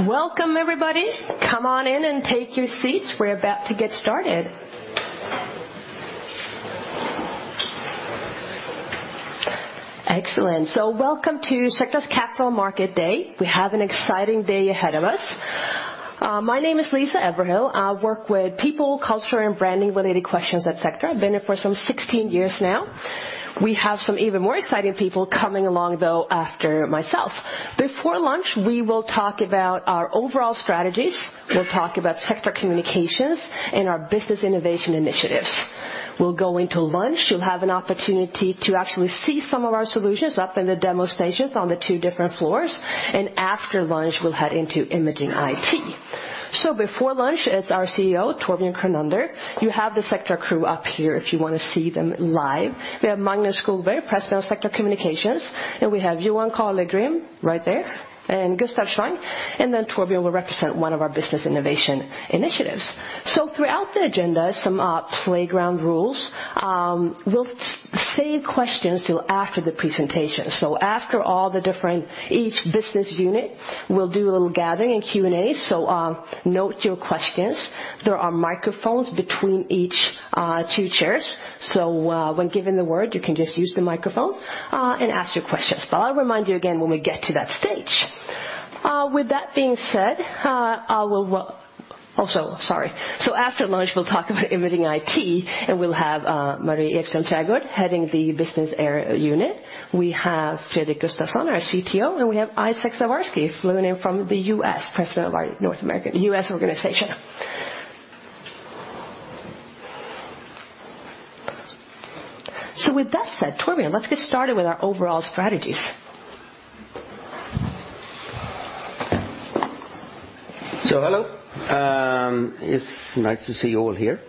Welcome everybody. Come on in and take your seats. We're about to get started. Excellent. Welcome to Sectra's Capital Market Day. We have an exciting day ahead of us. My name is Lisa Everhill. I work with people, culture, and branding-related questions at Sectra. I've been there for some 16 years now. We have some even more exciting people coming along, though, after myself. Before lunch, we will talk about our overall strategies. We'll talk about Sectra Communications and our business innovation initiatives. We'll go into lunch. You'll have an opportunity to actually see some of our solutions up in the demo stations on the two different floors. After lunch, we'll head into Imaging IT. Before lunch, it's our CEO, Torbjörn Kronander. You have the Sectra crew up here if you wanna see them live. We have Magnus Skogberg, President of Sectra Communications. We have Johan Carlegrim right there, Gustaf Schwang. Torbjörn will represent one of our business innovation initiatives. Throughout the agenda, some playground rules, we'll save questions till after the presentation. After all the different... Each business unit will do a little gathering and Q&A. Note your questions. There are microphones between each two chairs. When given the word, you can just use the microphone and ask your questions. I'll remind you again when we get to that stage. With that being said, I will also, sorry. After lunch, we'll talk about Imaging IT. We'll have Marie Ekström Trägårdh heading the business unit. We have Fredrik Gustavsson, our CTO, and we have Isaac Zaworski. With that said, Torbjörn, let's get started with our overall strategies. Hello. It's nice to see you all here.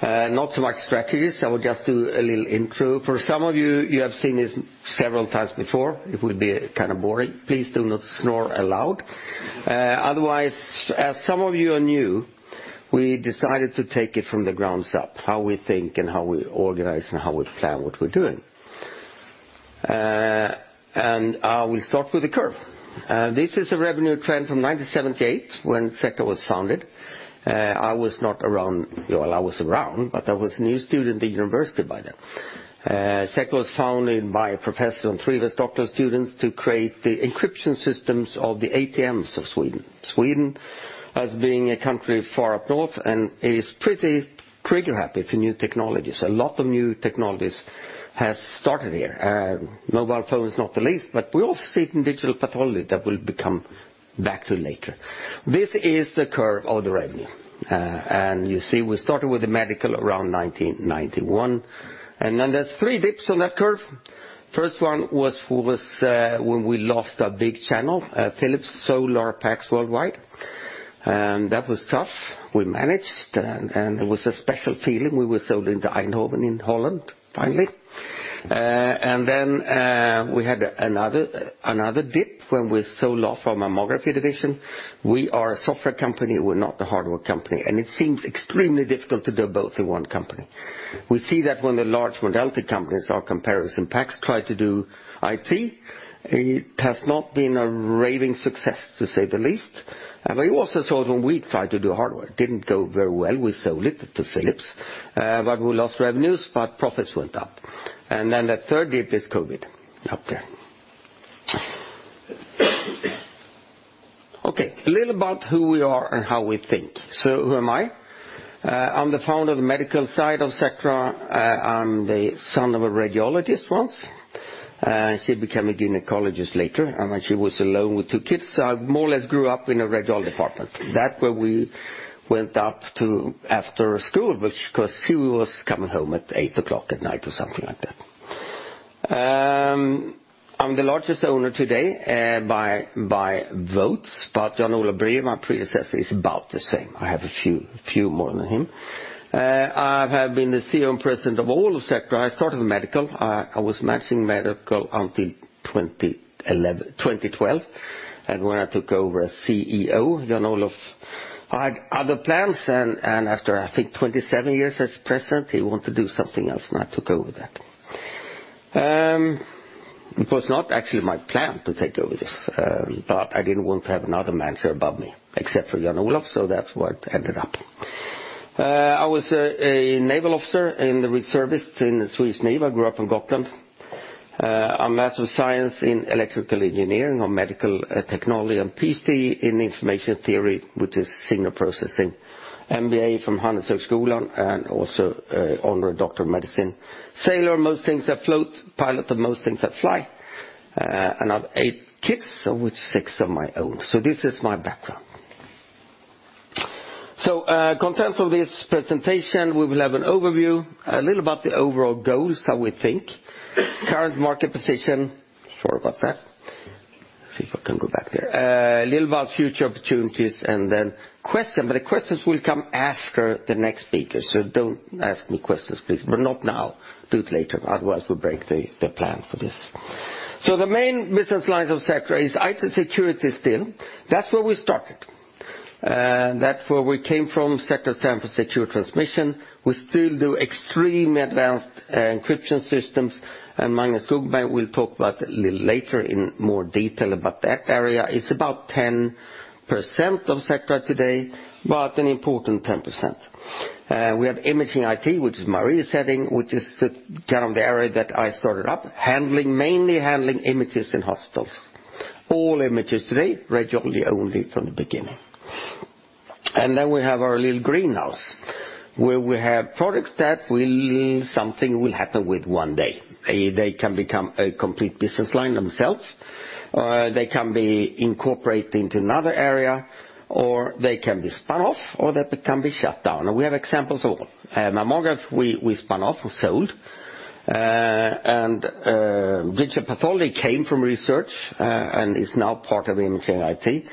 Not so much strategies. I will just do a little intro. For some of you have seen this several times before. It will be kind of boring. Please do not snore aloud. Otherwise, as some of you are new, we decided to take it from the grounds up, how we think and how we organize and how we plan what we're doing. We'll start with the curve. This is a revenue trend from 1978 when Sectra was founded. I was not around. Well, I was around, but I was a new student at university by then. Sectra was founded by a professor and three of his doctoral students to create the encryption systems of the ATMs of Sweden. Sweden as being a country far up north and is pretty trigger-happy for new technologies. A lot of new technologies has started here, mobile phones not the least, but we also see it in Digital Pathology that we'll become back to later. This is the curve of the revenue. You see we started with the medical around 1991, then there's three dips on that curve. First one was when we lost a big channel, Philips sold our PACS worldwide. That was tough. We managed, and it was a special feeling. We were sold into Eindhoven in Holland finally. Then we had another dip when we sold off our mammography division. We are a software company, we're not a hardware company, it seems extremely difficult to do both in one company. We see that when the large modality companies, our competitors in PACS, try to do IT, it has not been a raving success, to say the least. We also saw it when we tried to do hardware. Didn't go very well. We sold it to Philips. We lost revenues, but profits went up. The third dip is COVID up there. Okay, a little about who we are and how we think. Who am I? I'm the founder of the medical side of Sectra. I'm the son of a radiologist once. She became a gynecologist later, and then she was alone with two kids, so I more or less grew up in a radial department. That's where we went up to after school, which of course she was coming home at eight o'clock at night or something like that. I'm the largest owner today, by votes, but Jan-Olof Brüer, my predecessor, is about the same. I have a few more than him. I have been the CEO and president of all of Sectra. I started in medical. I was managing medical until 2011-2012, and when I took over as CEO, Jan-Olof had other plans, and after, I think, 27 years as president, he wanted to do something else, and I took over that. It was not actually my plan to take over this, but I didn't want to have another manager above me, except for Jan-Olof, so that's what ended up. I was a naval officer in the reserve in the Swedish Navy. I grew up in Gotland. A Master of Science in Electrical Engineering or Medical Technology and Ph.D. in Information Theory, which is signal processing. MBA from Handelshögskolan and also Honorary Doctor of Medicine. Sailor, most things that float. Pilot of most things that fly. I have eight kids, of which six are my own. This is my background. Contents of this presentation, we will have an overview, a little about the overall goals, how we think. Current market position. Sorry about that. See if I can go back there. A little about future opportunities and then question. The questions will come after the next speaker. Don't ask me questions, please. Well, not now. Do it later, otherwise we'll break the plan for this. The main business lines of Sectra is IT security still. That's where we started. That where we came from, Sectra San for secure transmission. We still do extremely advanced encryption systems. Magnus Skogberg will talk about a little later in more detail about that area. It's about 10% of Sectra today, but an important 10%. We have Imaging IT, which is Marie's setting, which is the area that I started up, mainly handling images in hospitals. All images today, regularly only from the beginning. We have our little greenhouse, where we have products that will... something will happen with one day. They can become a complete business line themselves, or they can be incorporated into another area, or they can be spun off, or that they can be shut down. We have examples of all. Among us, we spun off or sold. Digital Pathology came from research and is now part of Imaging IT.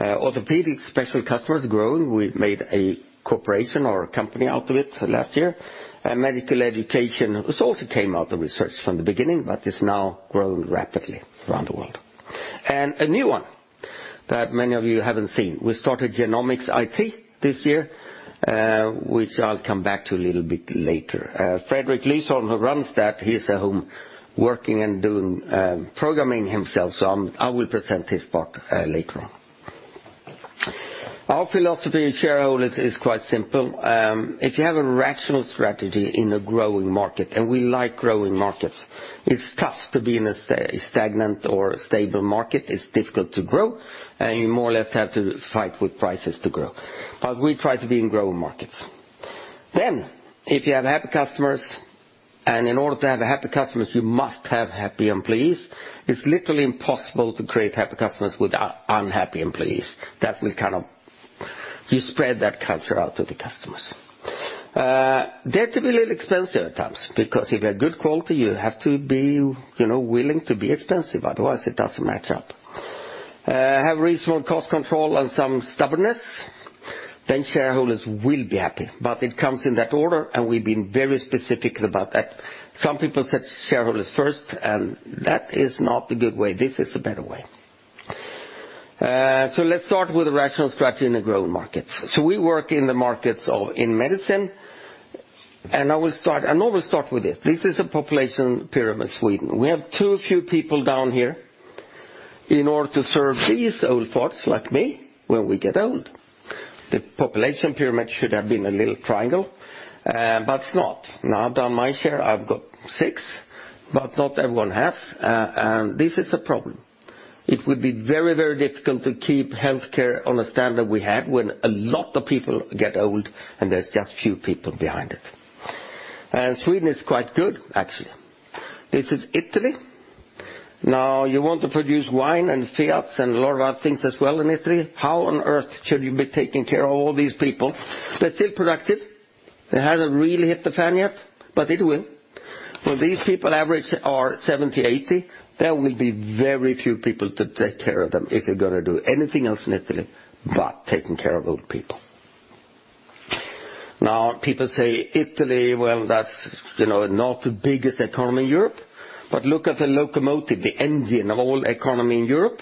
Orthopedic Special Customers grown. We made a corporation or a company out of it last year. Medical Education has also came out of research from the beginning, but it's now grown rapidly around the world. A new one that many of you haven't seen. We started Genomics IT this year, which I'll come back to a little bit later. Fredrik Lysholm, who runs that, he's at home working and doing programming himself, so I will present his part later on. Our philosophy of shareholders is quite simple. If you have a rational strategy in a growing market, and we like growing markets, it's tough to be in a stagnant or stable market. It's difficult to grow, and you more or less have to fight with prices to grow. We try to be in growing markets. If you have happy customers, and in order to have happy customers, you must have happy employees. It's literally impossible to create happy customers with unhappy employees. That will kind of. You spread that culture out to the customers. They're to be a little expensive at times, because if you have good quality, you have to be, you know, willing to be expensive, otherwise it doesn't match up. Have reasonable cost control and some stubbornness, then shareholders will be happy. It comes in that order, and we've been very specific about that. Some people set shareholders first, and that is not the good way. This is a better way. Let's start with the rational strategy in the growing markets. We work in the markets of, in medicine, and I will start with this. This is a population pyramid, Sweden. We have too few people down here in order to serve these old folks like me when we get old. The population pyramid should have been a little triangle, it's not. Now, I've done my share, I've got 6, not everyone has, this is a problem. It would be very, very difficult to keep healthcare on a standard we have when a lot of people get old and there's just few people behind it. Sweden is quite good, actually. This is Italy. Now, you want to produce wine and Fiats and a lot of other things as well in Italy. How on earth should you be taking care of all these people? They're still productive. They haven't really hit the fan yet, it will. When these people average are 70, 80, there will be very few people to take care of them if they're gonna do anything else in Italy but taking care of old people. People say Italy, well, that's, you know, not the biggest economy in Europe. Look at the locomotive, the engine of all economy in Europe.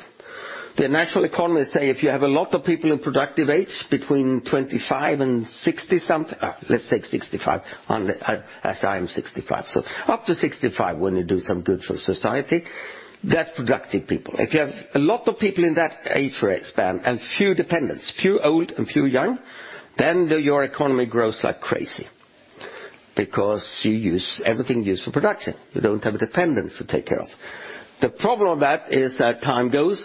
The national economies say if you have a lot of people in productive age between 25 and 60 something, let's say 65, on the, as I am 65. Up to 65, when you do some good for society, that's productive people. If you have a lot of people in that age range span and few dependents, few old and few young, then your economy grows like crazy because you use everything used for production. You don't have dependents to take care of. The problem with that is as time goes,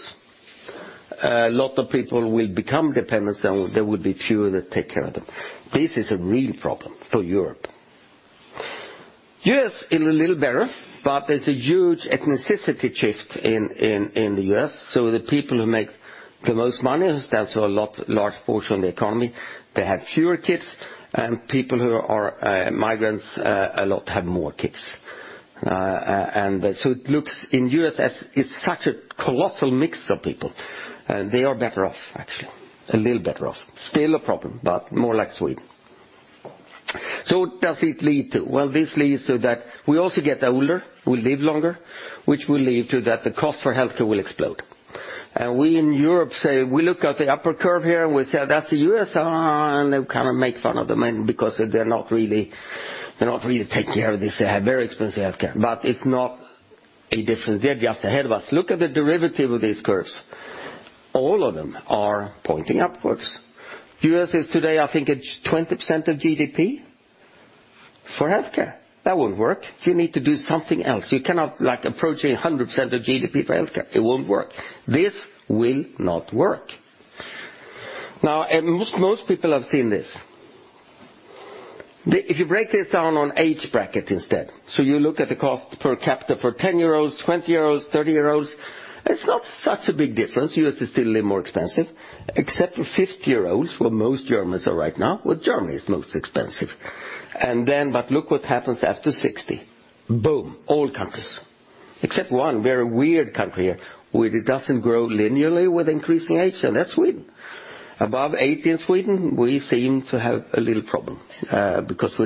a lot of people will become dependents, and there will be fewer that take care of them. The U.S. is a little better, there's a huge ethnicity shift in the U.S. The people who make the most money, who stands for a lot, large portion of the economy, they have fewer kids, and people who are migrants, a lot have more kids. It looks in the U.S. as it's such a colossal mix of people, and they are better off actually, a little better off. Still a problem, more like Sweden. What does it lead to? Well, this leads to that we also get older, we live longer, which will lead to that the cost for healthcare will explode. We in Europe say, we look at the upper curve here, and we say that's the U.S., and then kind of make fun of them because they're not really taking care of this. They have very expensive healthcare, but it's not a difference. They're just ahead of us. Look at the derivative of these curves. All of them are pointing upwards. U.S. is today, I think, at 20% of GDP for healthcare. That won't work. You need to do something else. You cannot, like, approach 100% of GDP for healthcare. It won't work. This will not work. Most people have seen this. If you break this down on age bracket instead, so you look at the cost per capita for 10-year-olds, 20-year-olds, 30-year-olds, it's not such a big difference. U.S. is still a little more expensive, except for 50-year-olds, where most Germans are right now, where Germany is most expensive. Look what happens after 60. Boom. All countries. Except one very weird country here, where it doesn't grow linearly with increasing age, and that's Sweden. Above 80 in Sweden, we seem to have a little problem because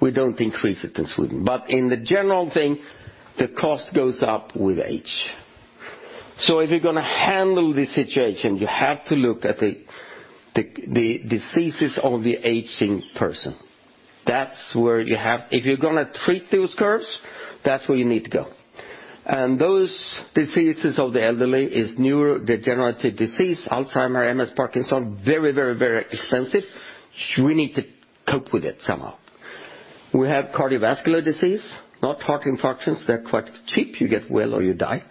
we don't increase it in Sweden. In the general thing, the cost goes up with age. If you're gonna handle the situation, you have to look at the diseases of the aging person. That's where you have... If you're gonna treat those curves, that's where you need to go. Those diseases of the elderly is neurodegenerative disease, Alzheimer, MS, Parkinson, very, very, very expensive. We need to cope with it somehow. We have cardiovascular disease, not heart infarctions, they're quite cheap. You get well or you die.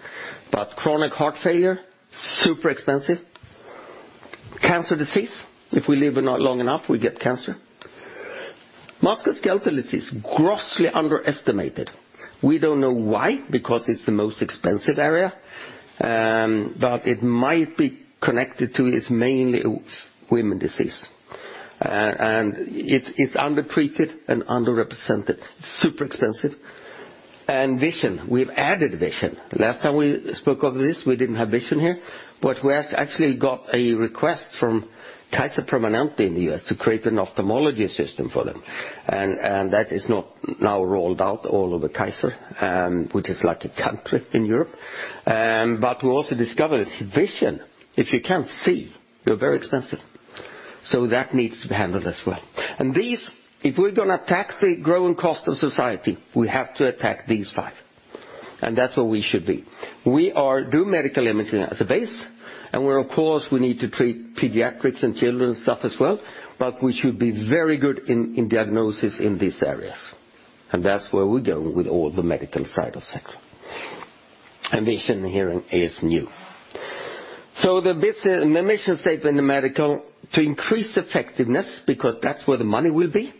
Chronic heart failure, super expensive. Cancer disease, if we live not long enough, we get cancer. Musculoskeletal disease, grossly underestimated. We don't know why, because it's the most expensive area, but it might be connected to it's mainly women disease. It's undertreated and underrepresented, super expensive. Vision, we've added vision. The last time we spoke of this, we didn't have vision here, but we have actually got a request from Kaiser Permanente in the U.S. to create an ophthalmology system for them. That is not now rolled out all over Kaiser, which is like a country in Europe. But we also discovered it's vision. If you can't see, you're very expensive. That needs to be handled as well. If we're gonna attack the growing cost of society, we have to attack these five. That's where we should be. We do medical imaging as a base, we're of course, we need to treat pediatrics and children's stuff as well, but we should be very good in diagnosis in these areas. That's where we're going with all the medical side of Sectra. Vision, hearing is new. The mission statement in the medical, to increase effectiveness, because that's where the money will be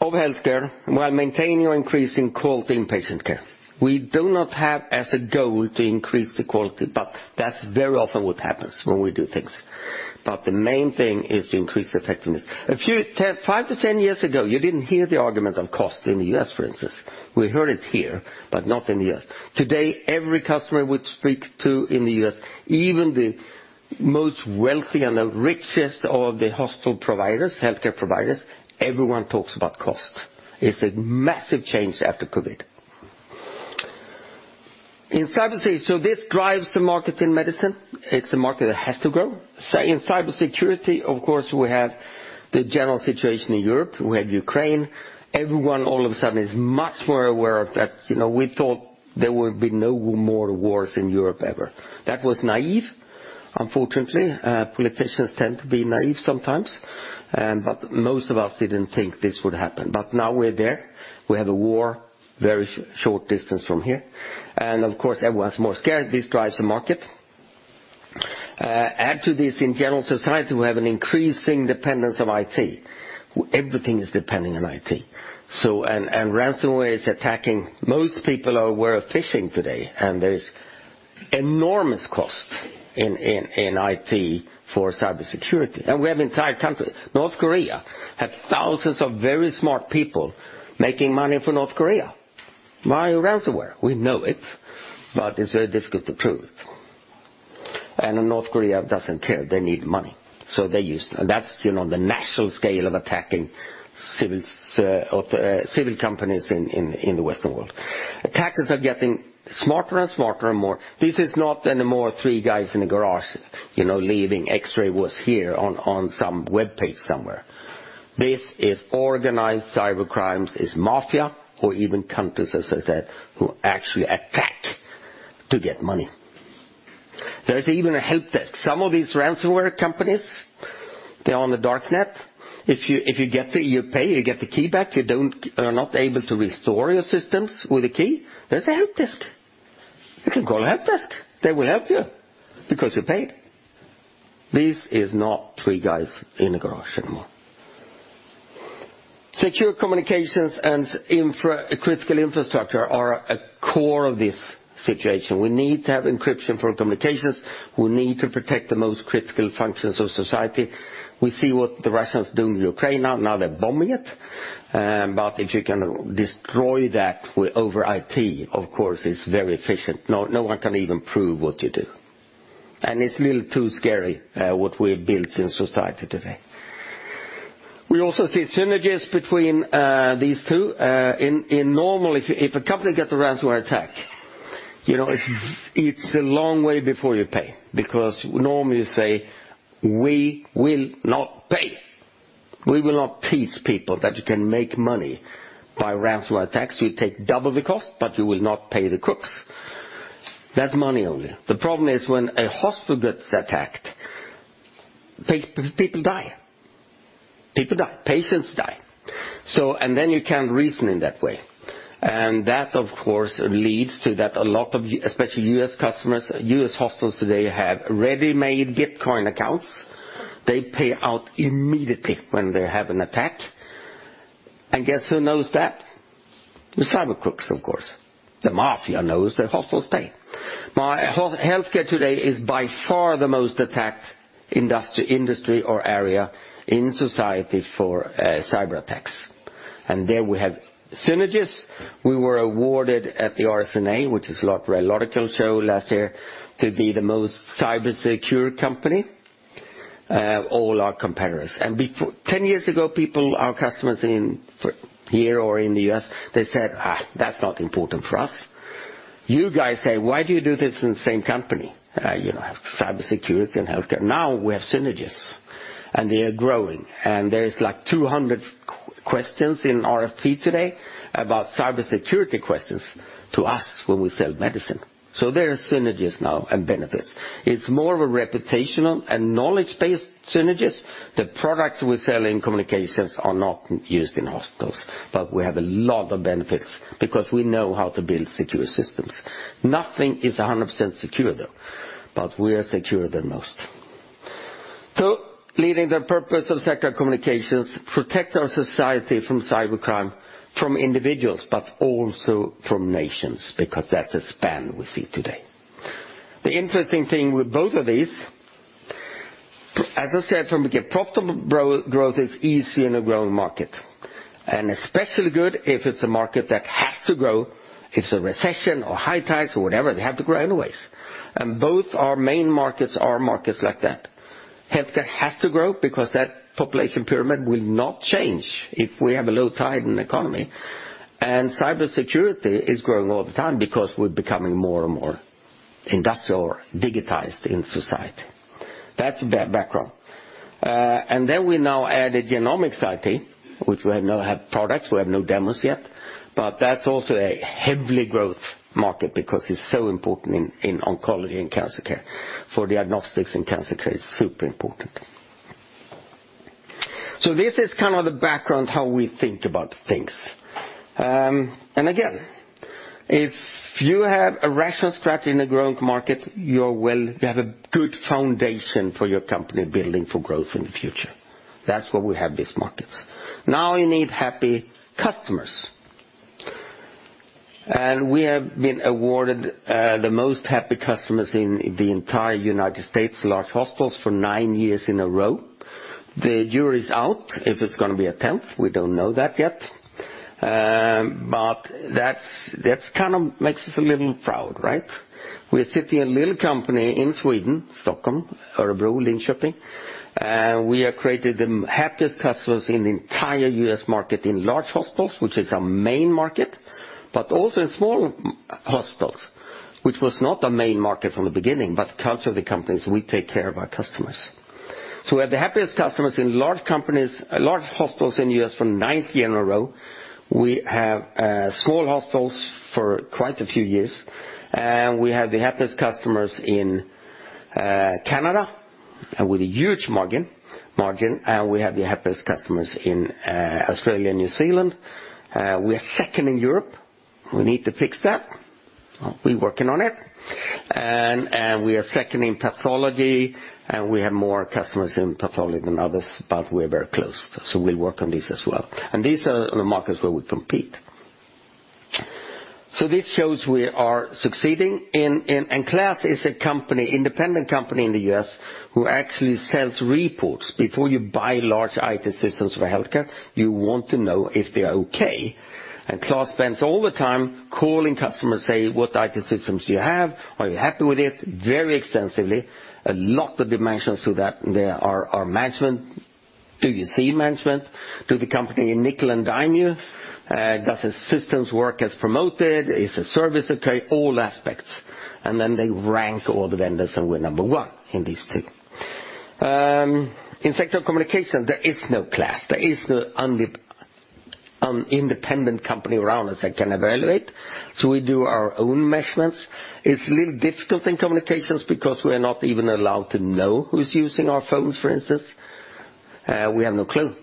of healthcare, while maintaining or increasing quality in patient care. We do not have as a goal to increase the quality, but that's very often what happens when we do things. The main thing is to increase effectiveness. A few... 10... 5-10 years ago, you didn't hear the argument on cost in the U.S., for instance. We heard it here, but not in the U.S. Today, every customer we speak to in the U.S., even the most wealthy and the richest of the hospital providers, healthcare providers, everyone talks about cost. It's a massive change after COVID. In cybersecurity, this drives the market in medicine. It's a market that has to grow. In cybersecurity, of course, we have the general situation in Europe, we have Ukraine. Everyone all of a sudden is much more aware of that, you know, we thought there would be no more wars in Europe ever. That was naive. Unfortunately, politicians tend to be naive sometimes, but most of us didn't think this would happen. Now we're there. We have a war, very short distance from here. Of course, everyone's more scared. This drives the market. Add to this in general society, we have an increasing dependence of IT. Everything is depending on IT. Ransomware is attacking. Most people are aware of phishing today, there is enormous cost in IT for cybersecurity. We have entire country. North Korea have thousands of very smart people making money for North Korea via ransomware. We know it's very difficult to prove. North Korea doesn't care. They need money, they use... That's, you know, the national scale of attacking civils, or civil companies in the Western world. Attackers are getting smarter and smarter and more. This is not anymore three guys in a garage, you know, leaving X-ray was here on some webpage somewhere. This is organized cybercrimes. It's mafia or even countries, as I said, who actually attack to get money. There's even a help desk. Some of these ransomware companies, they're on the dark net. You pay, you get the key back. You are not able to restore your systems with a key. There's a help desk. You can call a help desk. They will help you because you paid. This is not three guys in a garage anymore. Secure communications and critical infrastructure are a core of this situation. We need to have encryption for communications. We need to protect the most critical functions of society. We see what the Russians do in Ukraine now. Now they're bombing it. If you can destroy that with over IT, of course, it's very efficient. No, no one can even prove what you do. It's a little too scary, what we've built in society today. We also see synergies between these two. In normal, if a company gets a ransomware attack, you know, it's a long way before you pay, because normally you say, "We will not pay. We will not teach people that you can make money by ransomware attacks. We take double the cost, but you will not pay the crooks." That's money only. The problem is when a hospital gets attacked, people die. People die, patients die. Then you can't reason in that way. That, of course, leads to that a lot of, especially U.S. customers, U.S. hospitals today have ready-made Bitcoin accounts. They pay out immediately when they have an attack. Guess who knows that? The cyber crooks, of course. The mafia knows the hospitals pay. My... Healthcare today is by far the most attacked industry or area in society for cyberattacks. There we have synergies. We were awarded at the RSNA, which is a large radiological show last year, to be the most cybersecure company of all our competitors. 10 years ago, people, our customers in, for here or in the U.S., they said, "That's not important for us." You guys say, "Why do you do this in the same company?" You know, have cybersecurity and healthcare. Now we have synergies, and they are growing. There's like 200 questions in RFP today about cybersecurity questions to us when we sell medicine. There are synergies now and benefits. It's more of a reputational and knowledge-based synergies. The products we sell in communications are not used in hospitals, but we have a lot of benefits because we know how to build secure systems. Nothing is 100% secure though, but we are securer than most. Leading the purpose of Sectra Communications, protect our society from cybercrime, from individuals, but also from nations, because that's a span we see today. The interesting thing with both of these, as I said from the get, growth is easy in a growing market, and especially good if it's a market that has to grow. If it's a recession or high tax or whatever, they have to grow anyways. Both our main markets are markets like that. Healthcare has to grow because that population pyramid will not change if we have a low tide in economy. Cybersecurity is growing all the time because we're becoming more and more industrial or digitized in society. That's the background. We now add a Genomics IT, which we have now have products. We have no demos yet, but that's also a heavily growth market because it's so important in oncology and cancer care. For diagnostics in cancer care, it's super important. This is kind of the background how we think about things. Again, if you have a rational strategy in a growing market, you have a good foundation for your company building for growth in the future. That's why we have these markets. You need happy customers. We have been awarded, the most happy customers in the entire United States, large hospitals for nine years in a row. The jury's out if it's gonna be a tenth, we don't know that yet. That's kind of makes us a little proud, right? We're sitting a little company in Sweden, Stockholm, Örebro, Linköping, and we have created the happiest customers in the entire U.S. market in large hospitals, which is our main market, also in small hospitals, which was not a main market from the beginning, culture of the companies, we take care of our customers. We have the happiest customers in large companies, large hospitals in U.S. for ninth year in a row. We have small hospitals for quite a few years, and we have the happiest customers in Canada with a huge margin, and we have the happiest customers in Australia and New Zealand. We are second in Europe. We need to fix that. We working on it. We are second in pathology, and we have more customers in pathology than others, but we're very close, so we'll work on this as well. These are the markets where we compete. This shows we are succeeding. KLAS is a company, independent company in the U.S. who actually sells reports. Before you buy large IT systems for healthcare, you want to know if they are okay. KLAS spends all the time calling customers, saying, "What IT systems do you have? Are you happy with it?" Very extensively. A lot of dimensions to that. There are management. Do you see management? Do the company nickel and dime you? Does the systems work as promoted? Is the service okay? All aspects. They rank all the vendors, and we're number one in these two. In Sectra Communications, there is no KLAS. There is no independent company around us that can evaluate. We do our own measurements. It's a little difficult in communications because we're not even allowed to know who's using our phones, for instance. We have no clue.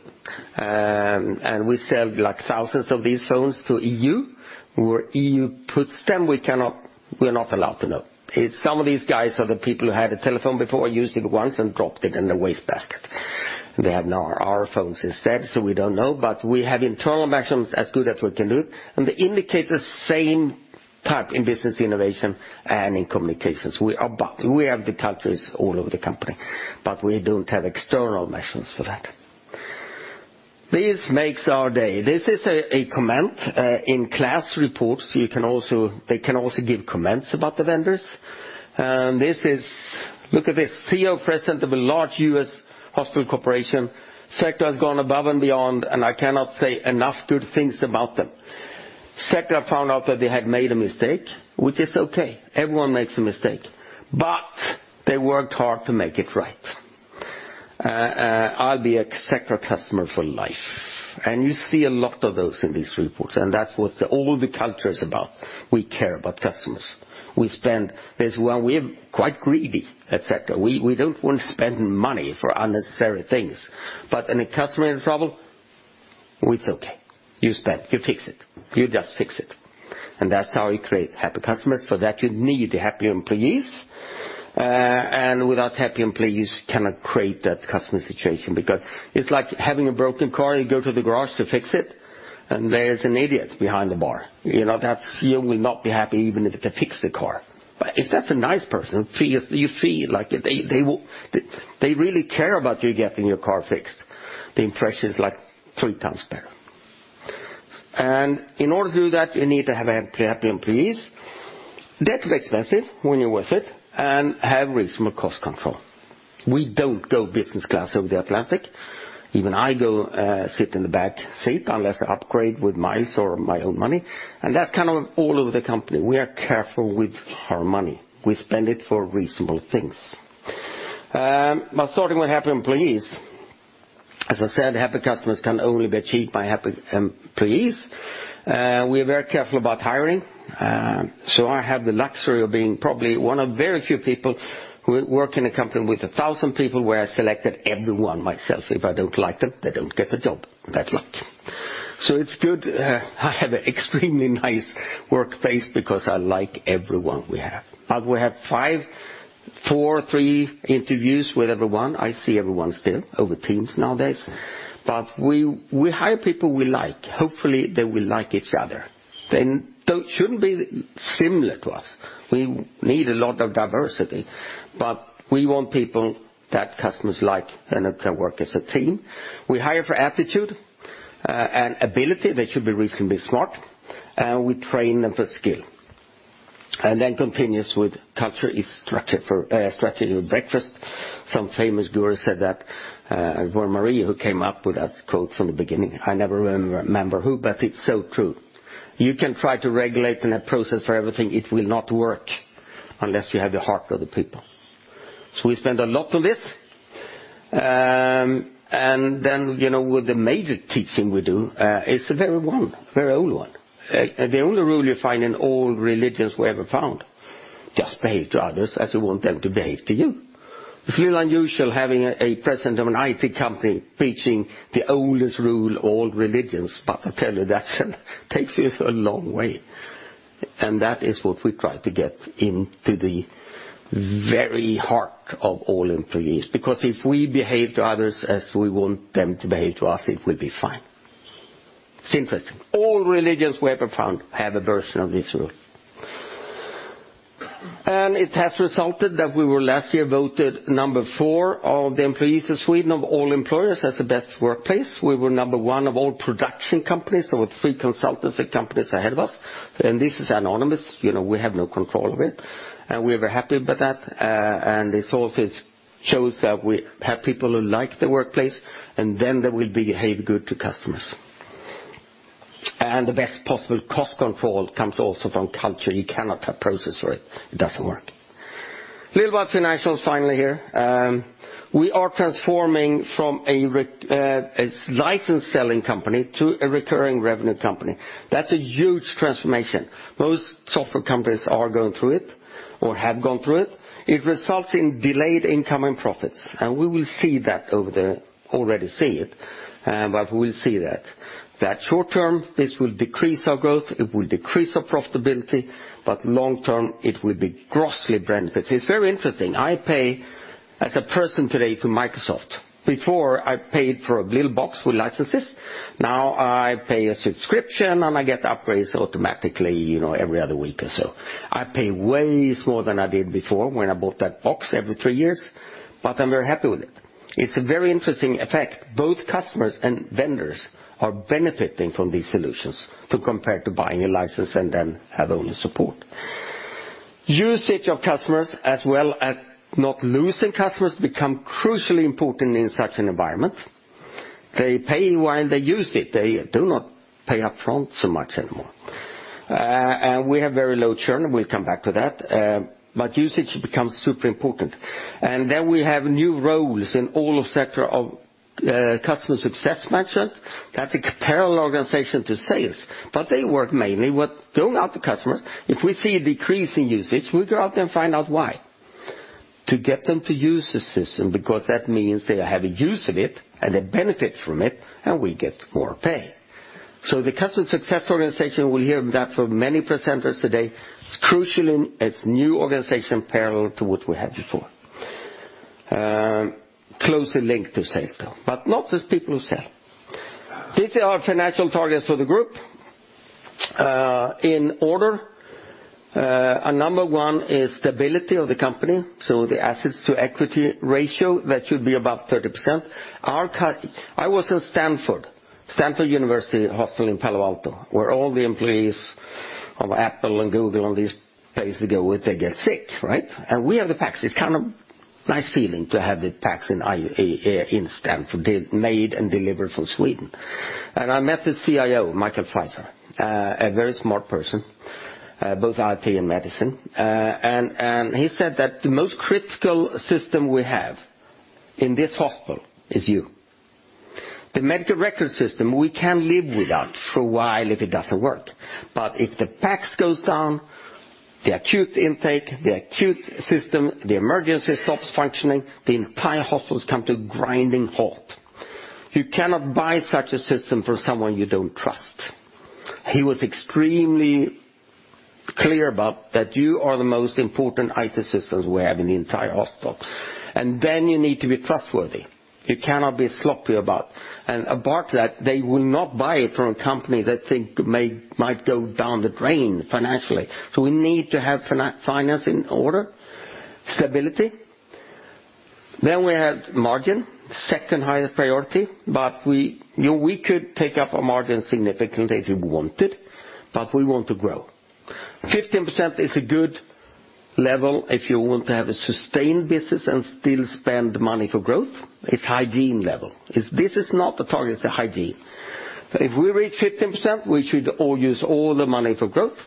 We sell like thousands of these phones to EU. Where EU puts them, we cannot, we're not allowed to know. It's some of these guys are the people who had a telephone before, used it once and dropped it in the wastebasket. They have now our phones instead, so we don't know. We have internal measurements as good as we can do, and they indicate the same type in business innovation and in communications. We have the cultures all over the company, but we don't have external measurements for that. This makes our day. This is a comment in KLAS reports. They can also give comments about the vendors. Look at this CEO, president of a large U.S. hospital corporation. "Sectra has gone above and beyond, I cannot say enough good things about them. Sectra found out that they had made a mistake," which is okay. Everyone makes a mistake. "They worked hard to make it right. "I'll be a Sectra customer for life." You see a lot of those in these reports, that's what all the culture is about. We care about customers. We spend this well. We're quite greedy, et cetera. We don't want to spend money for unnecessary things. When a customer is in trouble, it's okay. You spend, you fix it. You just fix it. That's how you create happy customers. For that, you need happy employees. Without happy employees, you cannot create that customer situation because it's like having a broken car, you go to the garage to fix it, and there's an idiot behind the bar. You know, that CEO will not be happy even if they fix the car. But if that's a nice person, you feel like they really care about you getting your car fixed. The impression is like 3x better. In order to do that, you need to have happy employees. That's expensive when you're worth it, and have reasonable cost control. We don't go business class over the Atlantic. Even I go sit in the back seat unless I upgrade with miles or my own money, that's kind of all over the company. We are careful with our money. We spend it for reasonable things. Starting with happy employees, as I said, happy customers can only be achieved by happy employees. We are very careful about hiring. I have the luxury of being probably one of very few people who work in a company with 1,000 people where I selected everyone myself. If I don't like them, they don't get the job. That's luck. It's good. I have an extremely nice workplace because I like everyone we have. We have five, four, three interviews with everyone. I see everyone still over Teams nowadays. We hire people we like. Hopefully, they will like each other. They shouldn't be similar to us. We need a lot of diversity. We want people that customers like and that they work as a team. We hire for aptitude and ability. They should be reasonably smart, and we train them for skill. Continues with culture is structure for strategy for breakfast. Some famous guru said that, or Marie who came up with that quote from the beginning. I never remember who, but it's so true. You can try to regulate in a process for everything, it will not work unless you have the heart of the people. We spend a lot on this. You know, with the major teaching we do, it's a very one, very old one. The only rule you find in all religions we ever found, just behave to others as you want them to behave to you. It's a little unusual having a president of an IT company preaching the oldest rule, all religions, but I tell you that takes us a long way. That is what we try to get into the very heart of all employees, because if we behave to others as we want them to behave to us, it will be fine. It's interesting. All religions we ever found have a version of this rule. It has resulted that we were last year voted number four of the employees of Sweden of all employers as the best workplace. We were number one of all production companies. There were three consultancy companies ahead of us. This is anonymous, you know, we have no control of it, and we were happy about that. This also shows that we have people who like the workplace, and then they will behave good to customers. The best possible cost control comes also from culture. You cannot have process for it. It doesn't work. Liljevalchs International is finally here. We are transforming from a license-selling company to a recurring revenue company. That's a huge transformation. Most software companies are going through it or have gone through it. It results in delayed income and profits, and we will already see it, but we'll see that. That short-term, this will decrease our growth, it will decrease our profitability. Long-term, it will be grossly benefit. It's very interesting. I pay as a person today to Microsoft. Before, I paid for a little box with licenses. Now, I pay a subscription, and I get upgrades automatically, you know, every other week or so. I pay way more than I did before when I bought that box every three years, but I'm very happy with it. It's a very interesting effect. Both customers and vendors are benefiting from these solutions to compare to buying a license and then have only support. Usage of customers as well as not losing customers become crucially important in such an environment. They pay you when they use it. They do not pay up front so much anymore. We have very low churn, and we'll come back to that. Usage becomes super important. We have new roles in all Sectra of customer success management. That's a parallel organization to sales. They work mainly with going out to customers. If we see a decrease in usage, we go out there and find out why. To get them to use the system, because that means they have a use of it and a benefit from it, and we get more pay. The customer success organization, we'll hear that from many presenters today, it's crucial in its new organization parallel to what we had before. Close the link to sales though, but not just people who sell. These are our financial targets for the group. In order, number one is stability of the company, so the assets to equity ratio, that should be about 30%. I was in Stanford University Hospital in Palo Alto, where all the employees of Apple and Google and these place they go with, they get sick, right? We have the PACS. It's kind of nice feeling to have the PACS in Stanford made and delivered from Sweden. I met the CIO, Michael Fey, a very smart person, both IT and medicine. He said that the most critical system we have in this hospital is you. The medical record system, we can live without for a while if it doesn't work. If the PACS goes down, the acute intake, the acute system, the emergency stops functioning, the entire hospitals come to a grinding halt. You cannot buy such a system from someone you don't trust. He was extremely clear about that you are the most important IT systems we have in the entire hospital. You need to be trustworthy. You cannot be sloppy about. They will not buy it from a company they think might go down the drain financially. We need to have finance in order, stability. We had margin, second highest priority, but we could take up a margin significantly if we wanted, but we want to grow. 15% is a good level if you want to have a sustained business and still spend money for growth. It's hygiene level. This is not the target, it's a hygiene. If we reach 15%, we should all use all the money for growth,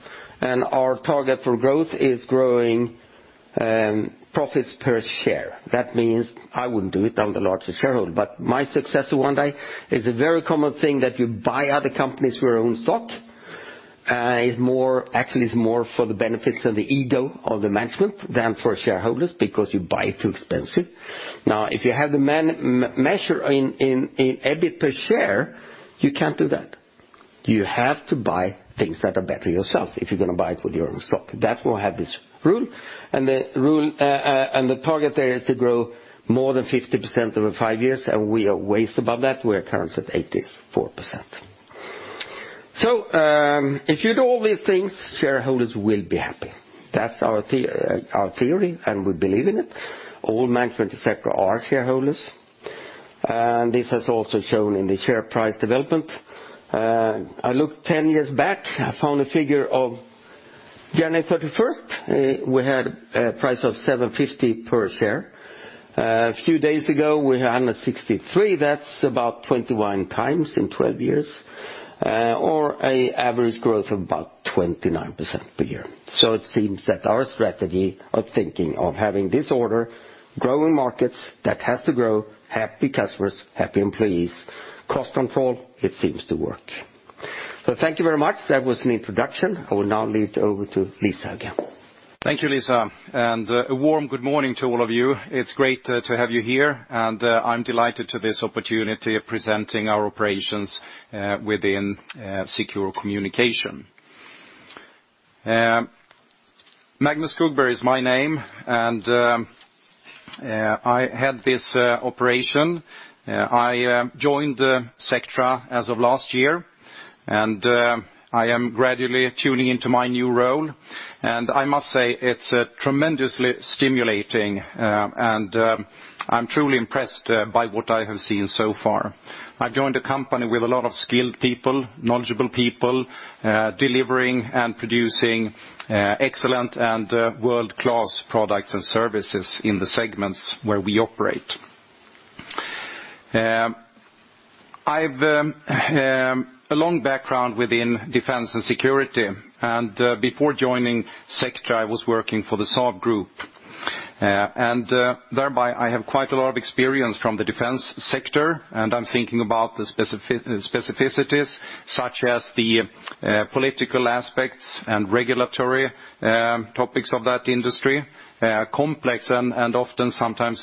and our target for growth is growing profits per share. That means I wouldn't do it. I'm the largest shareholder, but my successor one day, it's a very common thing that you buy other companies with your own stock. Actually, it's more for the benefits of the ego of the management than for shareholders because you buy it too expensive. Now, if you have the measure in EBIT per share, you can't do that. You have to buy things that are better yourself if you're going to buy it with your own stock. That's why we have this rule. The rule and the target there is to grow more than 50% over five years, and we are way above that. We are currently at 84%. If you do all these things, shareholders will be happy. That's our theory, and we believe in it. All management et cetera are shareholders. This has also shown in the share price development. I looked 10 years back, I found a figure of January 31st, we had a price of 7.50 per share. A few days ago, we had 163. That's about 21 times in 12 years, or an average growth of about 29% per year. It seems that our strategy of thinking of having this order, growing markets that has to grow, happy customers, happy employees, cost control, it seems to work. Thank you very much. That was an introduction. I will now lead over to Lisa again. Thank you, Lisa. A warm good morning to all of you. It's great to have you here. I'm delighted to this opportunity of presenting our operations within secure communication. Magnus Skogberg is my name. I head this operation. I joined Sectra as of last year. I am gradually tuning into my new role. I must say it's tremendously stimulating. I'm truly impressed by what I have seen so far. I joined a company with a lot of skilled people, knowledgeable people, delivering and producing excellent and world-class products and services in the segments where we operate. I've a long background within defense and security. Before joining Sectra, I was working for the SAAB Group. Thereby, I have quite a lot of experience from the defense sector, and I'm thinking about the specificities such as the political aspects and regulatory topics of that industry, complex and often sometimes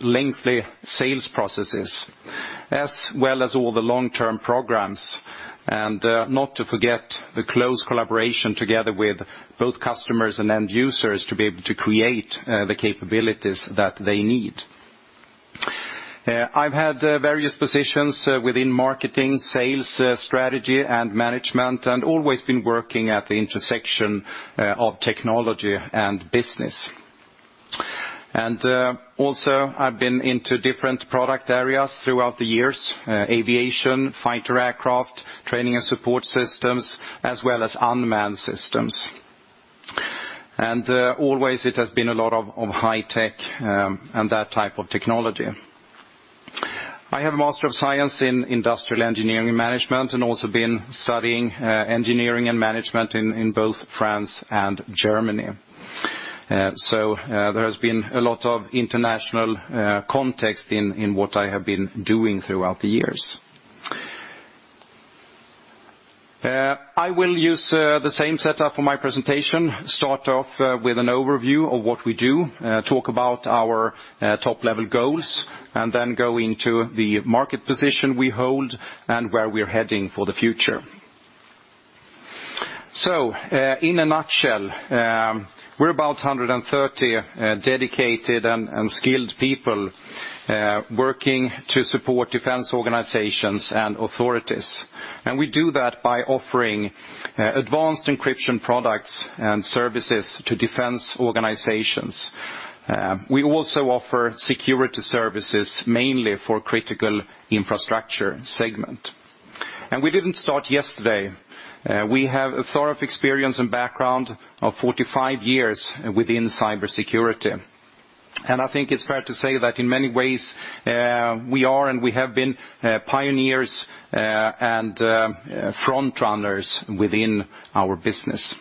lengthy sales processes, as well as all the long-term programs. Not to forget the close collaboration together with both customers and end users to be able to create the capabilities that they need. I've had various positions within marketing, sales, strategy, and management, and always been working at the intersection of technology and business. Also, I've been into different product areas throughout the years, aviation, fighter aircraft, training and support systems, as well as unmanned systems. Always it has been a lot of high tech and that type of technology. I have a Master of Science in Industrial Engineering Management and also been studying engineering and management in both France and Germany. There has been a lot of international context in what I have been doing throughout the years. I will use the same setup for my presentation, start off with an overview of what we do, talk about our top-level goals, and then go into the market position we hold and where we're heading for the future. In a nutshell, we're about 130 dedicated and skilled people working to support defense organizations and authorities. We do that by offering advanced encryption products and services to defense organizations. We also offer security services mainly for critical infrastructure segment. We didn't start yesterday. We have a thorough experience and background of 45 years within cybersecurity. I think it's fair to say that in many ways, we are and we have been pioneers and front runners within our business.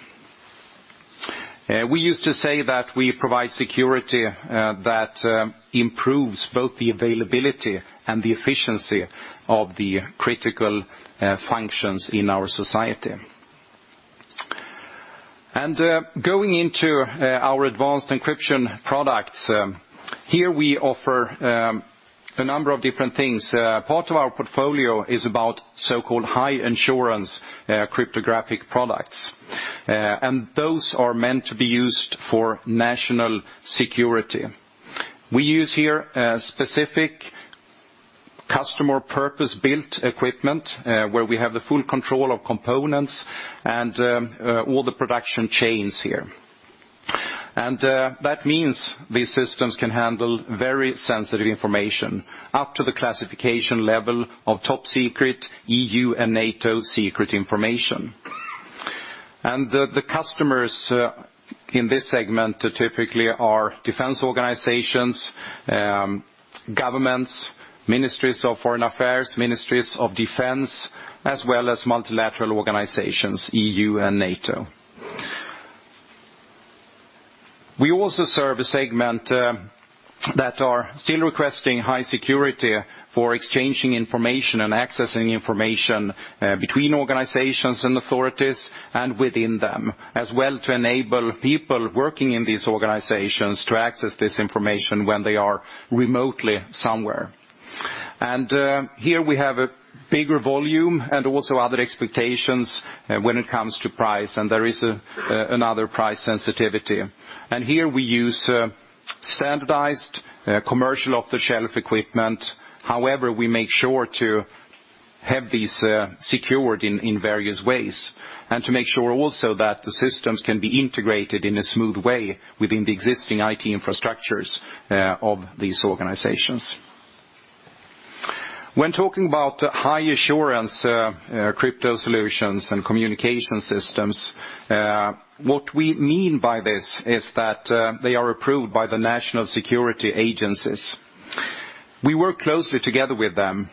We used to say that we provide security that improves both the availability and the efficiency of the critical functions in our society. Going into our advanced encryption products, here we offer a number of different things. Part of our portfolio is about so-called high-insurance cryptographic products. Those are meant to be used for national security. We use here a specific customer purpose-built equipment, where we have the full control of components and all the production chains here. That means these systems can handle very sensitive information up to the classification level of top secret EU and NATO secret information. The customers in this segment typically are defense organizations, governments, ministries of foreign affairs, ministries of defense, as well as multilateral organizations, EU and NATO. We also serve a segment that are still requesting high security for exchanging information and accessing information between organizations and authorities and within them, as well to enable people working in these organizations to access this information when they are remotely somewhere. Here we have a bigger volume and also other expectations when it comes to price, and there is another price sensitivity. Here we use standardized commercial off-the-shelf equipment. We make sure to have these secured in various ways, and to make sure also that the systems can be integrated in a smooth way within the existing IT infrastructures of these organizations. When talking about high assurance crypto solutions and communication systems, what we mean by this is that they are approved by the national security agencies. We work closely together with them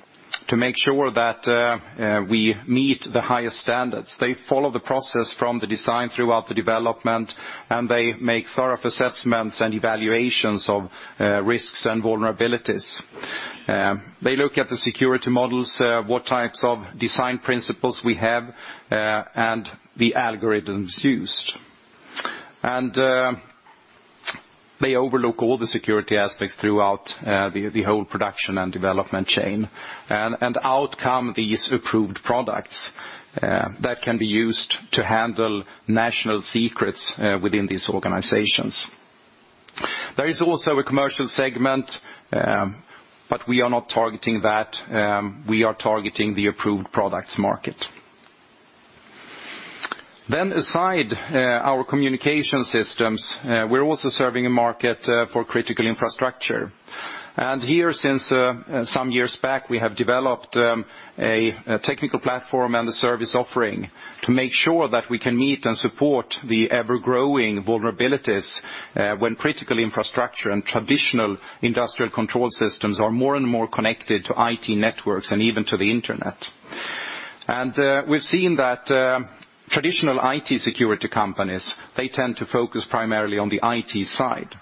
to make sure that we meet the highest standards. They follow the process from the design throughout the development, and they make thorough assessments and evaluations of risks and vulnerabilities. They look at the security models, what types of design principles we have, and the algorithms used. They overlook all the security aspects throughout the whole production and development chain, and out come these approved products that can be used to handle national secrets within these organizations. There is also a commercial segment, but we are not targeting that. We are targeting the approved products market. Aside our communication systems, we're also serving a market for critical infrastructure. Here, since some years back, we have developed a technical platform and a service offering to make sure that we can meet and support the ever-growing vulnerabilities when critical infrastructure and traditional industrial control systems are more and more connected to IT networks and even to the internet. We've seen that, traditional IT security companies, they tend to focus primarily on the IT side,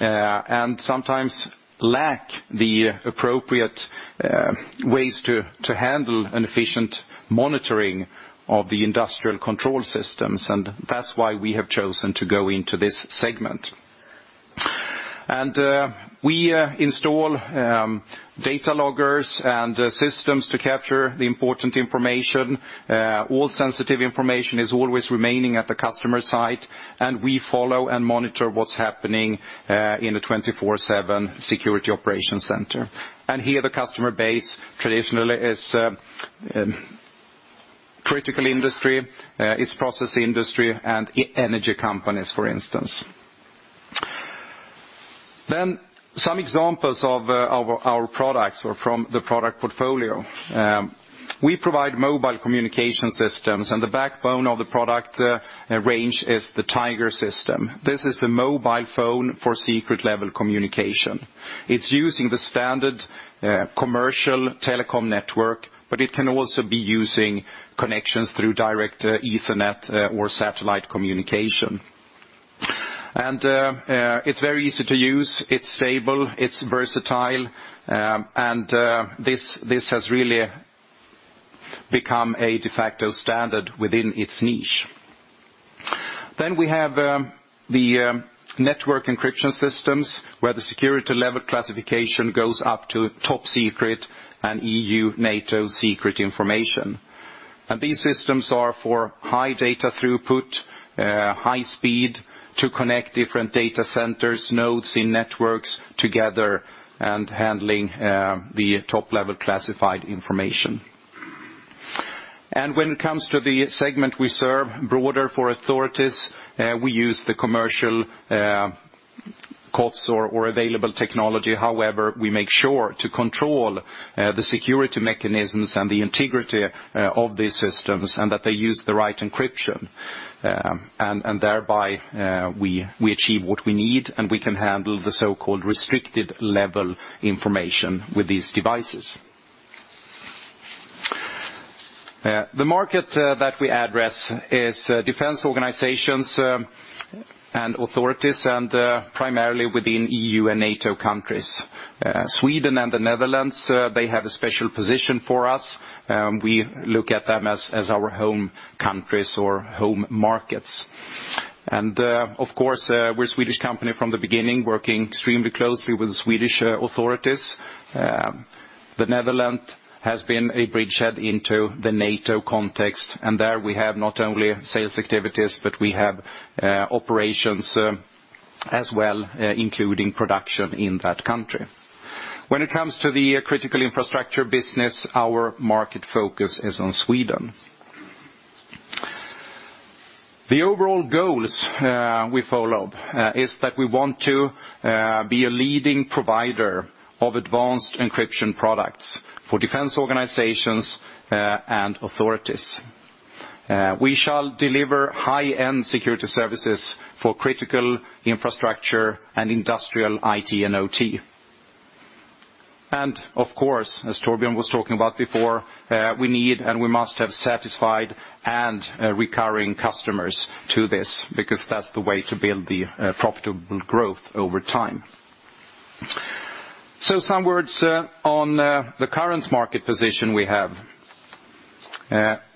and sometimes lack the appropriate ways to handle an efficient monitoring of the industrial control systems, and that's why we have chosen to go into this segment. We install data loggers and systems to capture the important information. All sensitive information is always remaining at the customer site, and we follow and monitor what's happening in the 24/7 security operations center. Here the customer base traditionally is critical industry, it's process industry and e-energy companies, for instance. Some examples of our products or from the product portfolio. We provide mobile communication systems and the backbone of the product range is the Tiger system. This is a mobile phone for secret level communication. It's using the standard commercial telecom network, but it can also be using connections through direct ethernet or satellite communication. It's very easy to use, it's stable, it's versatile, this has really become a de facto standard within its niche. We have the network encryption systems, where the security level classification goes up to top secret and EU NATO secret information. These systems are for high data throughput, high speed to connect different data centers, nodes in networks together, and handling the top-level classified information. When it comes to the segment we serve broader for authorities, we use the commercial COTS or available technology. However, we make sure to control the security mechanisms and the integrity of these systems, and that they use the right encryption. and thereby, we achieve what we need, and we can handle the so-called restricted level information with these devices. The market that we address is defense organizations, and authorities and primarily within EU and NATO countries. Sweden and the Netherlands, they have a special position for us. We look at them as our home countries or home markets. Of course, we're a Swedish company from the beginning working extremely closely with the Swedish authorities. The Netherlands has been a bridgehead into the NATO context, and there we have not only sales activities, but we have operations as well, including production in that country. When it comes to the critical infrastructure business, our market focus is on Sweden. The overall goals we follow is that we want to be a leading provider of advanced encryption products for defense organizations and authorities. We shall deliver high-end security services for critical infrastructure and industrial IT and OT. Of course, as Torbjörn was talking about before, we need and we must have satisfied and recurring customers to this because that's the way to build the profitable growth over time. Some words on the current market position we have.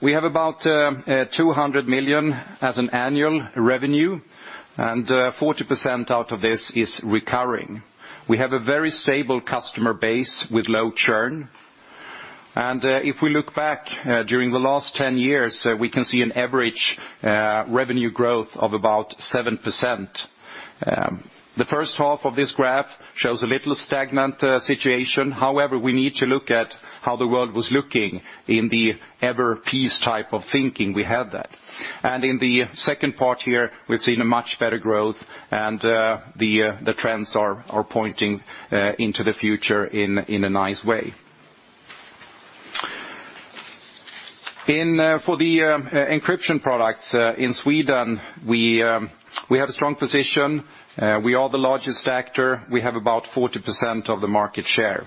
We have about 200 million as an annual revenue, and 40% out of this is recurring. We have a very stable customer base with low churn. If we look back during the last 10 years, we can see an average revenue growth of about 7%. The first half of this graph shows a little stagnant situation. However, we need to look at how the world was looking in the ever peace type of thinking we had that. In the second part here, we've seen a much better growth, and the trends are pointing into the future in a nice way. For the encryption products in Sweden, we have a strong position. We are the largest actor. We have about 40% of the market share.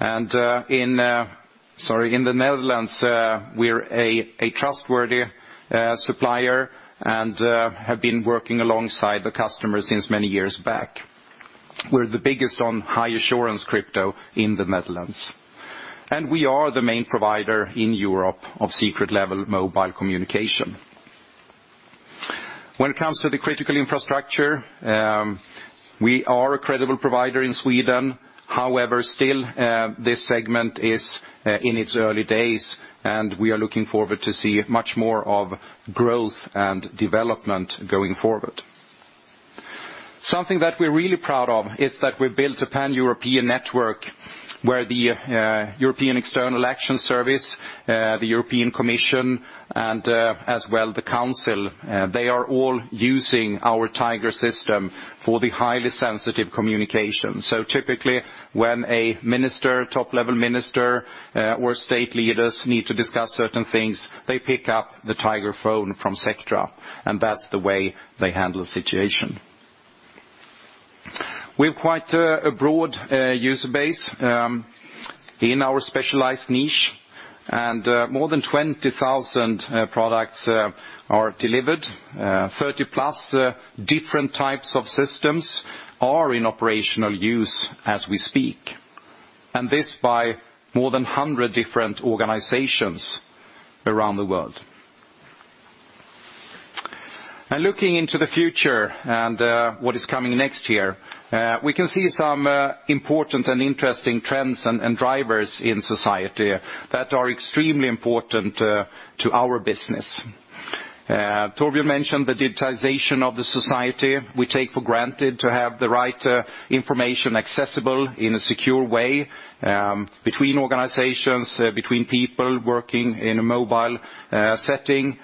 In, sorry, in the Netherlands, we're a trustworthy supplier and have been working alongside the customer since many years back. We're the biggest on high assurance crypto in the Netherlands. We are the main provider in Europe of secret level mobile communication. When it comes to the critical infrastructure, we are a credible provider in Sweden. Still, this segment is in its early days, and we are looking forward to see much more of growth and development going forward. Something that we're really proud of is that we've built a pan-European network where the European External Action Service, the European Commission, and as well the council, they are all using our Tiger system for the highly sensitive communication. Typically, when a minister, top-level minister, or state leaders need to discuss certain things, they pick up the Tiger phone from Sectra, and that's the way they handle the situation. We have quite a broad user base in our specialized niche, and more than 20,000 products are delivered. 30-plus different types of systems are in operational use as we speak, and this by more than 100 different organizations around the world. Looking into the future, what is coming next year, we can see some important and interesting trends and drivers in society that are extremely important to our business. Torbjörn mentioned the digitization of the society. We take for granted to have the right information accessible in a secure way between organizations, between people working in a mobile setting.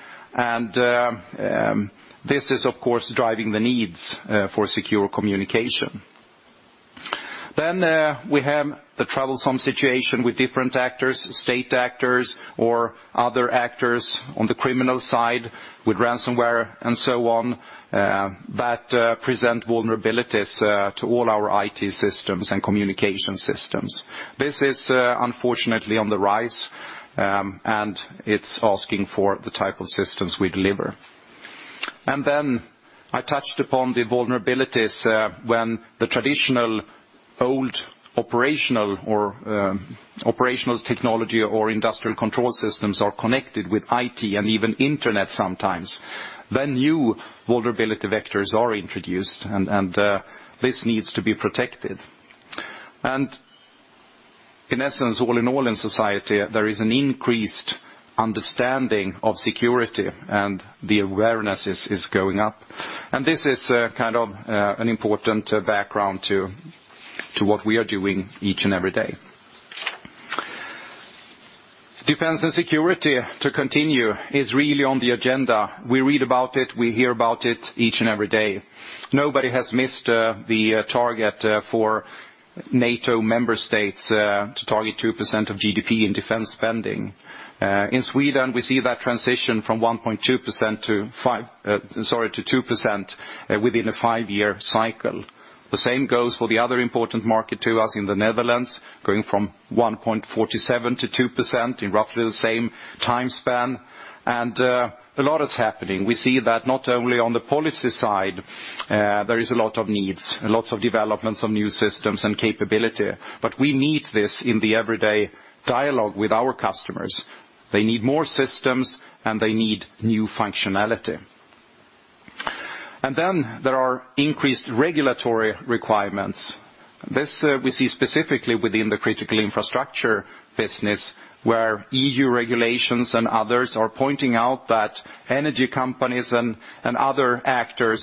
This is of course driving the needs for secure communication. We have the troublesome situation with different actors, state actors, or other actors on the criminal side with ransomware and so on, that present vulnerabilities to all our IT systems and communication systems. This is unfortunately on the rise, it's asking for the type of systems we deliver. Then I touched upon the vulnerabilities when the traditional old operational or operational technology or industrial control systems are connected with IT and even internet sometimes. New vulnerability vectors are introduced and this needs to be protected. In essence, all in all in society, there is an increased understanding of security and the awareness is going up. This is kind of an important background to what we are doing each and every day. Defense and security to continue is really on the agenda. We read about it, we hear about it each and every day. Nobody has missed the target for NATO member states to target 2% of GDP in defense spending. In Sweden, we see that transition from 1.2% to 5, sorry, to 2%, within a 5-year cycle. The same goes for the other important market to us in the Netherlands, going from 1.47%-2% in roughly the same time span, a lot is happening. We see that not only on the policy side, there is a lot of needs, lots of developments on new systems and capability, we need this in the everyday dialogue with our customers. They need more systems, they need new functionality. There are increased regulatory requirements. This we see specifically within the critical infrastructure business, where EU regulations and others are pointing out that energy companies and other actors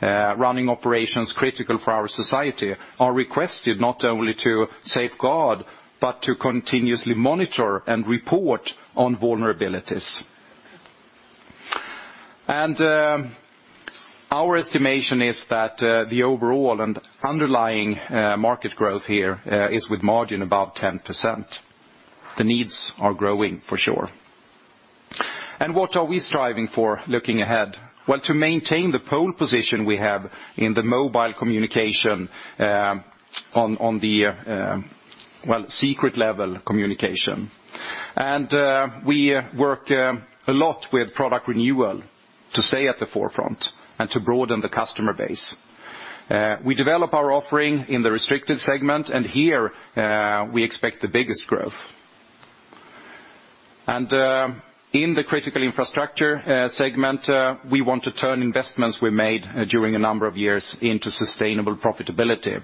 running operations critical for our society are requested not only to safeguard, but to continuously monitor and report on vulnerabilities. Our estimation is that the overall and underlying market growth here is with margin about 10%. The needs are growing for sure. What are we striving for looking ahead? Well, to maintain the pole position we have in the mobile communication on the well, secret level communication. We work a lot with product renewal to stay at the forefront and to broaden the customer base. We develop our offering in the restricted segment, here we expect the biggest growth. In the critical infrastructure segment, we want to turn investments we made during a number of years into sustainable profitability,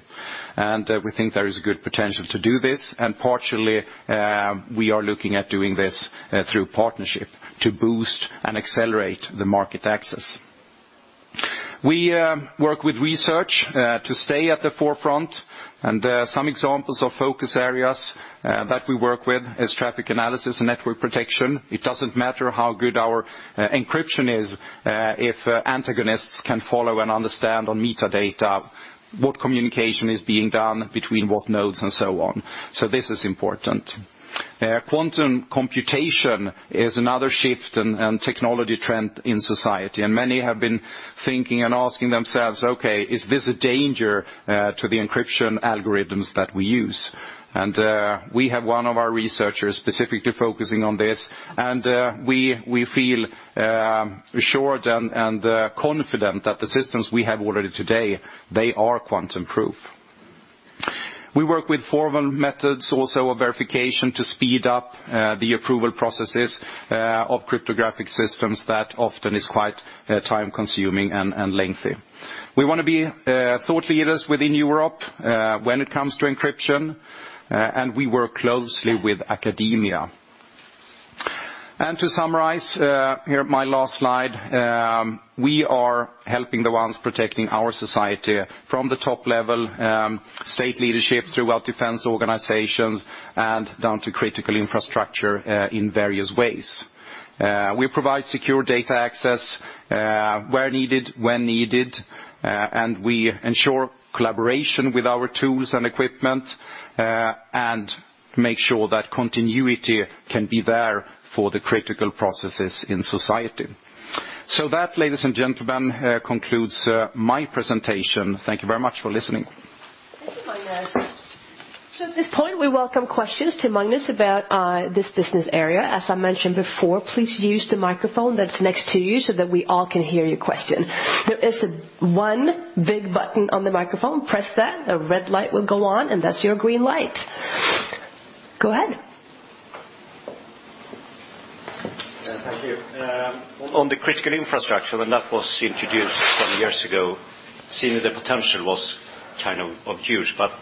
and we think there is good potential to do this. Partially, we are looking at doing this through partnership to boost and accelerate the market access. We work with research to stay at the forefront, and some examples of focus areas that we work with is traffic analysis and network protection. It doesn't matter how good our encryption is if antagonists can follow and understand on metadata what communication is being done between what nodes and so on. This is important. Quantum computation is another shift and technology trend in society, and many have been thinking and asking themselves, okay, is this a danger to the encryption algorithms that we use? We have one of our researchers specifically focusing on this, we feel assured and confident that the systems we have already today, they are quantum-proof. We work with formal methods also of verification to speed up the approval processes of cryptographic systems that often is quite time-consuming and lengthy. We wanna be thought leaders within Europe when it comes to encryption, and we work closely with academia. To summarize, here my last slide, we are helping the ones protecting our society from the top level, state leadership throughout defense organizations and down to critical infrastructure in various ways. We provide secure data access, where needed, when needed, and we ensure collaboration with our tools and equipment, and make sure that continuity can be there for the critical processes in society. That, ladies and gentlemen, concludes my presentation. Thank you very much for listening. Thank you, Magnus. At this point, we welcome questions to Magnus about this business area. As I mentioned before, please use the microphone that's next to you so that we all can hear your question. There is one big button on the microphone. Press that, a red light will go on, and that's your green light. Go ahead. Yeah, thank you. On the critical infrastructure, when that was introduced some years ago, seeing that the potential was kind of of use, but,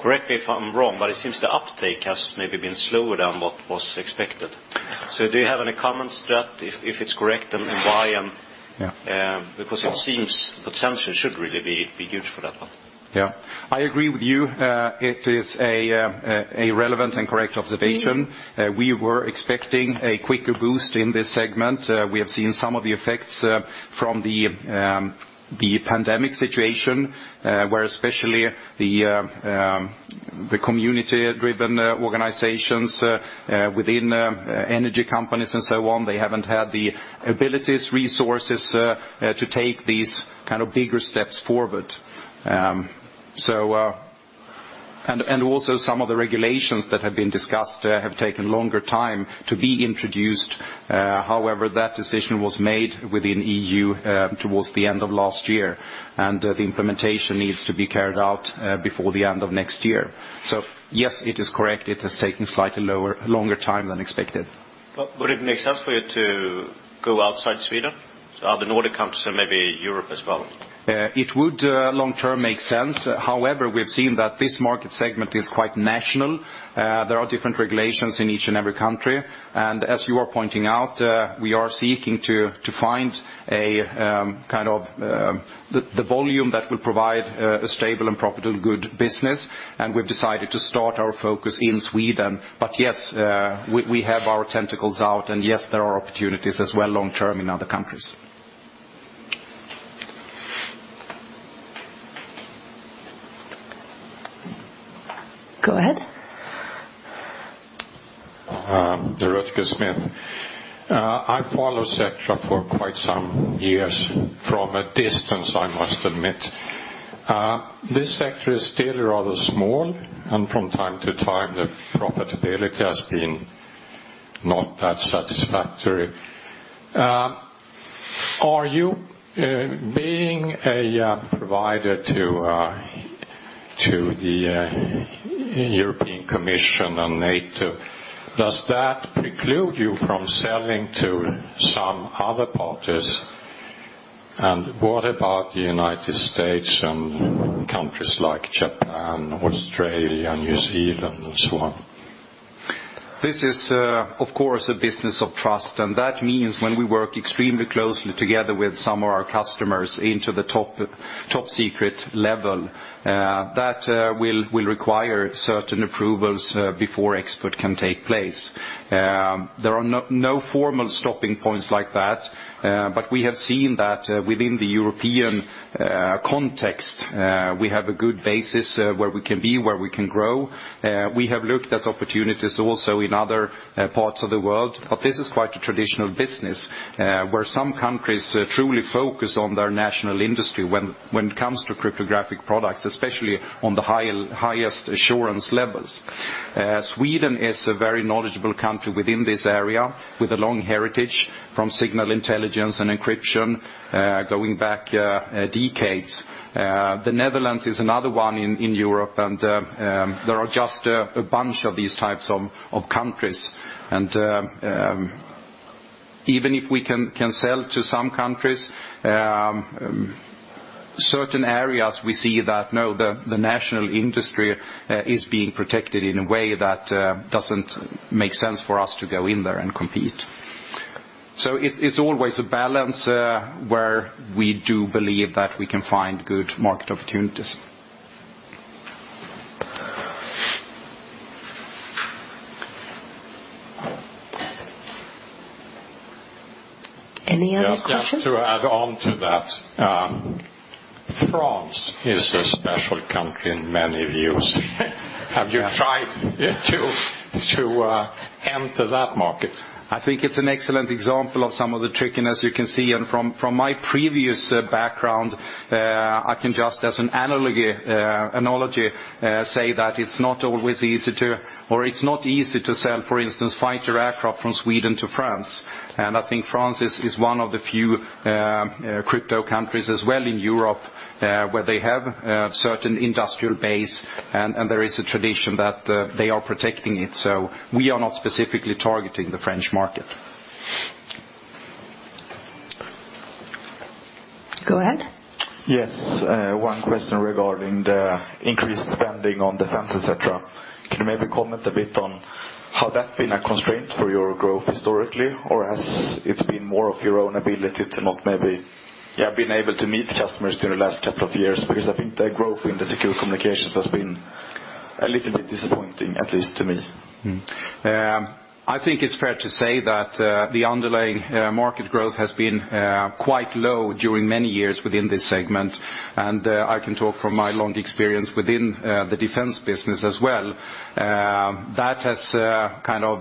correct me if I'm wrong, but it seems the uptake has maybe been slower than what was expected. Do you have any comments to that, if it's correct and why? Yeah... because it seems the potential should really be huge for that one. Yeah. I agree with you. It is a relevant and correct observation. We were expecting a quicker boost in this segment. We have seen some of the effects from the pandemic situation where especially the community-driven organizations within energy companies and so on, they haven't had the abilities, resources to take these kind of bigger steps forward. Also some of the regulations that have been discussed have taken longer time to be introduced. However, that decision was made within EU towards the end of last year, and the implementation needs to be carried out before the end of next year. Yes, it is correct, it has taken slightly longer time than expected. Would it make sense for you to go outside Sweden, so other Nordic countries or maybe Europe as well? It would long term make sense. However, we've seen that this market segment is quite national. There are different regulations in each and every country. As you are pointing out, we are seeking to find a kind of the volume that will provide a stable and profitable good business, and we've decided to start our focus in Sweden. Yes, we have our tentacles out, and yes, there are opportunities as well long term in other countries. Go ahead. Rutger Schut. I follow Sectra for quite some years from a distance, I must admit. This sector is still rather small, and from time to time, the profitability has been not that satisfactory. Are you being a provider to the European Commission on NATO, does that preclude you from selling to some other parties? What about the United States and countries like Japan or Australia, New Zealand and so on? This is, of course, a business of trust, and that means when we work extremely closely together with some of our customers into the top secret level, that will require certain approvals, before export can take place. There are no formal stopping points like that, but we have seen that within the European context, we have a good basis, where we can be, where we can grow. We have looked at opportunities also in other parts of the world, but this is quite a traditional business, where some countries truly focus on their national industry when it comes to cryptographic products, especially on the highest assurance levels. Sweden is a very knowledgeable country within this area with a long heritage from signal intelligence and encryption, going back decades. The Netherlands is another one in Europe, there are just a bunch of these types of countries. Even if we can sell to some countries, certain areas we see that, no, the national industry is being protected in a way that doesn't make sense for us to go in there and compete. It's always a balance where we do believe that we can find good market opportunities. Any other questions? Just to add on to that, France is a special country in many views. Yeah. Have you tried to enter that market? I think it's an excellent example of some of the trickiness you can see. From my previous background, I can just as an analogy say that it's not always easy or it's not easy to sell, for instance, fighter aircraft from Sweden to France. I think France is one of the few crypto countries as well in Europe, where they have a certain industrial base and there is a tradition that they are protecting it. We are not specifically targeting the French market. Go ahead. One question regarding the increased spending on defense, et cetera. Can you maybe comment a bit on has that been a constraint for your growth historically, or has it been more of your own ability to not maybe, yeah, been able to meet customers during the last couple of years? I think the growth in the Secure Communications has been a little bit disappointing, at least to me. I think it's fair to say that the underlying market growth has been quite low during many years within this segment. I can talk from my long experience within the defense business as well. That has kind of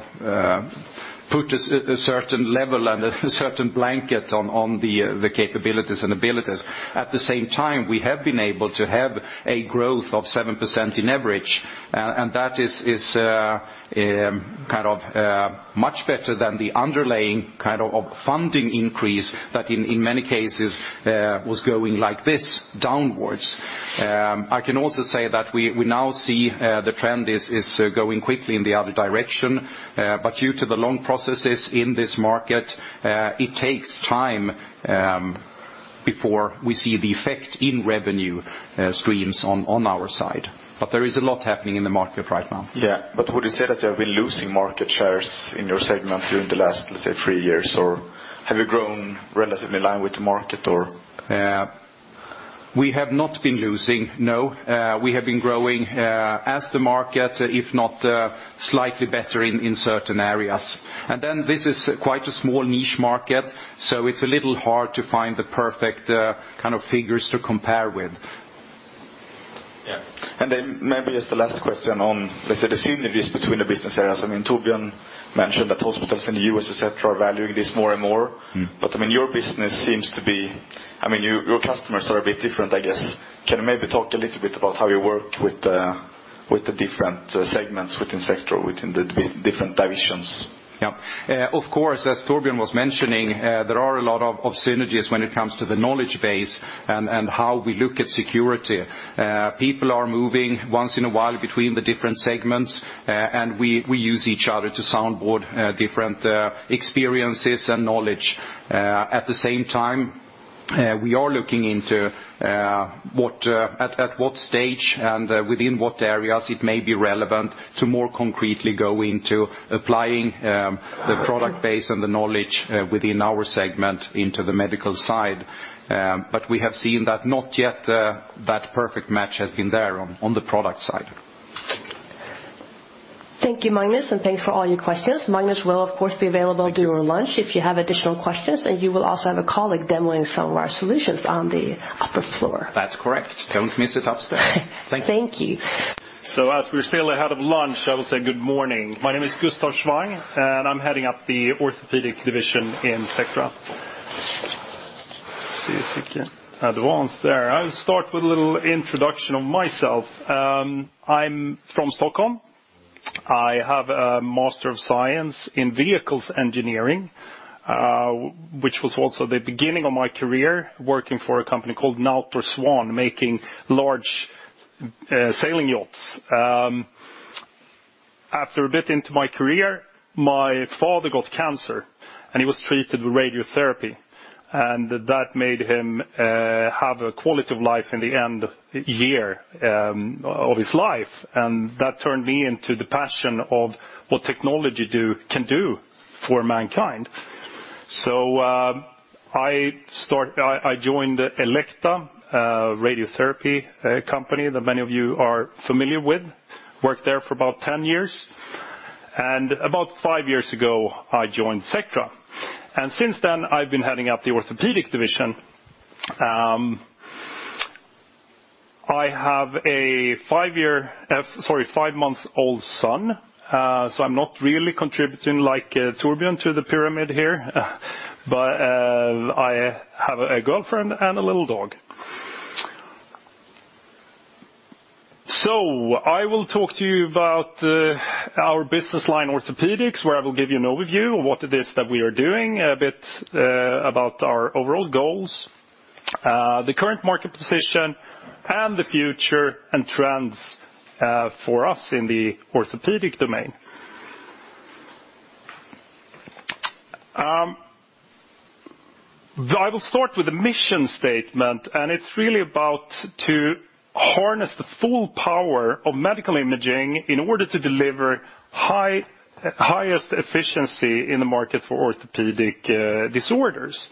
put a certain level and a certain blanket on the capabilities and abilities. At the same time, we have been able to have a growth of 7% in average. That is kind of much better than the underlying kind of funding increase that in many cases was going like this, downwards. I can also say that we now see the trend is going quickly in the other direction. Due to the long processes in this market, it takes time before we see the effect in revenue streams on our side. There is a lot happening in the market right now. Yeah. Would you say that you have been losing market shares in your segment during the last, let's say, three years? Or have you grown relatively in line with the market or? We have not been losing, no. We have been growing, as the market, if not, slightly better in certain areas. This is quite a small niche market, so it's a little hard to find the perfect kind of figures to compare with. Yeah. Then maybe just the last question on, let's say, the synergies between the business areas. I mean, Torbjörn mentioned that hospitals in the U.S., et cetera, are valuing this more and more. I mean, your business seems I mean, your customers are a bit different, I guess. Can you maybe talk a little bit about how you work with the, with the different segments within Sectra or within the different divisions? Yeah. Of course, as Torbjörn was mentioning, there are a lot of synergies when it comes to the knowledge base and how we look at security. People are moving once in a while between the different segments, and we use each other to soundboard different experiences and knowledge. At the same time, we are looking into what at what stage and within what areas it may be relevant to more concretely go into applying the product base and the knowledge within our segment into the medical side. We have seen that not yet, that perfect match has been there on the product side. Thank you, Magnus. Thanks for all your questions. Magnus will, of course, be. Thank you.... during lunch if you have additional questions, and you will also have a colleague demoing some of our solutions on the upper floor. That's correct. Come see us upstairs. Thank you. Thank you. As we're still ahead of lunch, I will say good morning. My name is Gustaf Schwang, I'm heading up the orthopedic division in Sectra. See if we can advance there. I'll start with a little introduction of myself. I'm from Stockholm. I have a Master of Science in vehicles engineering, which was also the beginning of my career working for a company called Nautor Swan, making large sailing yachts. After a bit into my career, my father got cancer, he was treated with radiotherapy. That made him have a quality of life in the end year of his life. That turned me into the passion of what technology can do for mankind. I joined Elekta, radiotherapy company that many of you are familiar with. Worked there for about 10 years. About five years ago, I joined Sectra. Since then, I've been heading up the orthopedic division. I have a five-year, sorry, five-month-old son, so I'm not really contributing like Torbjörn to the pyramid here. I have a girlfriend and a little dog. I will talk to you about our business line, orthopedics, where I will give you an overview of what it is that we are doing, a bit about our overall goals, the current market position and the future and trends for us in the orthopedic domain. I will start with the mission statement, and it's really about to harness the full power of medical imaging in order to deliver highest efficiency in the market for orthopedic disorders.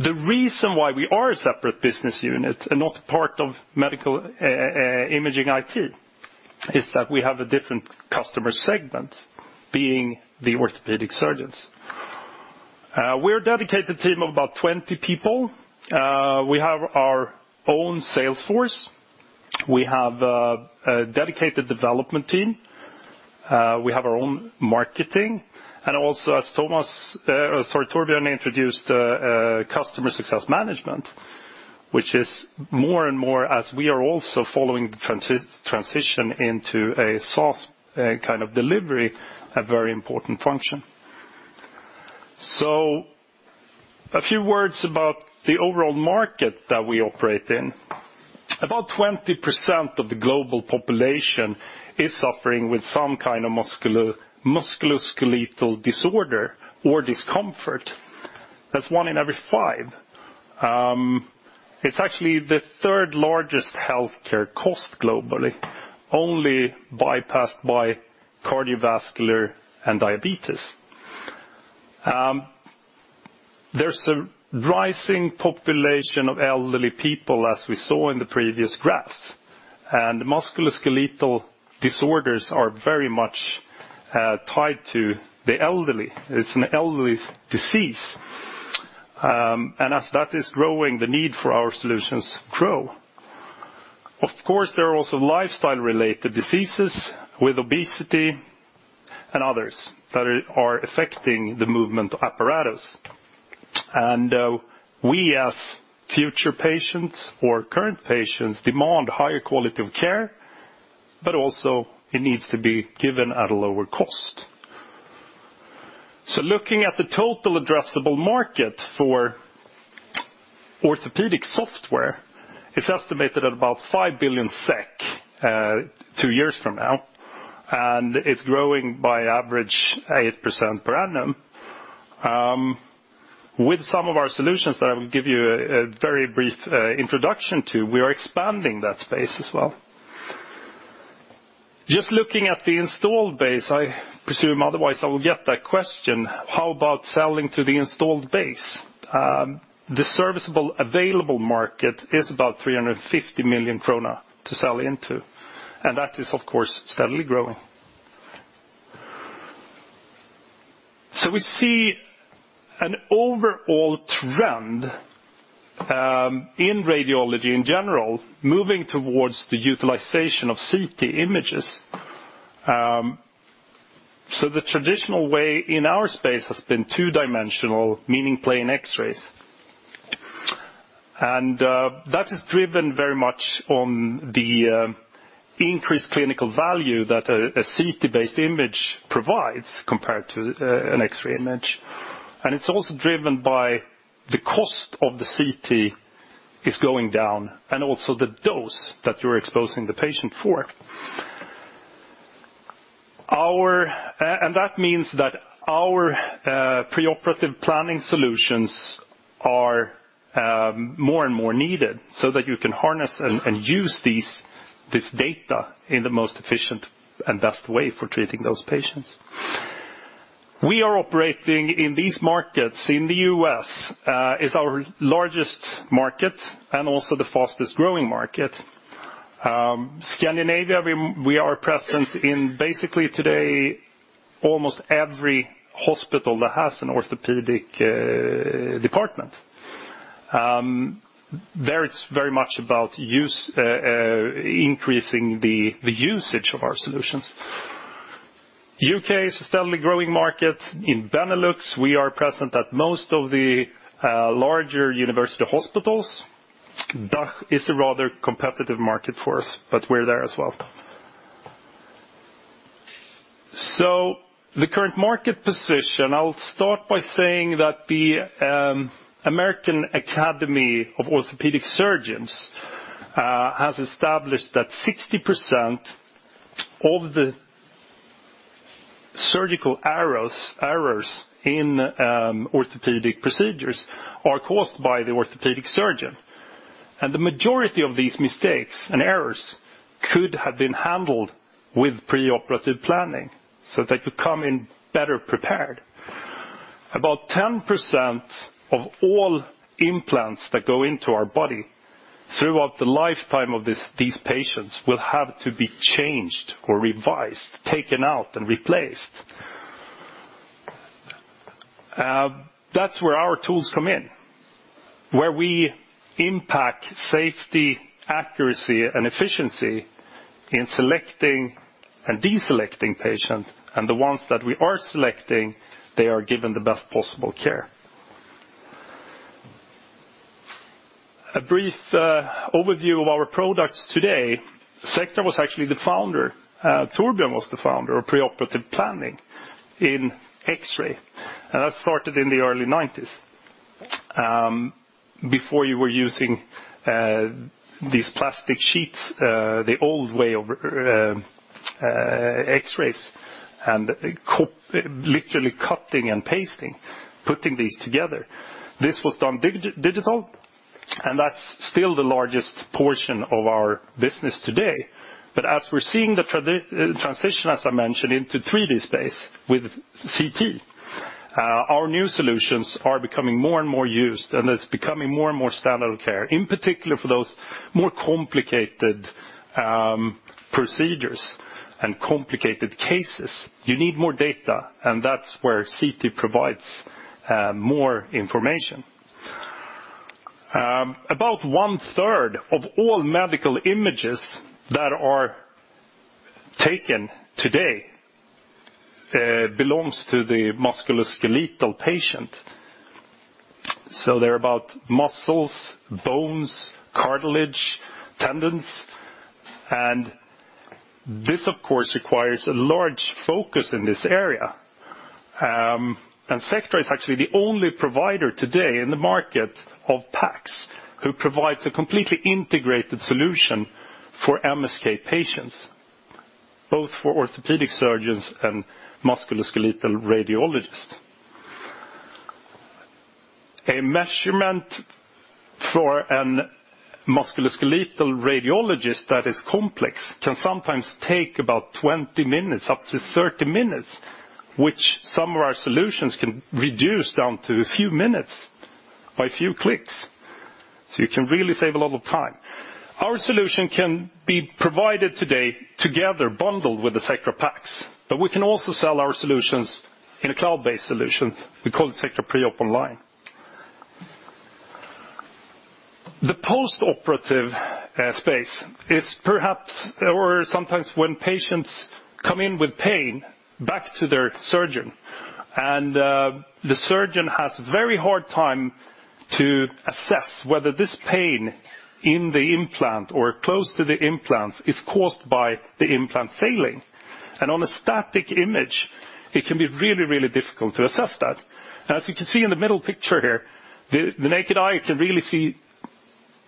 The reason why we are a separate business unit and not part of Medical Imaging IT, is that we have a different customer segment, being the orthopaedic surgeons. We're a dedicated team of about 20 people. We have our own sales force. We have a dedicated development team. We have our own marketing. Also, as Torbjörn introduced, customer success management, which is more and more as we are also following the transition into a SaaS kind of delivery, a very important function. A few words about the overall market that we operate in. About 20% of the global population is suffering with some kind of musculoskeletal disorder or discomfort. That's one in every 5. It's actually the third-largest healthcare cost globally, only bypassed by cardiovascular and diabetes. There's a rising population of elderly people, as we saw in the previous graphs. Musculoskeletal disorders are very much tied to the elderly. It's an elderly's disease. As that is growing, the need for our solutions grow. Of course, there are also lifestyle-related diseases with obesity and others that are affecting the movement apparatus. We, as future patients or current patients, demand higher quality of care, but also it needs to be given at a lower cost. Looking at the total addressable market for orthopedic software, it's estimated at about 5 billion SEK two years from now, and it's growing by average 8% per annum. With some of our solutions that I will give you a very brief introduction to, we are expanding that space as well. Just looking at the installed base, I presume, otherwise I will get that question, how about selling to the installed base? The serviceable available market is about 350 million krona to sell into. That is of course steadily growing. We see an overall trend in radiology in general, moving towards the utilization of CT images. The traditional way in our space has been two-dimensional, meaning plain X-rays. That is driven very much on the increased clinical value that a CT-based image provides compared to an X-ray image. It's also driven by the cost of the CT is going down and also the dose that you're exposing the patient for. That means that our preoperative planning solutions are more and more needed so that you can harness and use this data in the most efficient and best way for treating those patients. We are operating in these markets. In the US is our largest market and also the fastest-growing market. Scandinavia, we are present in basically today almost every hospital that has an orthopedic department. There it's very much about increasing the usage of our solutions. UK is a steadily growing market. In Benelux, we are present at most of the larger university hospitals. DACH is a rather competitive market for us, but we're there as well. The current market position, I'll start by saying that the American Academy of Orthopaedic Surgeons has established that 60% of the surgical errors in orthopedic procedures are caused by the orthopedic surgeon. The majority of these mistakes and errors could have been handled with preoperative planning so that you come in better prepared. About 10% of all implants that go into our body throughout the lifetime of these patients will have to be changed or revised, taken out and replaced. That's where our tools come in, where we impact safety, accuracy, and efficiency in selecting and deselecting patients, and the ones that we are selecting, they are given the best possible care. A brief overview of our products today. Sectra was actually the founder. Torbjörn Kronander was the founder of preoperative planning in X-ray. That started in the early 1990s, before you were using these plastic sheets, the old way of X-rays and literally cutting and pasting, putting these together. This was done digital, and that's still the largest portion of our business today. As we're seeing the transition, as I mentioned, into 3D space with CT, our new solutions are becoming more and more used, and it's becoming more and more standard of care, in particular for those more complicated procedures and complicated cases. You need more data, and that's where CT provides more information. About 1/3 of all medical images that are taken today, belongs to the musculoskeletal patient. They're about muscles, bones, cartilage, tendons. This, of course, requires a large focus in this area. Sectra is actually the only provider today in the market of PACS who provides a completely integrated solution for MSK patients, both for orthopedic surgeons and musculoskeletal radiologists. A measurement for an musculoskeletal radiologist that is complex can sometimes take about 20 minutes up to 30 minutes, which some of our solutions can reduce down to a few minutes by a few clicks. You can really save a lot of time. Our solution can be provided today together, bundled with the Sectra PACS, but we can also sell our solutions in a cloud-based solution. We call it Sectra Preop Online. The postoperative space is perhaps or sometimes when patients come in with pain back to their surgeon and the surgeon has a very hard time to assess whether this pain in the implant or close to the implant is caused by the implant failing. On a static image, it can be really, really difficult to assess that. As you can see in the middle picture here, the naked eye can really see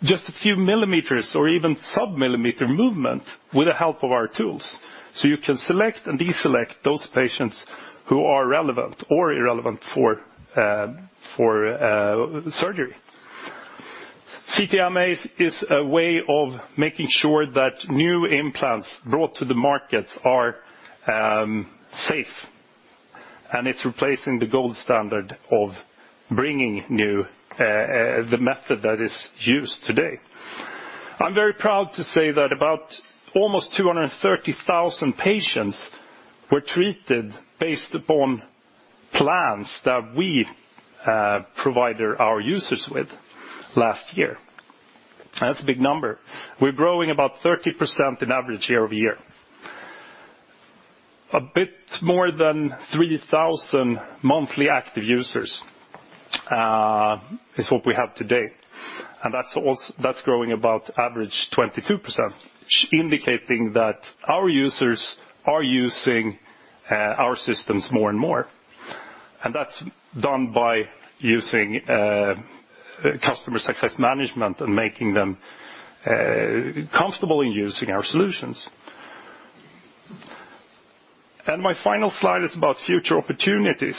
just a few millimeters or even sub-millimeter movement with the help of our tools. You can select and deselect those patients who are relevant or irrelevant for surgery. CTMA is a way of making sure that new implants brought to the market are safe, and it's replacing the gold standard of bringing new the method that is used today. I'm very proud to say that about almost 230,000 patients were treated based upon plans that we provided our users with last year. That's a big number. We're growing about 30% in average year-over-year. A bit more than 3,000 monthly active users is what we have today. That's growing about average 22%, indicating that our users are using our systems more and more. That's done by using customer success management and making them comfortable in using our solutions. My final slide is about future opportunities.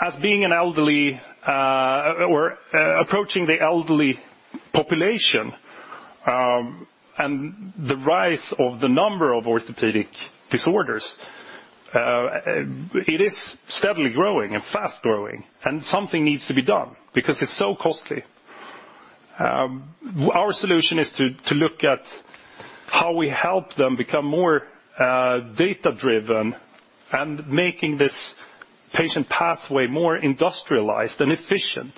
As being an elderly, or approaching the elderly population, and the rise of the number of orthopedic disorders, it is steadily growing and fast-growing, and something needs to be done because it's so costly. Our solution is to look at how we help them become more data-driven and making this patient pathway more industrialized and efficient.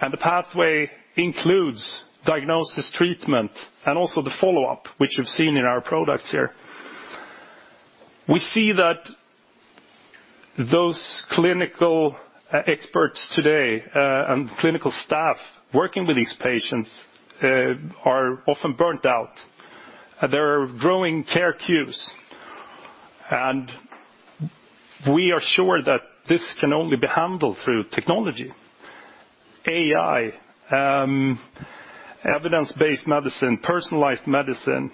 The pathway includes diagnosis, treatment, and also the follow-up, which you've seen in our products here. We see that those clinical experts today, and clinical staff working with these patients, are often burnt out. There are growing care queues, and we are sure that this can only be handled through technology. AI, evidence-based medicine, personalized medicine.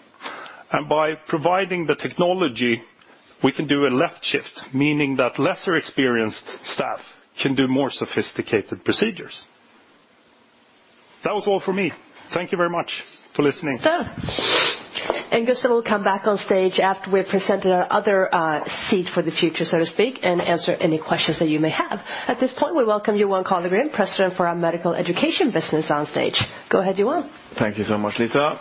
By providing the technology, we can do a left shift, meaning that lesser experienced staff can do more sophisticated procedures. That was all for me. Thank you very much for listening. Gustaf will come back on stage after we've presented our other, seed for the future, so to speak, and answer any questions that you may have. At this point, we welcome Johan Carlegrim, President for our Medical Education business on stage. Go ahead, Johan. Thank you so much, Lisa.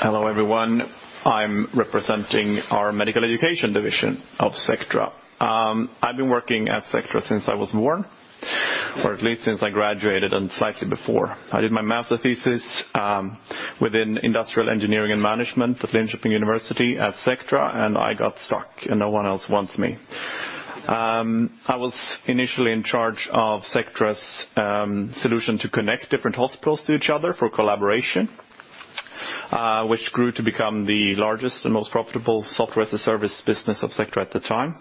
Hello, everyone. I'm representing our Medical Education division of Sectra. I've been working at Sectra since I was born, or at least since I graduated and slightly before. I did my master thesis within industrial engineering and management at Linköping University at Sectra, and I got stuck, and no one else wants me. I was initially in charge of Sectra's solution to connect different hospitals to each other for collaboration, which grew to become the largest and most profitable software as a service business of Sectra at the time.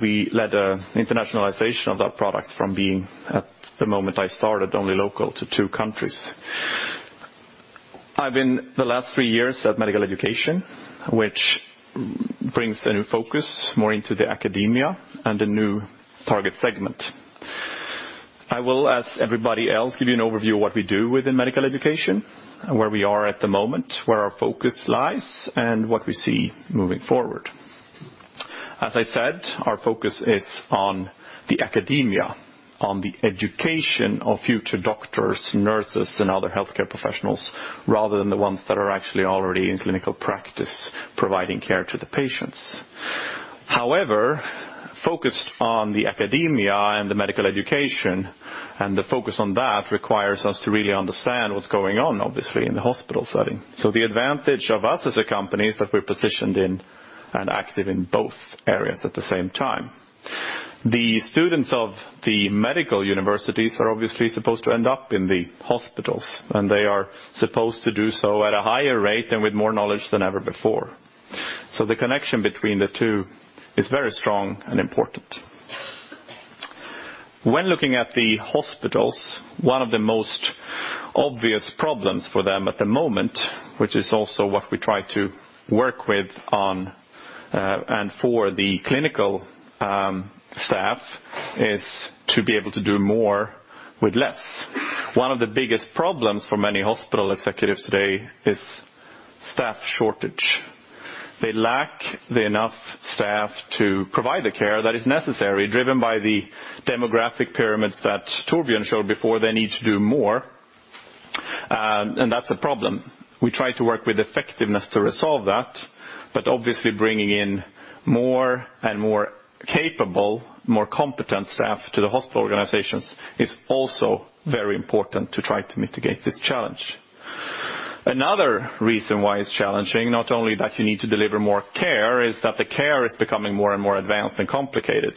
We led an internationalization of that product from being, at the moment I started, only local to two countries. I've been the last three years at Medical Education, which brings a new focus more into the academia and a new target segment. I will, as everybody else, give you an overview of what we do within medical education and where we are at the moment, where our focus lies, and what we see moving forward. As I said, our focus is on the academia, on the education of future doctors, nurses, and other healthcare professionals, rather than the ones that are actually already in clinical practice providing care to the patients. However, focused on the academia and the medical education, and the focus on that requires us to really understand what's going on, obviously, in the hospital setting. The advantage of us as a company is that we're positioned in and active in both areas at the same time. The students of the medical universities are obviously supposed to end up in the hospitals, and they are supposed to do so at a higher rate and with more knowledge than ever before. The connection between the two is very strong and important. When looking at the hospitals, one of the most obvious problems for them at the moment, which is also what we try to work with on and for the clinical staff, is to be able to do more with less. One of the biggest problems for many hospital executives today is staff shortage. They lack the enough staff to provide the care that is necessary, driven by the demographic pyramids that Torbjörn showed before. They need to do more, and that's a problem. We try to work with effectiveness to resolve that, but obviously bringing in more and more capable, more competent staff to the hospital organizations is also very important to try to mitigate this challenge. Another reason why it's challenging, not only that you need to deliver more care, is that the care is becoming more and more advanced and complicated.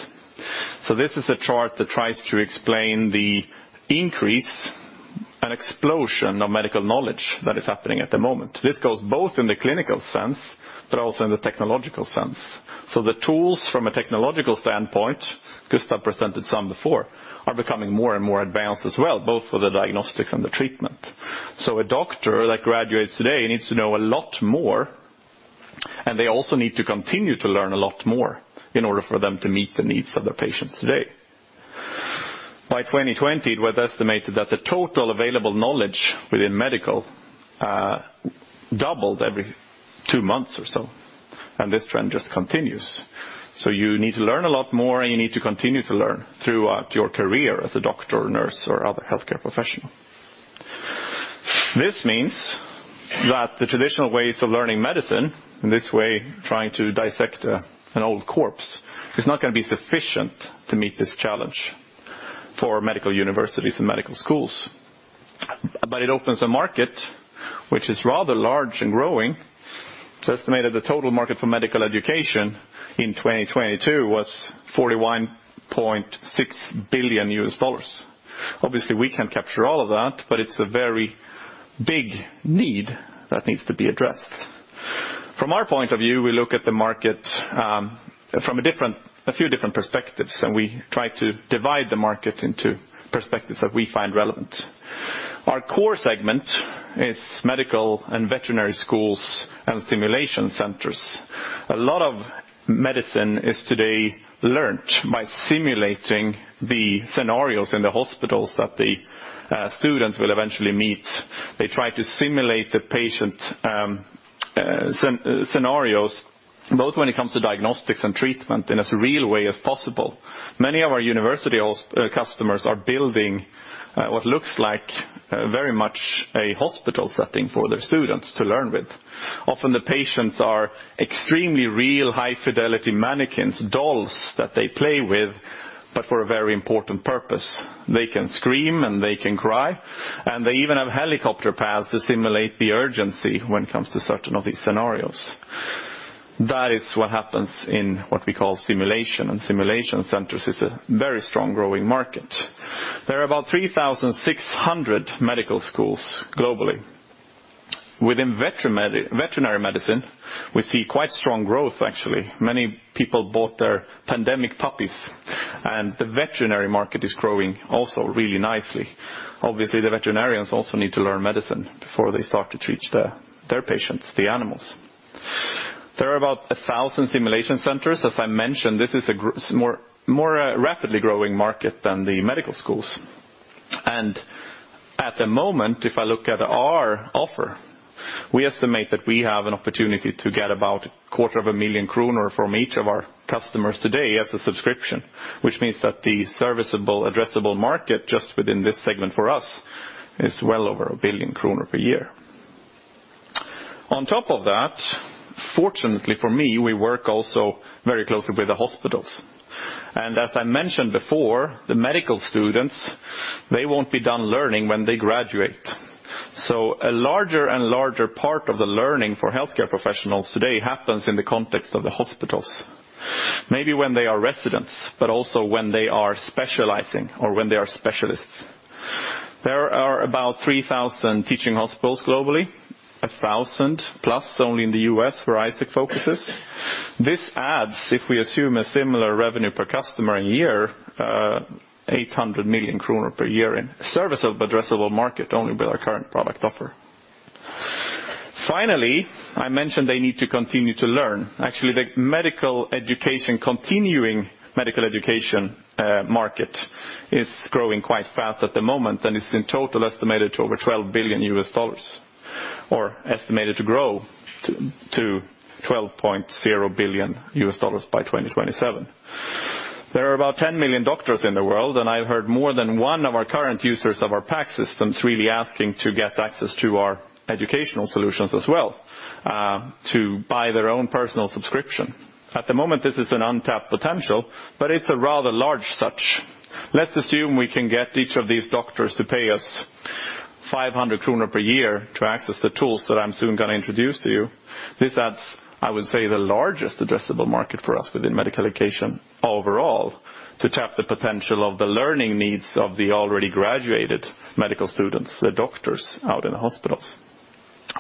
This is a chart that tries to explain the increase and explosion of medical knowledge that is happening at the moment. This goes both in the clinical sense but also in the technological sense. The tools from a technological standpoint, Gustaf presented some before, are becoming more and more advanced as well, both for the diagnostics and the treatment. A doctor that graduates today needs to know a lot more, and they also need to continue to learn a lot more in order for them to meet the needs of their patients today. By 2020, it was estimated that the total available knowledge within medical, doubled every two months or so, and this trend just continues. You need to learn a lot more, and you need to continue to learn throughout your career as a doctor, nurse, or other healthcare professional. This means that the traditional ways of learning medicine, in this way, trying to dissect, an old corpse, is not gonna be sufficient to meet this challenge for medical universities and medical schools. It opens a market which is rather large and growing. It's estimated the total market for medical education in 2022 was $41.6 billion. Obviously, we can't capture all of that, but it's a very big need that needs to be addressed. From our point of view, we look at the market from a different, a few different perspectives. We try to divide the market into perspectives that we find relevant. Our core segment is medical and veterinary schools and simulation centers. A lot of medicine is today learnt by simulating the scenarios in the hospitals that the students will eventually meet. They try to simulate the patient scenarios, both when it comes to diagnostics and treatment in as real way as possible. Many of our university customers are building what looks like very much a hospital setting for their students to learn with. Often, the patients are extremely real, high-fidelity mannequins, dolls that they play with. For a very important purpose. They can scream, they can cry, they even have helicopter pads to simulate the urgency when it comes to certain of these scenarios. That is what happens in what we call simulation centers is a very strong growing market. There are about 3,600 medical schools globally. Within veterinary medicine, we see quite strong growth actually. Many people bought their pandemic puppies, the veterinary market is growing also really nicely. Obviously, the veterinarians also need to learn medicine before they start to treat their patients, the animals. There are about 1,000 simulation centers. As I mentioned, this is a more rapidly growing market than the medical schools. At the moment, if I look at our offer, we estimate that we have an opportunity to get about a quarter of a million kroner from each of our customers today as a subscription, which means that the serviceable addressable market just within this segment for us is well over 1 billion kroner per year. On top of that, fortunately for me, we work also very closely with the hospitals. As I mentioned before, the medical students, they won't be done learning when they graduate. A larger and larger part of the learning for healthcare professionals today happens in the context of the hospitals. Maybe when they are residents, but also when they are specializing or when they are specialists. There are about 3,000 teaching hospitals globally, 1,000 plus only in the U.S. where Isaac focuses. This adds, if we assume a similar revenue per customer a year, 800 million kronor per year in serviceable addressable market only with our current product offer. I mentioned they need to continue to learn. Actually, the medical education, continuing medical education market is growing quite fast at the moment and is in total estimated to over $12 billion or estimated to grow to $12.0 billion by 2027. There are about 10 million doctors in the world, I've heard more than one of our current users of our PACS systems really asking to get access to our educational solutions as well, to buy their own personal subscription. At the moment, this is an untapped potential, it's a rather large such. Let's assume we can get each of these doctors to pay us 500 kronor per year to access the tools that I'm soon gonna introduce to you. This adds, I would say, the largest addressable market for us within medical education overall to tap the potential of the learning needs of the already graduated medical students, the doctors out in the hospitals.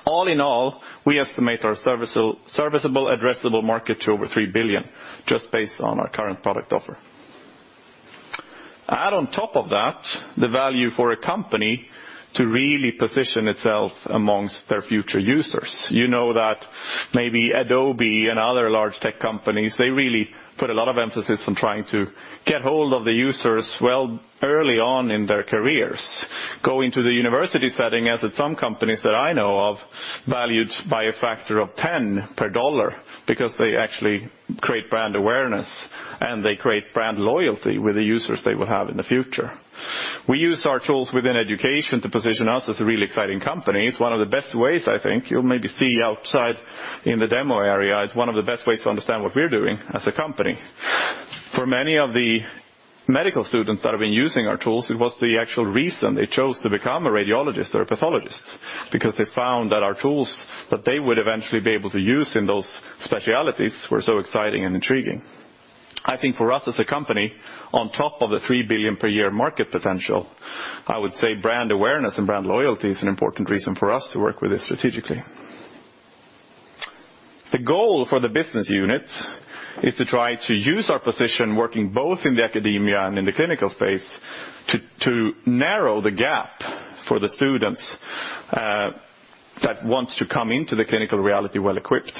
All in all, we estimate our serviceable addressable market to over 3 billion just based on our current product offer. On top of that, the value for a company to really position itself amongst their future users. You know that maybe Adobe and other large tech companies, they really put a lot of emphasis on trying to get hold of the users well early on in their careers. Going to the university setting, as at some companies that I know of, valued by a factor of 10 per dollar because they actually create brand awareness, and they create brand loyalty with the users they will have in the future. We use our tools within education to position us as a really exciting company. It's one of the best ways, I think, you'll maybe see outside in the demo area. It's one of the best ways to understand what we're doing as a company. For many of the medical students that have been using our tools, it was the actual reason they chose to become a radiologist or a pathologist because they found that our tools that they would eventually be able to use in those specialties were so exciting and intriguing. I think for us as a company, on top of the 3 billion per year market potential, I would say brand awareness and brand loyalty is an important reason for us to work with this strategically. The goal for the business unit is to try to use our position working both in the academia and in the clinical space to narrow the gap for the students that want to come into the clinical reality well equipped,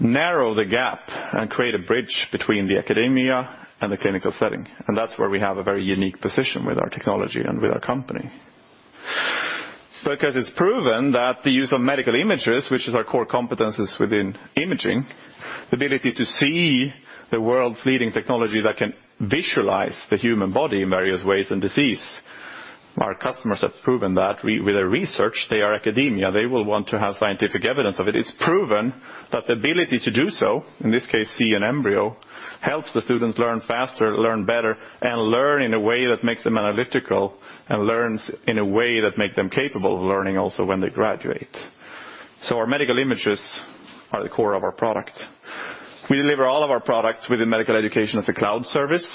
to narrow the gap and create a bridge between the academia and the clinical setting. That's where we have a very unique position with our technology and with our company. It's proven that the use of medical images, which is our core competencies within imaging, the ability to see the world's leading technology that can visualize the human body in various ways and disease. Our customers have proven that with their research. They are academia. They will want to have scientific evidence of it. It's proven that the ability to do so, in this case, see an embryo, helps the students learn faster, learn better, and learn in a way that makes them analytical and learns in a way that make them capable of learning also when they graduate. Our medical images are the core of our product. We deliver all of our products within medical education as a cloud service.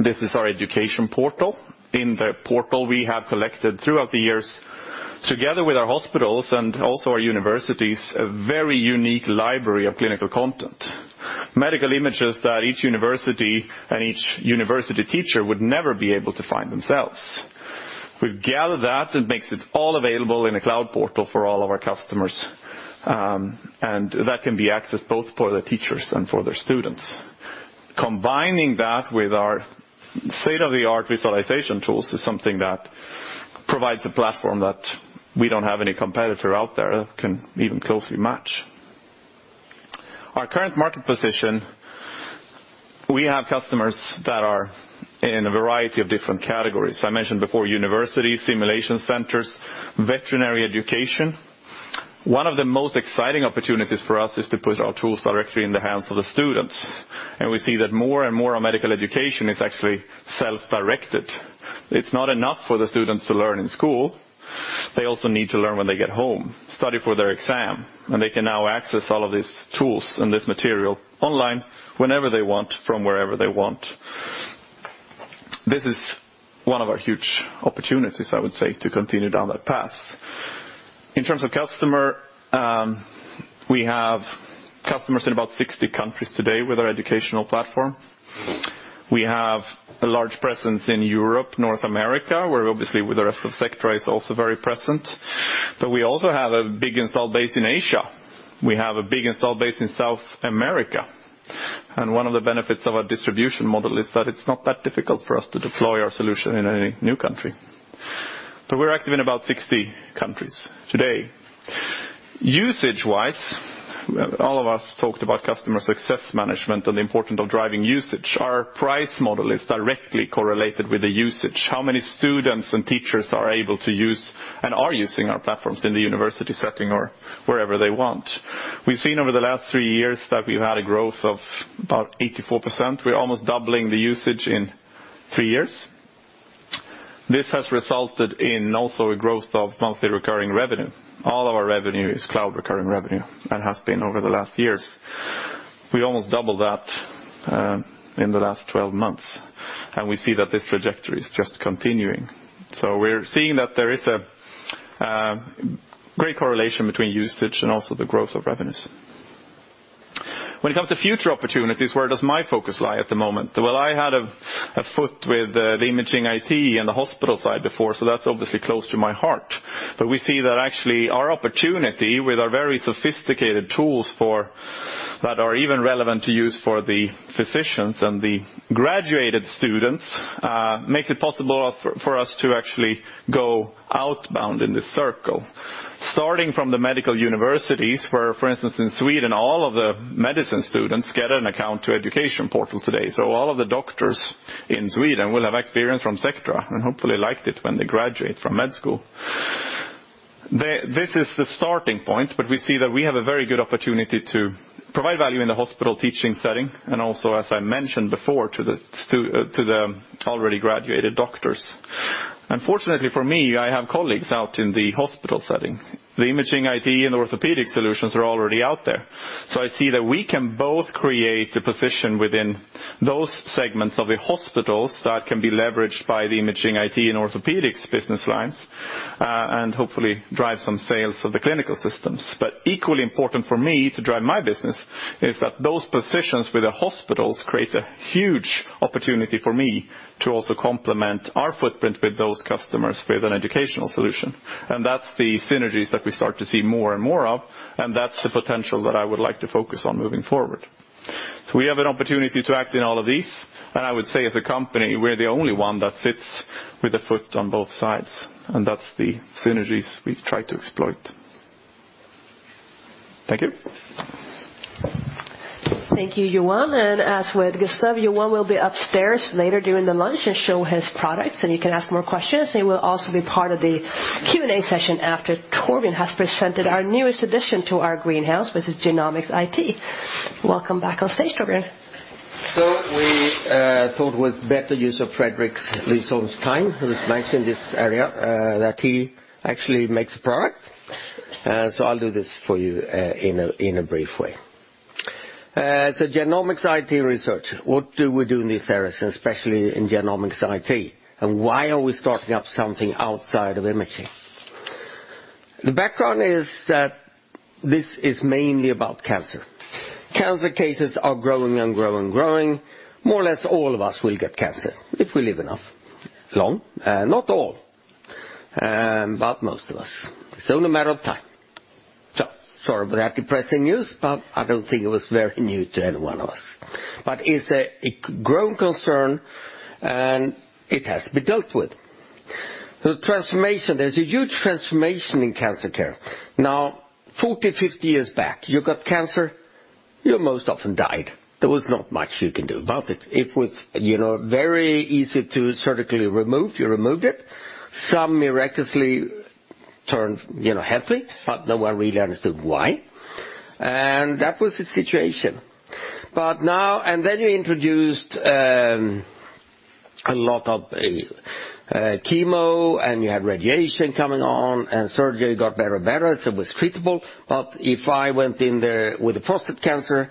This is our Education Portal. In the Portal, we have collected throughout the years, together with our hospitals and also our universities, a very unique library of clinical content. Medical images that each university and each university teacher would never be able to find themselves. We've gathered that and makes it all available in a cloud portal for all of our customers, and that can be accessed both for the teachers and for their students. Combining that with our state-of-the-art visualization tools is something that provides a platform that we don't have any competitor out there that can even closely match. Our current market position, we have customers that are in a variety of different categories. I mentioned before universities, simulation centers, veterinary education. One of the most exciting opportunities for us is to put our tools directly in the hands of the students. We see that more and more medical education is actually self-directed. It's not enough for the students to learn in school, they also need to learn when they get home, study for their exam, and they can now access all of these tools and this material online whenever they want, from wherever they want. This is one of our huge opportunities, I would say, to continue down that path. In terms of customer, we have customers in about 60 countries today with our educational platform. We have a large presence in Europe, North America, where obviously with the rest of Sectra is also very present. We also have a big install base in Asia. We have a big install base in South America. One of the benefits of our distribution model is that it's not that difficult for us to deploy our solution in any new country. We're active in about 60 countries today. Usage-wise, all of us talked about customer success management and the importance of driving usage. Our price model is directly correlated with the usage. How many students and teachers are able to use and are using our platforms in the university setting or wherever they want. We've seen over the last three years that we've had a growth of about 84%. We're almost doubling the usage in three years. This has resulted in also a growth of monthly recurring revenue. All of our revenue is cloud recurring revenue, and has been over the last years. We almost doubled that in the last 12 months, and we see that this trajectory is just continuing. We're seeing that there is a great correlation between usage and also the growth of revenues. When it comes to future opportunities, where does my focus lie at the moment? Well, I had a foot with the Imaging IT and the hospital side before, that's obviously close to my heart. We see that actually our opportunity with our very sophisticated tools that are even relevant to use for the physicians and the graduated students makes it possible for us to actually go outbound in this circle. Starting from the medical universities, where, for instance, in Sweden, all of the medicine students get an account to Education Portal today. All of the doctors in Sweden will have experience from Sectra and hopefully liked it when they graduate from med school. This is the starting point, we see that we have a very good opportunity to provide value in the hospital teaching setting, and also, as I mentioned before, to the already graduated doctors. Fortunately for me, I have colleagues out in the hospital setting. The Imaging IT and Orthopedic solutions are already out there. I see that we can both create a position within those segments of the hospitals that can be leveraged by the Imaging IT and Orthopedics business lines, and hopefully drive some sales of the clinical systems. Equally important for me to drive my business is that those positions with the hospitals create a huge opportunity for me to also complement our footprint with those customers with an educational solution. That's the synergies that we start to see more and more of, and that's the potential that I would like to focus on moving forward. We have an opportunity to act in all of these, and I would say as a company, we're the only one that sits with a foot on both sides, and that's the synergies we try to exploit. Thank you. Thank you, Johan. As with Gustaf, Johan will be upstairs later during the lunch and show his products, and you can ask more questions. He will also be part of the Q&A session after Torbjörn has presented our newest addition to our greenhouse, which is Genomics IT. Welcome back on stage, Torbjörn. We thought with better use of Fredrik Lysholm's time, who is based in this area, that he actually makes a product. I'll do this for you in a brief way. Genomics IT research. What do we do in this area, especially in Genomics IT? Why are we starting up something outside of imaging? The background is that this is mainly about cancer. Cancer cases are growing and growing and growing. More or less, all of us will get cancer if we live enough long. Not all, but most of us. It's only a matter of time. Sort of a depressing news, but I don't think it was very new to any one of us. It's a growing concern, and it has to be dealt with. There's a huge transformation in cancer care. 40, 50 years back, you got cancer, you most often died. There was not much you can do about it. If it was, you know, very easy to surgically remove, you removed it. Some miraculously turned, you know, healthy, no one really understood why. That was the situation. Then you introduced a lot of chemo, and you had radiation coming on, and surgery got better and better, so it was treatable. If I went in there with a prostate cancer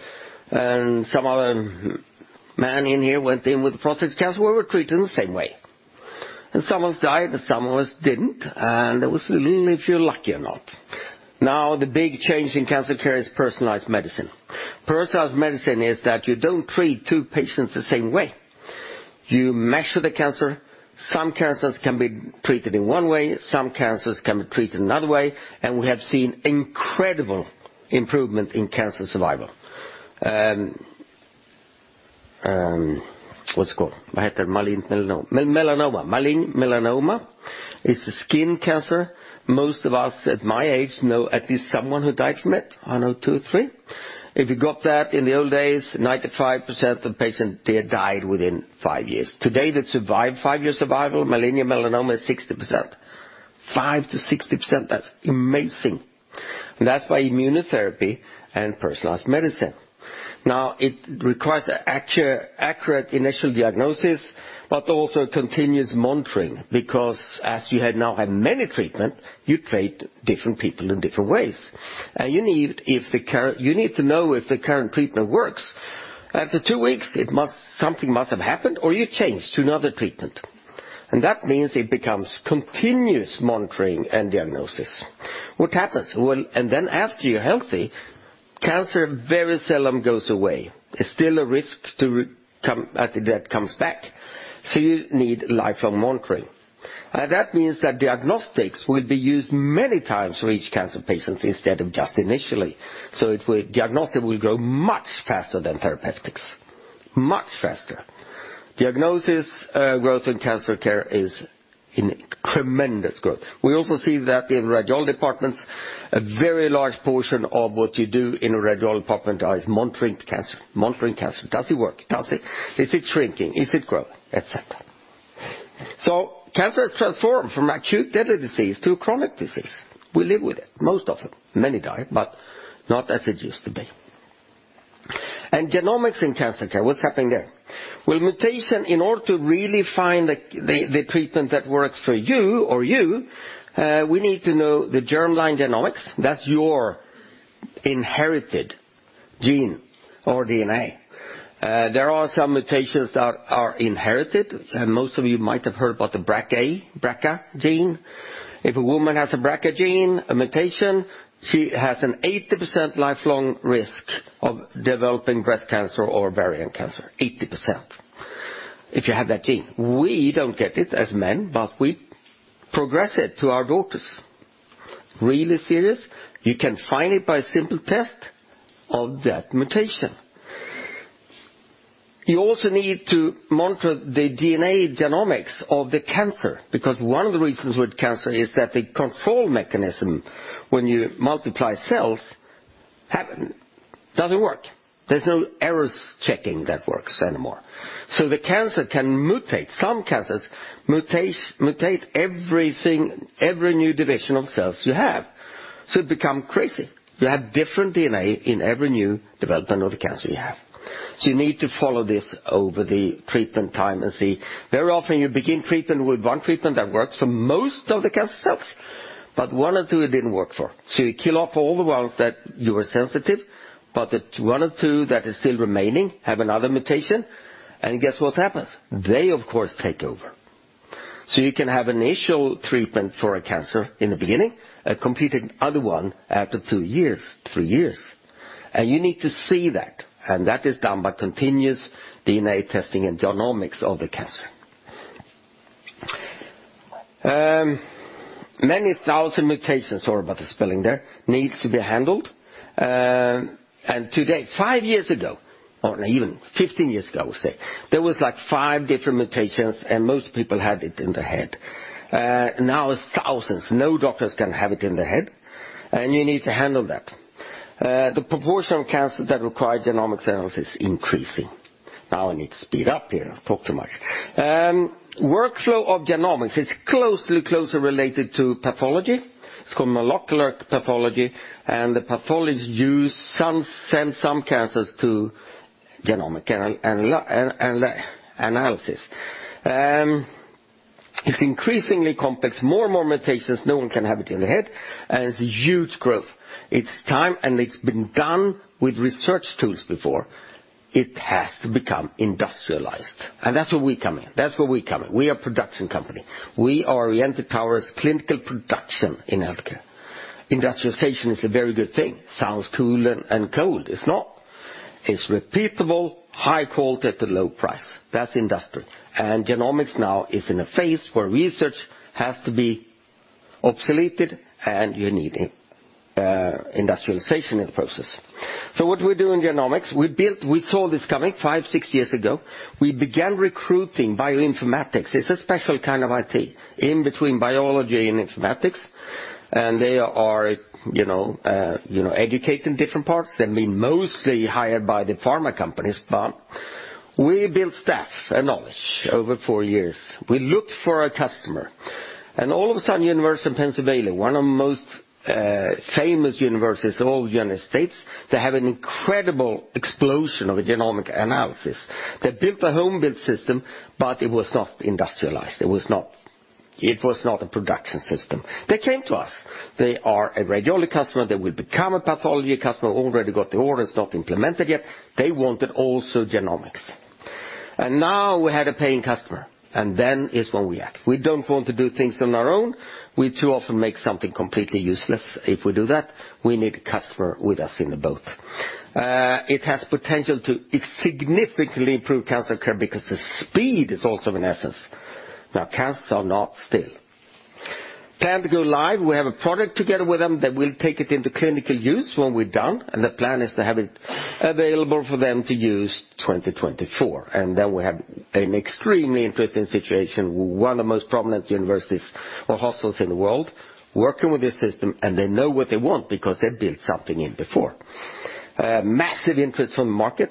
and some other man in here went in with a prostate cancer, we were treated in the same way. Some of us died, and some of us didn't. It was a little if you're lucky or not. The big change in cancer care is personalized medicine. Personalized medicine is that you don't treat two patients the same way. You measure the cancer. Some cancers can be treated in one way, some cancers can be treated another way. We have seen incredible improvement in cancer survival. What's it called? What happened? Malign melanoma. Malign melanoma is a skin cancer. Most of us at my age know at least someone who died from it. I know two, three. If you got that in the old days, 95% of patients, they died within five years. Today, they survive 5-year survival, millennial melanoma is 60%. 5%-60%, that's amazing. That's by immunotherapy and personalized medicine. It requires a accurate initial diagnosis, but also continuous monitoring, because as you had now had many treatment, you treat different people in different ways. You need to know if the current treatment works. After two weeks, something must have happened, or you change to another treatment. That means it becomes continuous monitoring and diagnosis. What happens? After you're healthy, cancer very seldom goes away. There's still a risk after that comes back. You need lifelong monitoring. That means that diagnostics will be used many times for each cancer patient instead of just initially. It will... Diagnostic will grow much faster than therapeutics. Much faster. Diagnosis growth in cancer care is in tremendous growth. We also see that in radial departments, a very large portion of what you do in a radial department is monitoring cancer. Monitoring cancer. Does it work? Is it shrinking? Is it growing? Et cetera. Cancer has transformed from acute deadly disease to chronic disease. We live with it, most of them. Many die, but not as it used to be. Genomics in cancer care, what's happening there? With mutation, in order to really find the treatment that works for you or you, we need to know the germline genomics. That's your inherited gene or DNA. There are some mutations that are inherited, and most of you might have heard about the BRCA gene. If a woman has a BRCA gene, a mutation, she has an 80% lifelong risk of developing breast cancer or ovarian cancer, 80%. If you have that gene. We don't get it as men, but we progress it to our daughters. Really serious. You can find it by a simple test of that mutation. You also need to monitor the DNA genomics of the cancer because one of the reasons with cancer is that the control mechanism when you multiply cells doesn't work. There's no error checking that works anymore. The cancer can mutate. Some cancers mutate everything, every new division of cells you have. It become crazy. You have different DNA in every new development of the cancer you have. You need to follow this over the treatment time and see. Very often, you begin treatment with one treatment that works for most of the cancer cells, but one or two it didn't work for. You kill off all the ones that you are sensitive, but the one or two that is still remaining have another mutation, and guess what happens? They, of course, take over. You can have initial treatment for a cancer in the beginning, a completed other one after two years, three years. You need to see that, and that is done by continuous DNA testing and genomics of the cancer. Many thousand mutations, sorry about the spelling there, needs to be handled. Today, five years ago, or even 15 years ago, say, there was like five different mutations, and most people had it in their head. Now it's thousands. No doctors can have it in their head, and you need to handle that. The proportion of cancer that require genomics analysis is increasing. I need to speed up here. I've talked too much. Workflow of genomics, it's closely related to pathology. It's called molecular pathology, and the pathologists send some cancers to genomic analysis. It's increasingly complex. More and more mutations, no one can have it in the head, and it's huge growth. It's time, and it's been done with research tools before. It has to become industrialized, and that's where we come in. That's where we come in. We are production company. We are oriented towards clinical production in healthcare. Industrialization is a very good thing. Sounds cool and cold. It's not. It's repeatable, high quality at a low price. That's industry. Genomics now is in a phase where research has to be obsoleted, and you need industrialization in the process. What do we do in genomics? We saw this coming five, six years ago. We began recruiting bioinformatics. It's a special kind of IT in between biology and informatics, and they are, you know, educated in different parts. We built staff and knowledge over four years. We looked for a customer. All of a sudden, University of Pennsylvania, one of the most famous universities in all the United States, they have an incredible explosion of a genomic analysis. They built a home-built system. It was not industrialized. It was not a production system. They came to us. They are a radiology customer. They will become a pathology customer. Already got the orders, not implemented yet. They wanted also genomics. Now we had a paying customer, then is when we act. We don't want to do things on our own. We too often make something completely useless if we do that. We need a customer with us in the boat. It has potential to significantly improve cancer care because the speed is also of an essence. Cancers are not still. Plan to go live, we have a product together with them that will take it into clinical use when we're done, and the plan is to have it available for them to use 2024. We have an extremely interesting situation with one of the most prominent universities or hospitals in the world working with this system, and they know what they want because they built something in before. Massive interest from the market.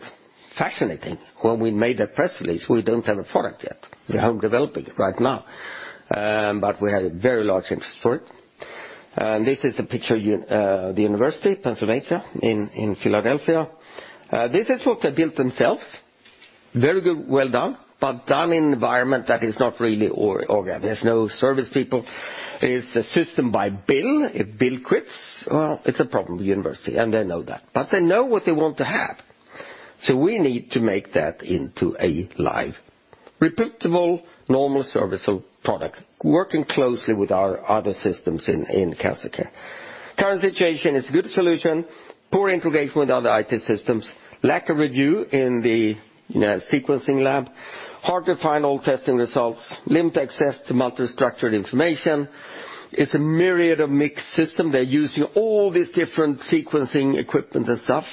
Fascinating. When we made that press release, we don't have a product yet. We are developing it right now. We had a very large interest for it. This is a picture, the University of Pennsylvania in Philadelphia. This is what they built themselves. Very good, well done. Done in an environment that is not really organ. There's no service people. It's a system by Bill. If Bill quits, well, it's a problem with university, and they know that. They know what they want to have. We need to make that into a live, reputable, normal service or product, working closely with our other systems in cancer care. Current situation is good solution, poor integration with other IT systems, lack of review in the, you know, sequencing lab, hard to find all testing results, limited access to multi-structured information. It's a myriad of mixed system. They're using all these different sequencing equipment and stuff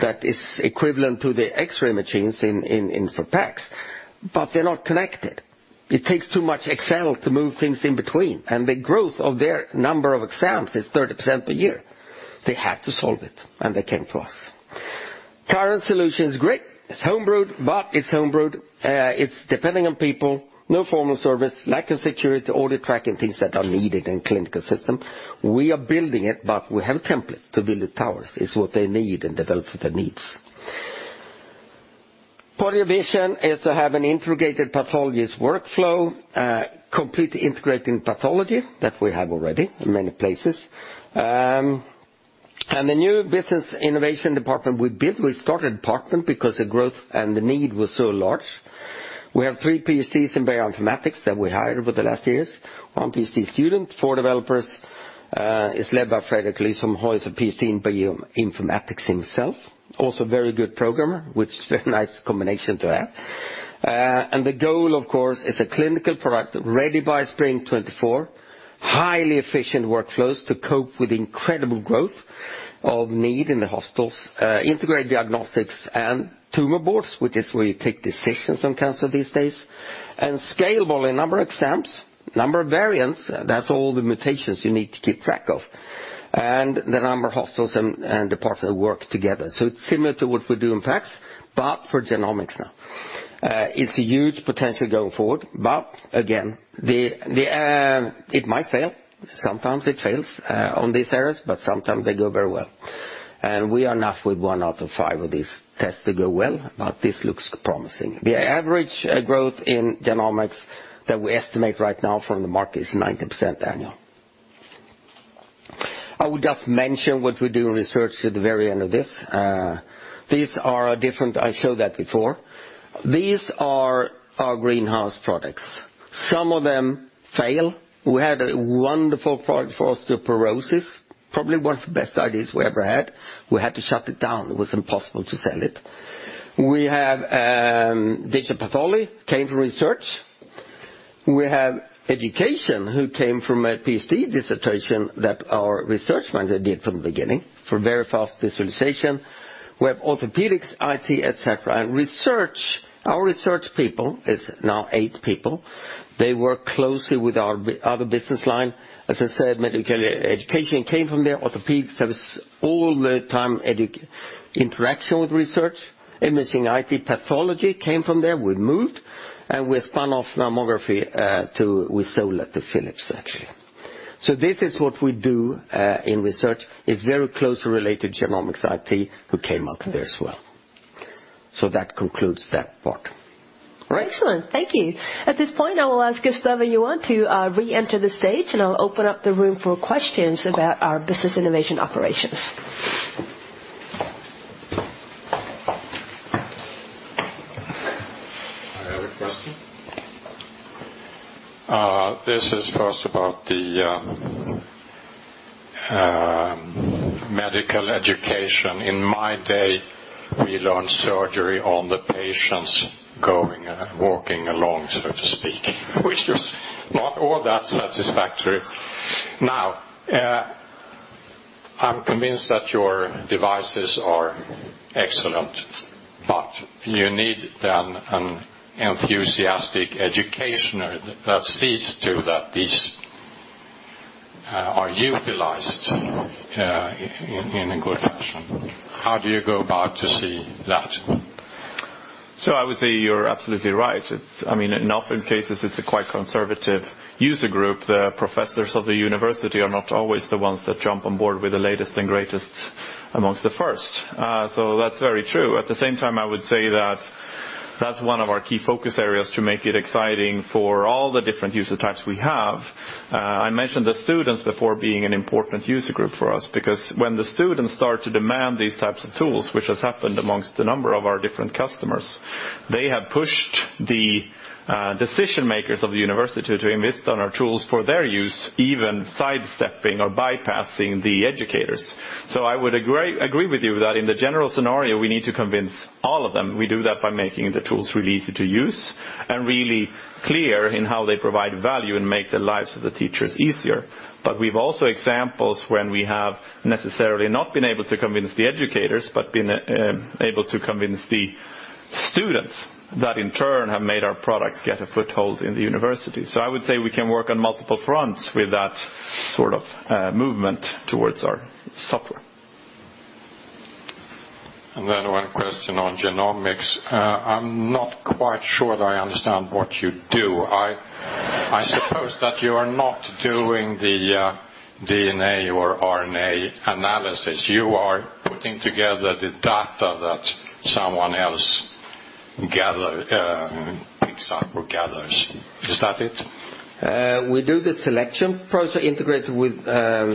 that is equivalent to the X-ray machines in, in for PACS, but they're not connected. It takes too much Excel to move things in between, and the growth of their number of exams is 30% per year. They had to solve it, and they came to us. Current solution is great. It's home brewed. It's depending on people, no formal service, lack of security, audit tracking, things that are needed in clinical system. We are building it, but we have a template to build the towers. It's what they need and develop for their needs. Part of your vision is to have an integrated pathologist workflow, completely integrating pathology that we have already in many places. The new business innovation department we built, we started department because the growth and the need was so large. We have three PhDs in Bioinformatics that we hired over the last years, one PhD student, four developers, is led by Fredrik Lysholm Høj, a PhD in Bioinformatics himself, also a very good programmer, which is very nice combination to have. The goal, of course, is a clinical product ready by spring 2024, highly efficient workflows to cope with incredible growth of need in the hospitals, integrate diagnostics and tumor boards, which is where you take decisions on cancer these days, scalable in number of exams, number of variants, that's all the mutations you need to keep track of, and the number of hospitals and departments that work together. It's similar to what we do in PACS, but for Genomics now. It's a huge potential going forward, again, the, it might fail. Sometimes it fails on these areas, but sometimes they go very well. We are enough with one out of five of these tests to go well, but this looks promising. The average growth in Genomics that we estimate right now from the market is 90% annual. I will just mention what we do in research at the very end of this. These are different. I showed that before. These are our greenhouse products. Some of them fail. We had a wonderful product for osteoporosis, probably one of the best ideas we ever had. We had to shut it down. It was impossible to sell it. We have Digital Pathology, came from research. We have Education who came from a PhD dissertation that our research manager did from the beginning for very fast visualization. We have Orthopaedics, IT, et cetera, and research. Our research people is now eight people. They work closely with our other business line. As I said, Medical Education came from there, Orthopaedics service all the time interaction with research, Imaging IT, pathology came from there. We moved, we spun off mammography. We sold it to Philips, actually. This is what we do in research. It's very closely related to Genomics IT, who came out of there as well. That concludes that part. All right. Excellent. Thank you. At this point, I will ask Gustaf you want to re-enter the stage, and I'll open up the room for questions about our business innovation operations. I have a question. This is first about the medical education. In my day, we learned surgery on the patients going and walking along, so to speak, which was not all that satisfactory. I'm convinced that your devices are excellent, but you need then an enthusiastic educationer that sees to that these are utilized in a good fashion. How do you go about to see that? I would say you're absolutely right. It's I mean, in often cases, it's a quite conservative user group. The professors of the university are not always the ones that jump on board with the latest and greatest amongst the first. That's very true. At the same time, I would say that that's one of our key focus areas to make it exciting for all the different user types we have. I mentioned the students before being an important user group for us because when the students start to demand these types of tools, which has happened amongst a number of our different customers, they have pushed the decision-makers of the university to invest on our tools for their use, even sidestepping or bypassing the educators. I would agree with you that in the general scenario, we need to convince all of them. We do that by making the tools really easy to use and really clear in how they provide value and make the lives of the teachers easier. We've also examples when we have necessarily not been able to convince the educators, but been able to convince the students that in turn have made our product get a foothold in the university. I would say we can work on multiple fronts with that sort of movement towards our software. One question on genomics. I'm not quite sure that I understand what you do. I suppose that you are not doing the DNA or RNA analysis. You are putting together the data that someone else picks up or gathers. Is that it? We do the selection process integrated with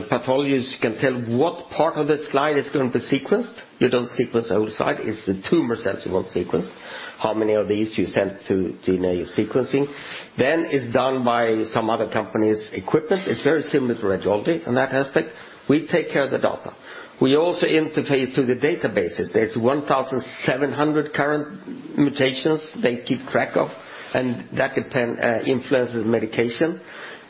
pathologists can tell what part of the slide is gonna be sequenced. You don't sequence outside, it's the tumor cells you want sequenced. How many of these you send to DNA sequencing. It's done by some other company's equipment. It's very similar to radiology in that aspect. We take care of the data. We also interface to the databases. There's 1,700 current mutations they keep track of, and that depend, influences medication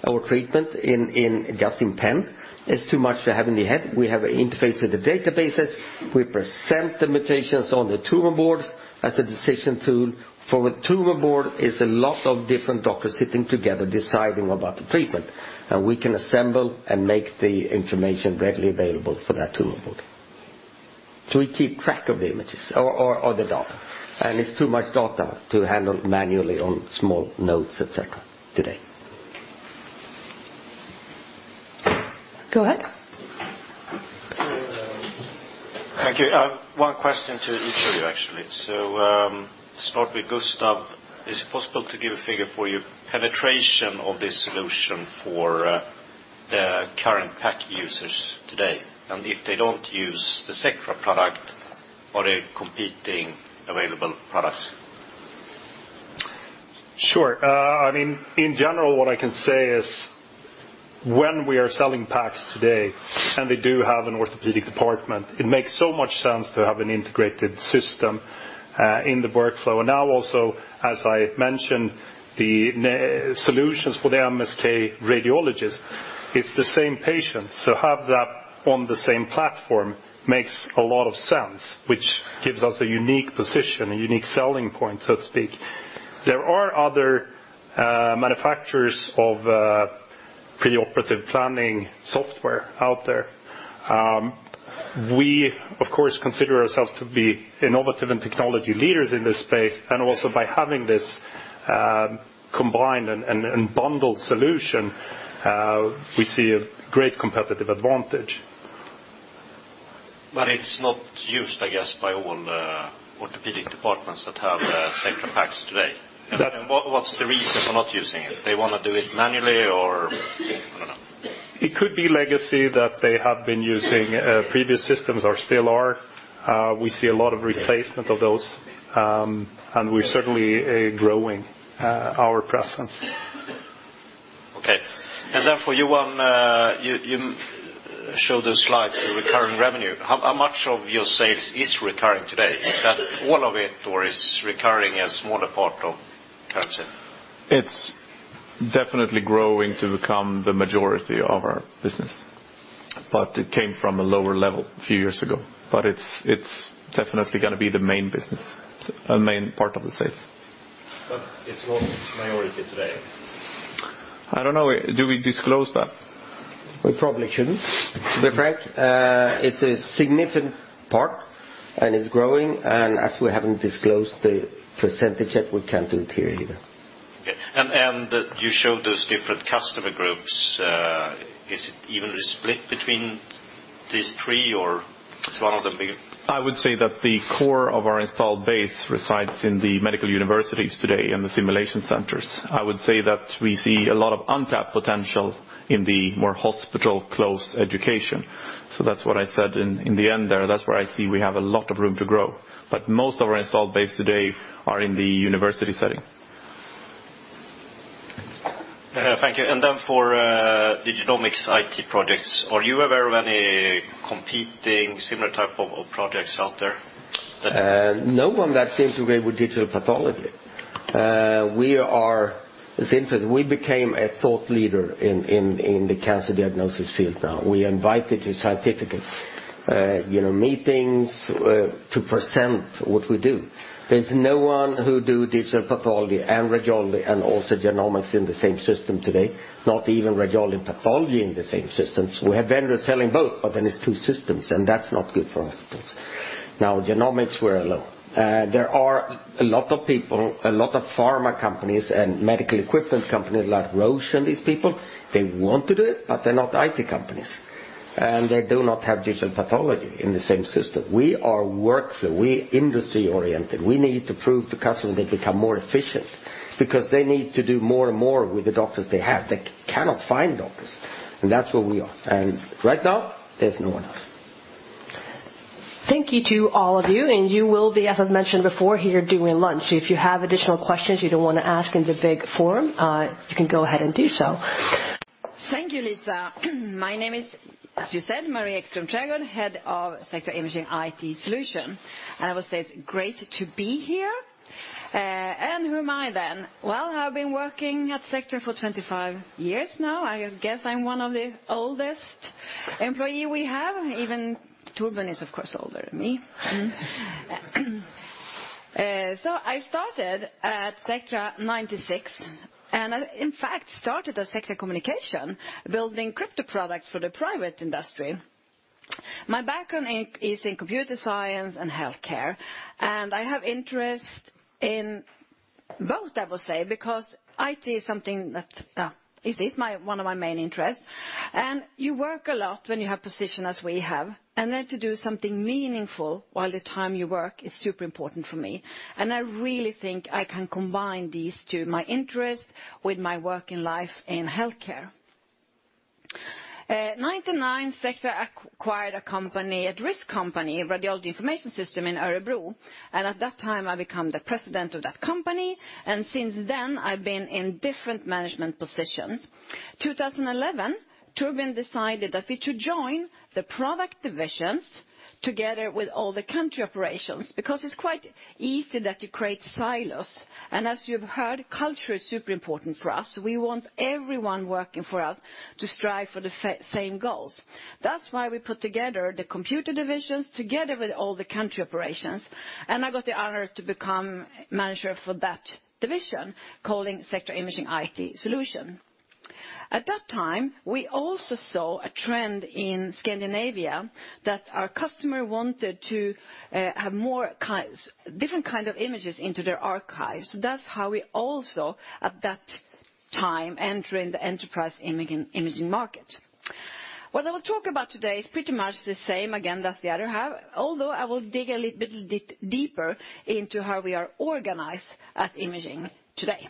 or treatment in just in Penn. It's too much to have in the head. We have an interface with the databases. We present the mutations on the tumor boards as a decision tool. A tumor board is a lot of different doctors sitting together deciding about the treatment. We can assemble and make the information readily available for that tumor board. We keep track of the images or the data. It's too much data to handle manually on small notes, et cetera, today. Go ahead. Thank you. I have one question to each of you, actually. Start with Gustav. Is it possible to give a figure for your penetration of this solution for the current PACS users today? If they don't use the Sectra product, are they competing available products? Sure. I mean, in general, what I can say is when we are selling PACS today, they do have an orthopedic department, it makes so much sense to have an integrated system in the workflow. Now also, as I mentioned, solutions for the MSK radiologist, it's the same patient. Have that on the same platform makes a lot of sense, which gives us a unique position, a unique selling point, so to speak. There are other manufacturers of preoperative planning software out there. We, of course, consider ourselves to be innovative and technology leaders in this space. Also by having this combined and bundled solution, we see a great competitive advantage. It's not used, I guess, by all the orthopedic departments that have, Sectra PACS today. That's- What, what's the reason for not using it? They want to do it manually or I don't know. It could be legacy that they have been using, previous systems or still are. We see a lot of replacement of those, and we're certainly growing our presence. Okay. Therefore, you show the slide, the recurring revenue. How much of your sales is recurring today? Is that all of it or is recurring a smaller part of Sectra? It's definitely growing to become the majority of our business, but it came from a lower level a few years ago. It's definitely gonna be the main business, a main part of the sales. It's not majority today. I don't know. Do we disclose that? We probably shouldn't, to be frank. It's a significant part, and it's growing. As we haven't disclosed the percentage yet, we can't do it here either. Okay. You showed those different customer groups. Is it evenly split between these three or is one of them bigger? I would say that the core of our installed base resides in the medical universities today and the simulation centers. I would say that we see a lot of untapped potential in the more hospital-close education. That's what I said in the end there. That's where I see we have a lot of room to grow. Most of our installed base today are in the university setting. Thank you. Then for the Genomics IT projects, are you aware of any competing similar type of projects out there? No one that integrate with Digital Pathology. Since then, we became a thought leader in the cancer diagnosis field now. We invited the scientific, you know, meetings to present what we do. There's no one who do Digital Pathology and radiology and also genomics in the same system today, not even radiology and pathology in the same system. We have vendors selling both, but then it's two systems, and that's not good for hospitals. Now, genomics, we're alone. There are a lot of people, a lot of pharma companies and medical equipment companies like Roche and these people, they want to do it, but they're not IT companies, and they do not have Digital Pathology in the same system. We are workflow. We industry-oriented. We need to prove to customers they become more efficient because they need to do more and more with the doctors they have. They cannot find doctors, and that's where we are. Right now, there's no one else. Thank you to all of you, and you will be, as I've mentioned before, here during lunch. If you have additional questions you don't wanna ask in the big forum, you can go ahead and do so. Thank you, Lisa. My name is, as you said, Marie Ekström Trägårdh, head of Sectra Imaging IT Solutions. I would say it's great to be here. Who am I then? Well, I've been working at Sectra for 25 years now. I guess I'm one of the oldest. Employee we have, even Torbjörn Kronander is of course older than me. I started at Sectra 1996, and I in fact started at Sectra Communications, building crypto products for the private industry. My background is in computer science and healthcare, and I have interest in both, I will say, because IT is something that it is my, one of my main interests. You work a lot when you have position as we have, and then to do something meaningful while the time you work is super important for me. I really think I can combine these two, my interest with my working life in healthcare. 1999, Sectra acquired a company, a RIS company, Radiology Information System in Örebro. At that time, I become the president of that company, and since then, I've been in different management positions. 2011, Torbjörn decided that we should join the product divisions together with all the country operations because it's quite easy that you create silos. As you've heard, culture is super important for us. We want everyone working for us to strive for the same goals. That's why we put together the computer divisions together with all the country operations, and I got the honor to become manager for that division, calling Sectra Imaging IT Solutions. At that time, we also saw a trend in Scandinavia that our customer wanted to have more different kind of images into their archives. That's how we also, at that time, enter in the enterprise imaging market. What I will talk about today is pretty much the same again as the other half, although I will dig a little bit deeper into how we are organized at Imaging today.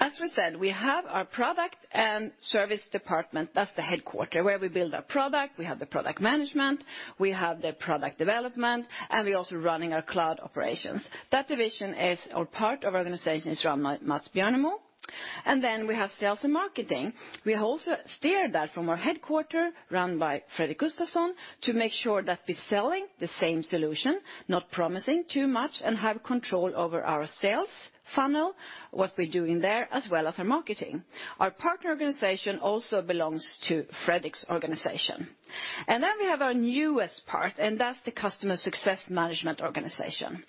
As we said, we have our product and service department. That's the headquarter, where we build our product, we have the product management, we have the product development, and we're also running our cloud operations. That division is, or part of our organization, is run by Mats Björnemo. Then we have sales and marketing. We also steer that from our headquarter run by Fredrik Gustavsson to make sure that we're selling the same solution, not promising too much, and have control over our sales funnel, what we're doing there, as well as our marketing. Our partner organization also belongs to Fredrik's organization. Then we have our newest part, and that's the customer success management organization.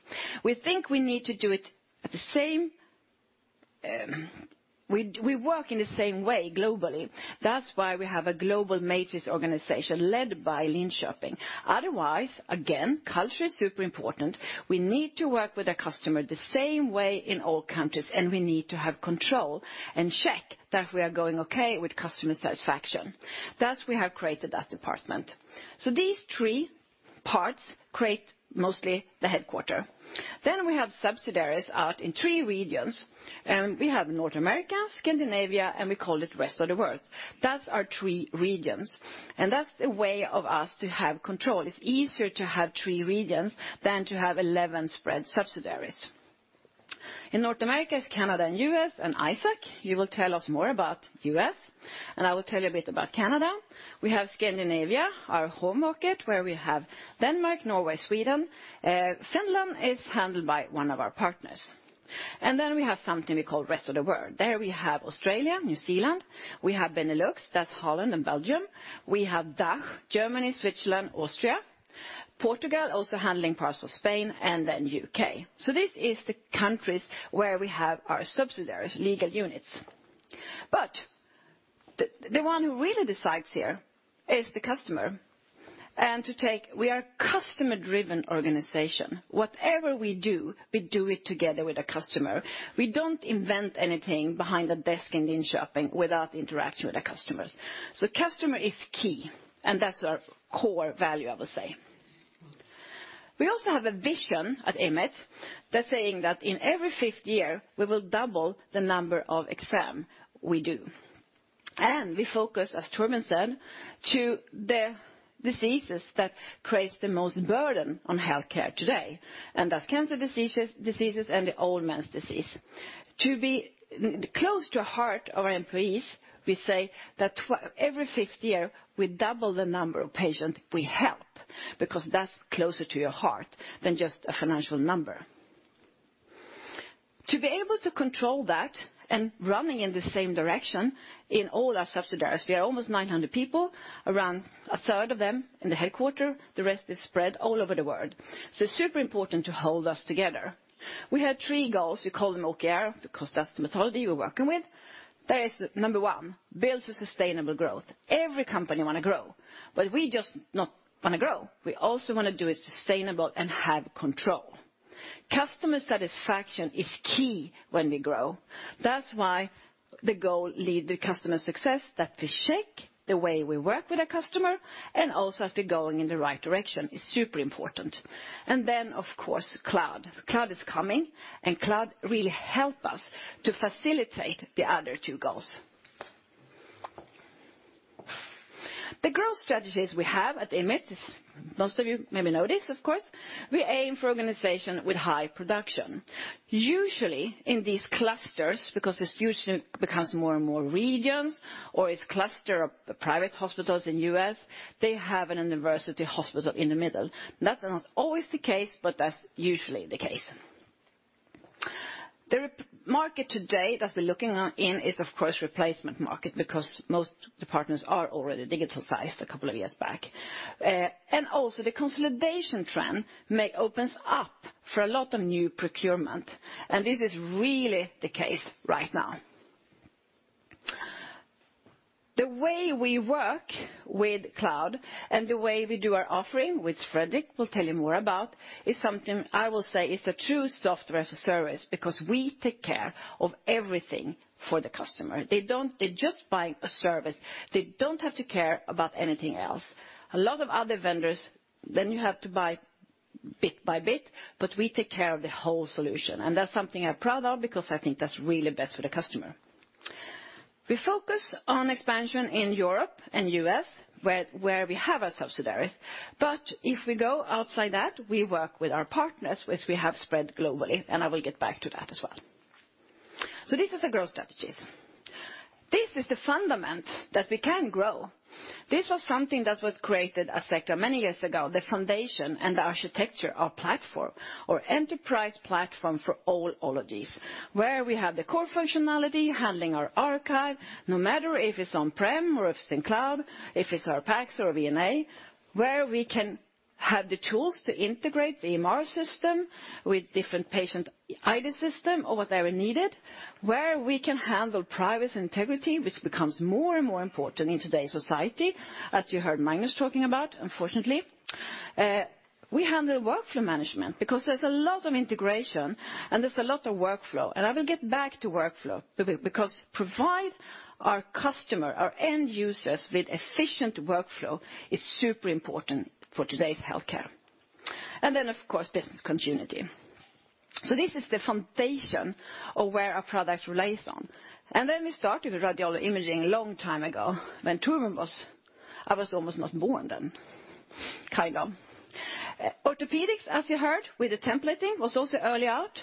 We work in the same way globally. That's why we have a global matrix organization led by Linköping. Otherwise, again, culture is super important. We need to work with a customer the same way in all countries, and we need to have control and check that we are going okay with customer satisfaction. Thus, we have created that department. These three parts create mostly the headquarter. We have subsidiaries out in three regions. We have North America, Scandinavia, and we call it rest of the world. That's our three regions, and that's a way of us to have control. It's easier to have three regions than to have 11 spread subsidiaries. In North America is Canada and U.S., and Isaac, you will tell us more about U.S., and I will tell you a bit about Canada. We have Scandinavia, our home market, where we have Denmark, Norway, Sweden. Finland is handled by one of our partners. Then we have something we call rest of the world. There we have Australia, New Zealand. We have Benelux, that's Holland and Belgium. We have DACH, Germany, Switzerland, Austria. Portugal also handling parts of Spain. Then U.K. This is the countries where we have our subsidiaries, legal units. But the one who really decides here is the customer. To take. We are a customer-driven organization. Whatever we do, we do it together with a customer. We don't invent anything behind a desk in Linköping without interacting with our customers. Customer is key, and that's our core value, I will say. We also have a vision at IMIT that's saying that in every fifth year, we will double the number of exam we do. We focus, as Torbjörn said, to the diseases that creates the most burden on healthcare today, and that's cancer diseases, and the old man's disease. To be close to heart our employees, we say that every fifth year, we double the number of patients we help because that's closer to your heart than just a financial number. To be able to control that and running in the same direction in all our subsidiaries, we are almost 900 people, around a third of them in the headquarter, the rest is spread all over the world. It's super important to hold us together. We have three goals. We call them OKR because that's the methodology we're working with. There is, number one, build a sustainable growth. Every company wanna grow, we just not wanna grow. We also wanna do it sustainable and have control. Customer satisfaction is key when we grow. That's why the goal lead the customer success, that we check the way we work with a customer and also as we're going in the right direction is super important. Then, of course, cloud. Cloud is coming, cloud really help us to facilitate the other two goals. The growth strategies we have at IMIT is, most of you maybe know this, of course, we aim for organization with high production. Usually, in these clusters, because it usually becomes more and more regions or it's cluster of private hospitals in U.S., they have an university hospital in the middle. That's not always the case, but that's usually the case. The market today that we're looking on in is of course replacement market because most departments are already digitized a couple of years back. Also the consolidation trend may opens up for a lot of new procurement. This is really the case right now. The way we work with cloud and the way we do our offering, which Fredrik will tell you more about, is something I will say is a true software as a service because we take care of everything for the customer. They just buy a service. They don't have to care about anything else. A lot of other vendors, then you have to buy bit by bit. We take care of the whole solution. That's something I'm proud of because I think that's really best for the customer. We focus on expansion in Europe and U.S., where we have our subsidiaries. If we go outside that, we work with our partners, which we have spread globally, and I will get back to that as well. This is the growth strategies. This is the fundament that we can grow. This was something that was created at Sectra many years ago, the foundation and the architecture, our platform, our enterprise platform for all of these. Where we have the core functionality handling our archive, no matter if it's on-prem or if it's in cloud, if it's our PACS or VNA, where we can have the tools to integrate the EMR system with different patient ID system or whatever needed, where we can handle privacy and integrity, which becomes more and more important in today's society, as you heard Magnus talking about, unfortunately. We handle workflow management because there's a lot of integration and there's a lot of workflow. I will get back to workflow because provide our customer, our end users with efficient workflow is super important for today's healthcare. Of course, business continuity. This is the foundation of where our products relies on. We started with radiology imaging a long time ago when Torbjörn was... I was almost not born then, kind of. Orthopaedics, as you heard with the templating, was also early out.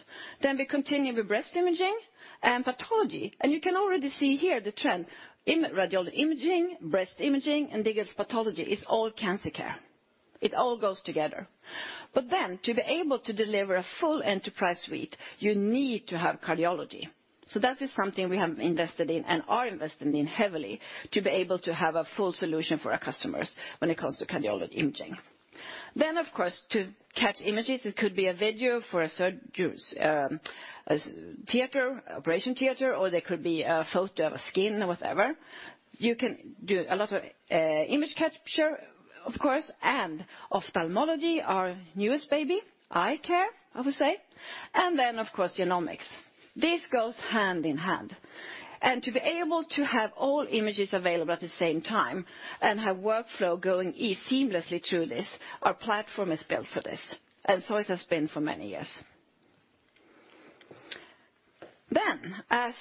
We continued with breast imaging and pathology. You can already see here the trend, radiology imaging, breast imaging, and digital pathology is all cancer care. It all goes together. To be able to deliver a full enterprise suite, you need to have cardiology. That is something we have invested in and are investing in heavily to be able to have a full solution for our customers when it comes to cardiology imaging. Of course, to catch images, it could be a video for a theater, operation theater, or there could be a photo of a skin or whatever. You can do a lot of image capture, of course, and ophthalmology, our newest baby, eye care, I would say. Of course, genomics. This goes hand in hand. To be able to have all images available at the same time and have workflow going seamlessly through this, our platform is built for this. It has been for many years. As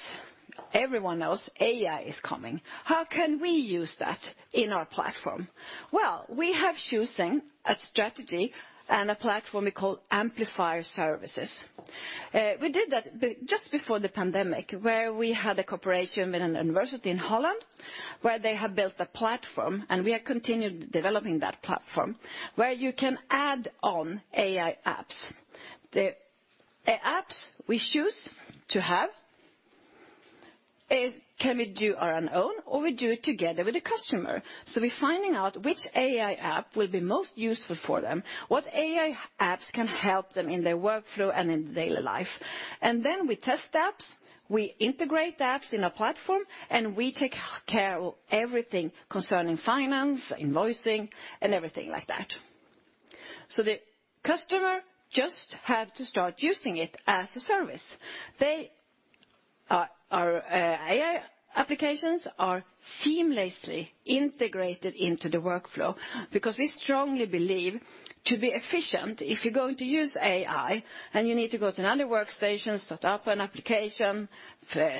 everyone knows, AI is coming. How can we use that in our platform? Well, we have choosing a strategy and a platform we call Amplifier Services. We did that just before the pandemic, where we had a cooperation with a university in Holland, where they have built a platform, we have continued developing that platform, where you can add on AI apps. The apps we choose to have can we do on our own or we do it together with the customer. We're finding out which AI app will be most useful for them, what AI apps can help them in their workflow and in their daily life. We test apps, we integrate the apps in a platform, and we take care of everything concerning finance, invoicing, and everything like that. The customer just have to start using it as a service. Our AI applications are seamlessly integrated into the workflow because we strongly believe to be efficient, if you're going to use AI and you need to go to another workstation, start up an application,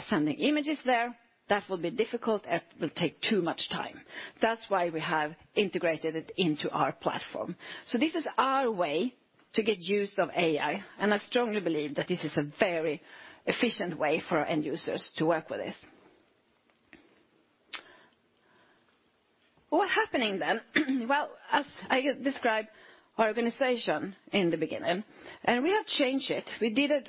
send the images there, that will be difficult and will take too much time. That's why we have integrated it into our platform. This is our way to get use of AI, and I strongly believe that this is a very efficient way for our end users to work with this. What's happening? As I described our organization in the beginning, we have changed it. We did a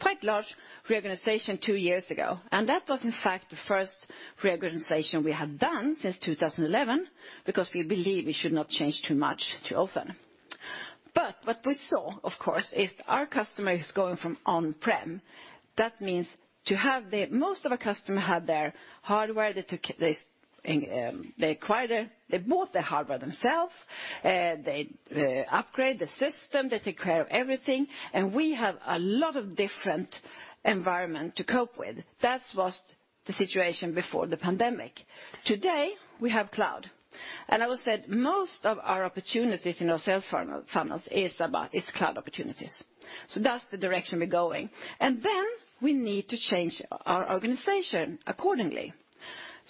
quite large reorganization two years ago, and that was in fact the first reorganization we have done since 2011, because we believe we should not change too much too often. What we saw, of course, is our customer is going from on-prem. That means to have Most of our customer had their hardware, they took this, they acquired it, they bought the hardware themselves, they upgrade the system, they take care of everything, and we have a lot of different environment to cope with. That was the situation before the pandemic. Today, we have cloud. I will say most of our opportunities in our sales funnels is about, it's cloud opportunities. That's the direction we're going. We need to change our organization accordingly.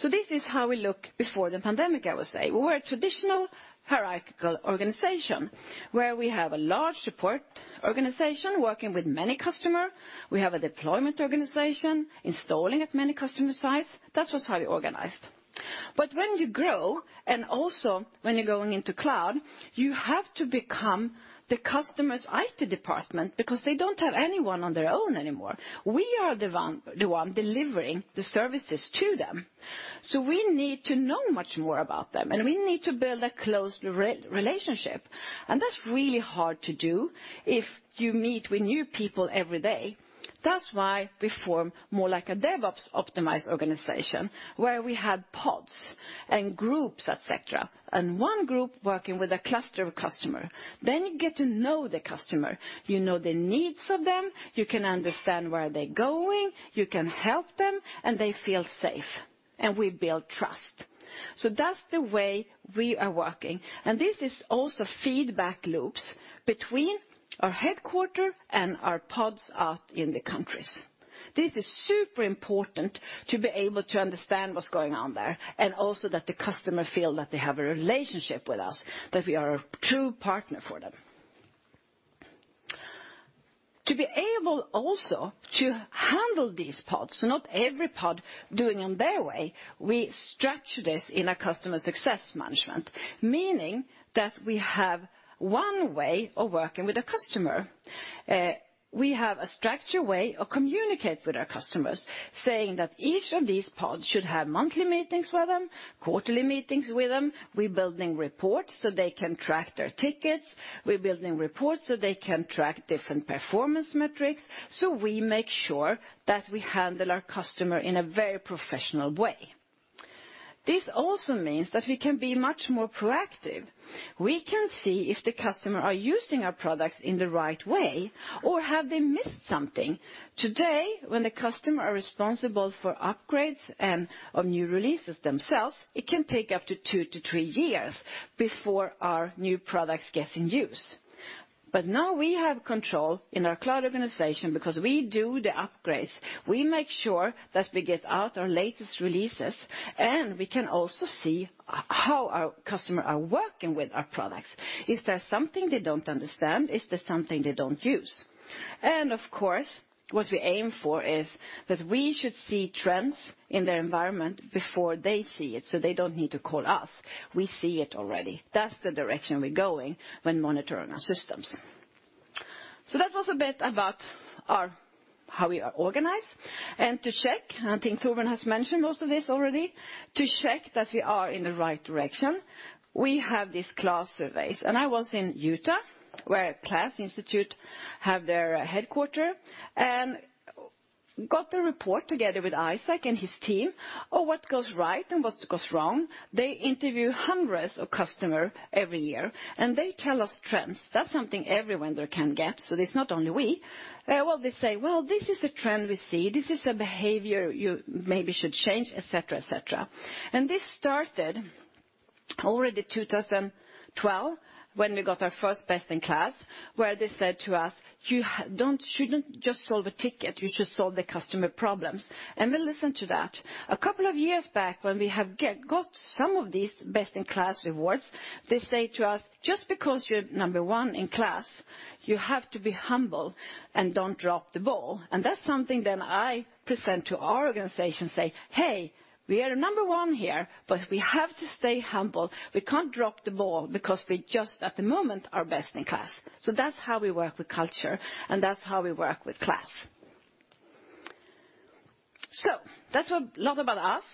This is how we look before the pandemic, I will say. We were a traditional hierarchical organization where we have a large support organization working with many customer. We have a deployment organization installing at many customer sites. That was how we organized. When you grow, and also when you're going into cloud, you have to become the customer's IT department because they don't have anyone on their own anymore. We are the one, the one delivering the services to them, so we need to know much more about them, and we need to build a close re-relationship. That's really hard to do if you meet with new people every day. That's why we form more like a DevOps optimized organization where we have pods and groups, et cetera, and one group working with a cluster of customer. You get to know the customer, you know the needs of them, you can understand where they're going, you can help them, and they feel safe. We build trust. That's the way we are working. This is also feedback loops between our headquarter and our pods out in the countries. This is super important to be able to understand what's going on there, and also that the customer feel that they have a relationship with us, that we are a true partner for them. To be able also to handle these pods, not every pod doing in their way, we structure this in a customer success management, meaning that we have one way of working with a customer. We have a structure way of communicate with our customers, saying that each of these pods should have monthly meetings with them, quarterly meetings with them. We're building reports so they can track their tickets. We're building reports so they can track different performance metrics. We make sure that we handle our customer in a very professional way. This also means that we can be much more proactive. We can see if the customer are using our products in the right way or have they missed something. Today, when the customer are responsible for upgrades and of new releases themselves, it can take up to 2-3 years before our new products get in use. Now we have control in our cloud organization because we do the upgrades. We make sure that we get out our latest releases, and we can also see how our customer are working with our products. Is there something they don't understand? Is there something they don't use? Of course, what we aim for is that we should see trends in their environment before they see it, so they don't need to call us. We see it already. That's the direction we're going when monitoring our systems. That was a bit about how we are organized. To check, I think Torbjörn has mentioned most of this already. To check that we are in the right direction, we have these KLAS surveys. I was in Utah, where KLAS Research have their headquarters, and got the report together with Isaac and his team of what goes right and what goes wrong. They interview hundreds of customers every year, and they tell us trends. That's something everyone there can get, so it's not only we. Well, they say, "Well, this is a trend we see. This is a behavior you maybe should change," et cetera, et cetera. This started already 2012 when we got our first best-in-KLAS, where they said to us, "You shouldn't just solve a ticket. You should solve the customer problems." We listened to that. A couple of years back when we have got some of these best-in-KLAS awards, they say to us, "Just because you're number one in KLAS, you have to be humble and don't drop the ball." That's something then I present to our organization, say, "Hey, we are number one here, but we have to stay humble. We can't drop the ball because we just at the moment are best-in-KLAS." That's how we work with culture, and that's how we work with KLAS. That's a lot about us.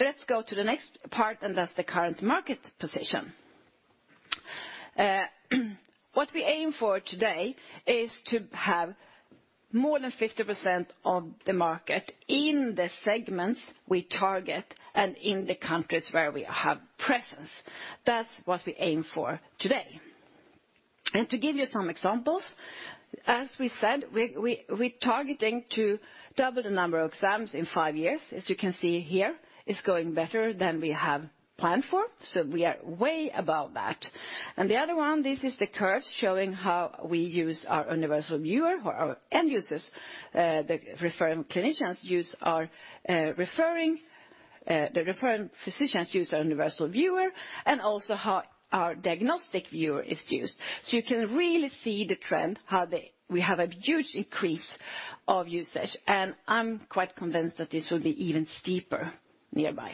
Let's go to the next part, and that's the current market position. What we aim for today is to have more than 50% of the market in the segments we target and in the countries where we have presence. That's what we aim for today. To give you some examples, as we said, we're targeting to double the number of exams in five years. As you can see here, it's going better than we have planned for, so we are way above that. The other one, this is the curve showing how we use our Universal Viewer or our end users, the referring clinicians use our referring physicians use our Universal Viewer and also how our Diagnostic Viewer is used. You can really see the trend, how we have a huge increase of usage. I'm quite convinced that this will be even steeper nearby.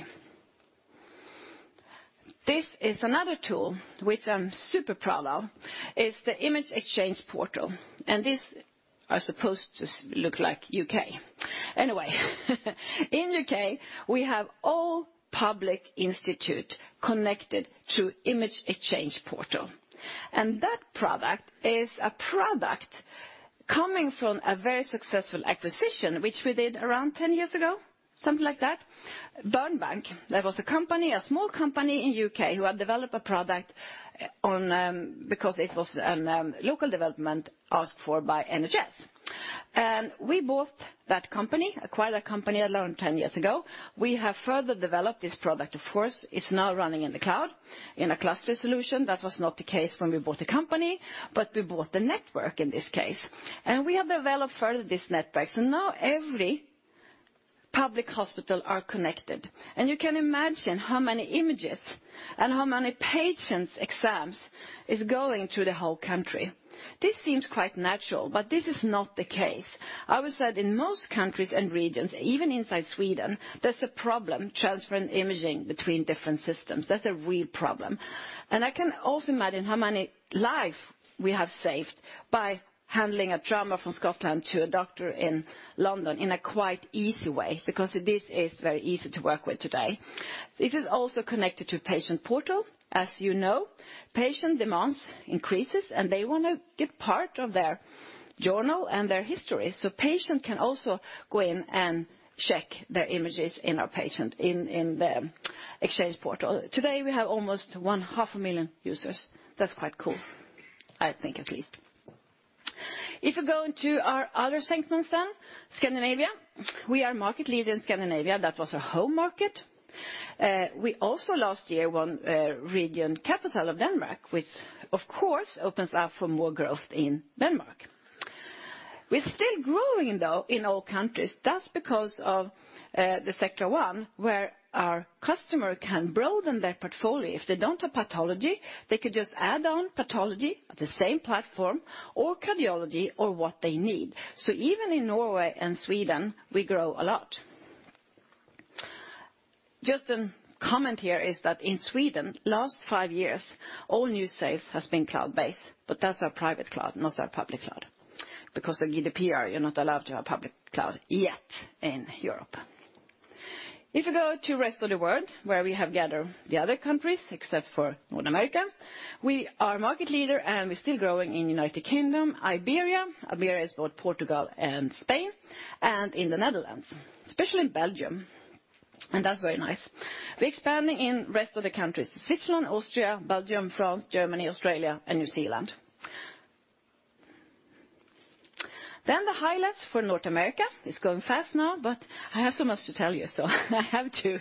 This is another tool which I'm super proud of. It's the Image Exchange Portal. This are supposed to look like UK. Anyway, in UK, we have all public institute connected to Image Exchange Portal. That product is a product coming from a very successful acquisition, which we did around 10 years ago, something like that. Burnbank, that was a company, a small company in UK who had developed a product on, because it was local development asked for by NHS. We bought that company, acquired that company alone 10 years ago. We have further developed this product, of course. It's now running in the cloud in a cluster solution. That was not the case when we bought the company, but we bought the network in this case. We have developed further these networks. Now every public hospital are connected. You can imagine how many images and how many patients' exams is going through the whole country. This seems quite natural, but this is not the case. I would say that in most countries and regions, even inside Sweden, there's a problem transferring imaging between different systems. That's a real problem. I can also imagine how many lives we have saved by handling a trauma from Scotland to a doctor in London in a quite easy way, because this is very easy to work with today. This is also connected to patient portal. You know, patient demands increases, and they want to get part of their journal and their history. Patient can also go in and check their images in our patient in the Image Exchange Portal. Today, we have almost one half a million users. That's quite cool, I think at least. If you go into our other segments then, Scandinavia. We are market leader in Scandinavia. That was our home market. We also last year won Capital Region of Denmark, which of course opens up for more growth in Denmark. We're still growing though in all countries. That's because of the Sectra One where our customer can broaden their portfolio. If they don't have pathology, they could just add on pathology at the same platform or cardiology or what they need. Even in Norway and Sweden, we grow a lot. Just a comment here is that in Sweden, last five years, all new sales has been cloud-based, but that's our private cloud, not our public cloud. Because of GDPR, you're not allowed to have public cloud yet in Europe. If you go to rest of the world, where we have gathered the other countries except for North America, we are market leader. We're still growing in United Kingdom, Iberia is both Portugal and Spain, and in the Netherlands, especially in Belgium. That's very nice. We're expanding in rest of the countries, Switzerland, Austria, Belgium, France, Germany, Australia, and New Zealand. The highlights for North America. It's going fast now. I have so much to tell you, so I have to.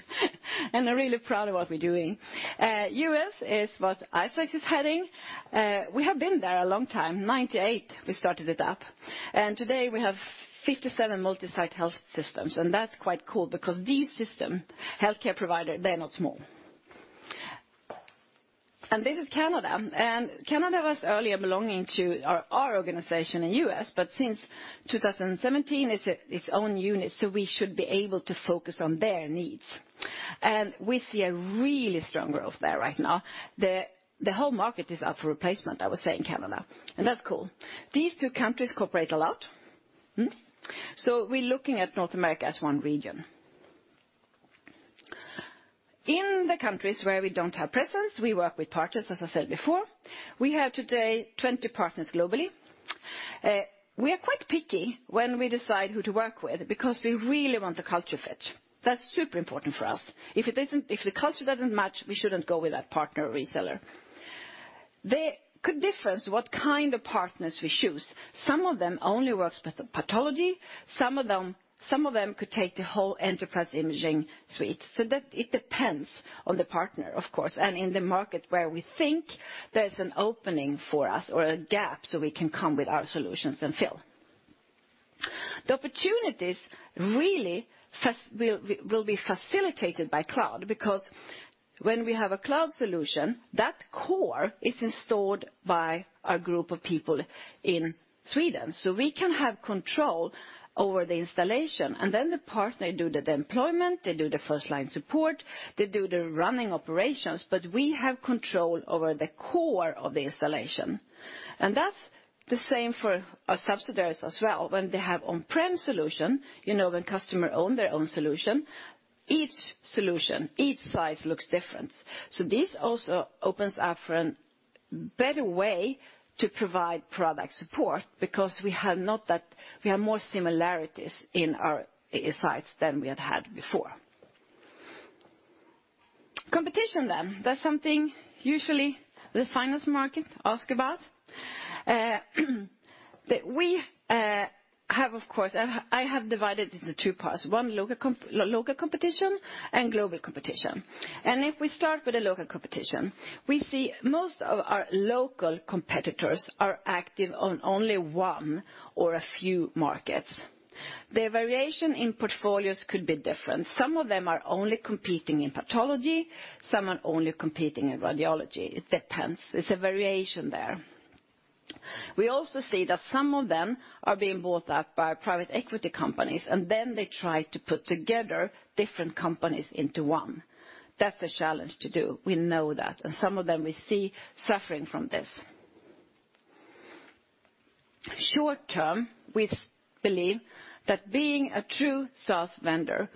I'm really proud of what we're doing. U.S. is what Isaac Zaworski is heading. We have been there a long time. 98, we started it up. Today, we have 57 multi-site health systems. That's quite cool because these system, healthcare provider, they're not small. This is Canada. Canada was earlier belonging to our organization in U.S., since 2017, it's its own unit, we should be able to focus on their needs. We see a really strong growth there right now. The whole market is up for replacement, I would say, in Canada, that's cool. These two countries cooperate a lot. We're looking at North America as one region. In the countries where we don't have presence, we work with partners, as I said before. We have today 20 partners globally. We are quite picky when we decide who to work with because we really want the culture fit. That's super important for us. If the culture doesn't match, we shouldn't go with that partner or reseller. There could difference what kind of partners we choose. Some of them only works with pathology. Some of them could take the whole enterprise imaging suite. It depends on the partner, of course. In the market where we think there's an opening for us or a gap, so we can come with our solutions and fill. The opportunities really will be facilitated by cloud because when we have a cloud solution, that core is installed by a group of people in Sweden. We can have control over the installation, and then the partner do the deployment, they do the first line support, they do the running operations, but we have control over the core of the installation. That's the same for our subsidiaries as well. When they have on-prem solution, you know, when customer own their own solution, each solution, each site looks different. This also opens up for an better way to provide product support because we have more similarities in our sites than we had had before. Competition. That's something usually the finance market ask about. We have of course, I have divided into two parts. One, local competition and global competition. If we start with the local competition, we see most of our local competitors are active on only one or a few markets. Their variation in portfolios could be different. Some of them are only competing in pathology, some are only competing in radiology. It depends. There's a variation there. We also see that some of them are being bought out by private equity companies, they try to put together different companies into one. That's a challenge to do. We know that. Some of them we see suffering from this. Short term, we believe that being a true SaaS vendor,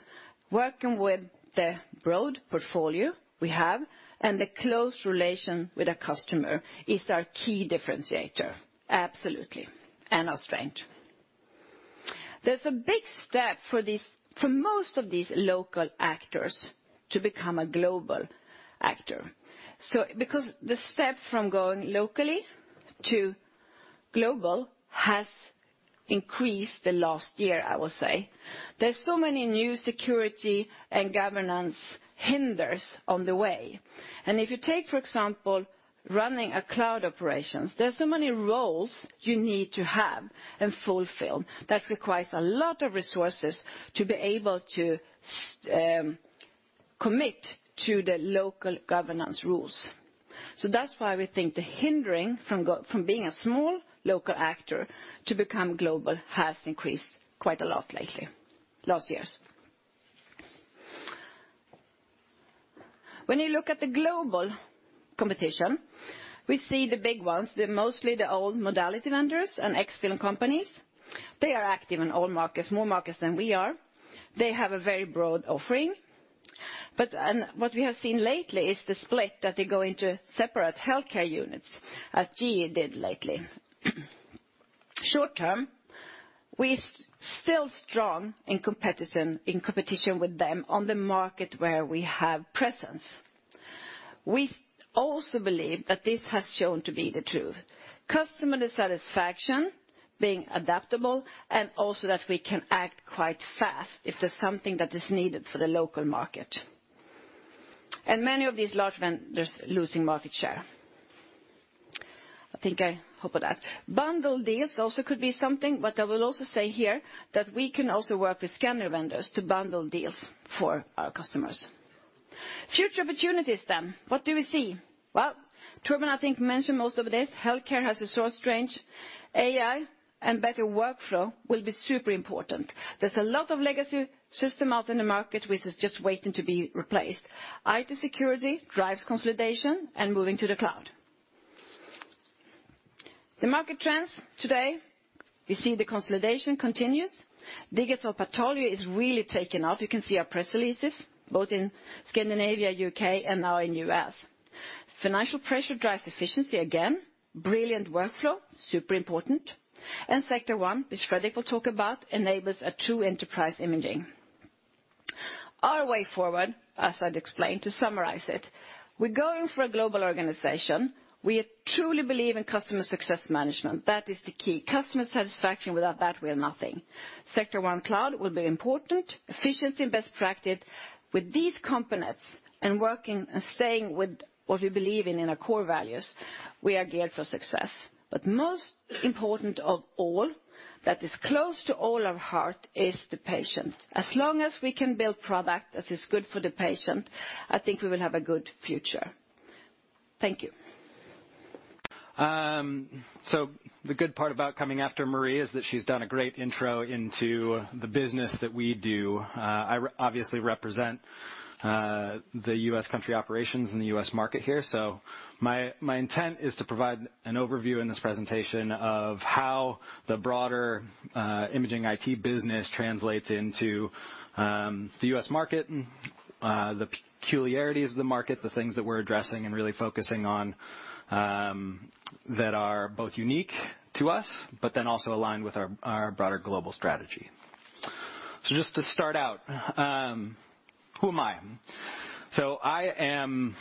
working with the broad portfolio we have and the close relation with a customer is our key differentiator, absolutely, and our strength. There's a big step for these, for most of these local actors to become a global actor. Because the step from going locally to global has increased the last year, I will say. There's so many new security and governance hinders on the way. If you take, for example, running a cloud operations, there's so many roles you need to have and fulfill. That requires a lot of resources to be able to commit to the local governance rules. That's why we think the hindering from being a small local actor to become global has increased quite a lot lately, last years. When you look at the global competition, we see the big ones, the mostly the old modality vendors and X-film companies. They are active in all markets, more markets than we are. They have a very broad offering. What we have seen lately is the split that they go into separate healthcare units, as GE did lately. Short-term, we're still strong in competition with them on the market where we have presence. We also believe that this has shown to be the truth. Customer satisfaction, being adaptable, and also that we can act quite fast if there's something that is needed for the local market. Many of these large vendors losing market share. I think I hop on that. Bundle deals also could be something, but I will also say here that we can also work with scanner vendors to bundle deals for our customers. Future opportunities. What do we see? Well, Torbjörn, I think, mentioned most of this. Healthcare has a source range. AI and better workflow will be super important. There's a lot of legacy system out in the market which is just waiting to be replaced. IT security drives consolidation and moving to the cloud. The market trends today, we see the consolidation continues. Digital Pathology is really taking off. You can see our press releases, both in Scandinavia, UK, and now in US. Financial pressure drives efficiency again. Brilliant workflow, super important. Sectra One, which Fredrik will talk about, enables a true enterprise imaging. Our way forward, as I'd explained, to summarize it. We're going for a global organization. We truly believe in customer success management. That is the key. Customer satisfaction, without that, we are nothing. Sectra One Cloud will be important. Efficiency and best practice. With these components and working and staying with what we believe in in our core values, we are geared for success. Most important of all, that is close to all our heart, is the patient. As long as we can build product that is good for the patient, I think we will have a good future. Thank you. The good part about coming after Marie is that she's done a great intro into the business that we do. I obviously represent the U.S. country operations in the U.S. market here. My intent is to provide an overview in this presentation of how the broader imaging IT business translates into the U.S. market, the peculiarities of the market, the things that we're addressing and really focusing on that are both unique to us, also aligned with our broader global strategy. Just to start out, who am I? I am,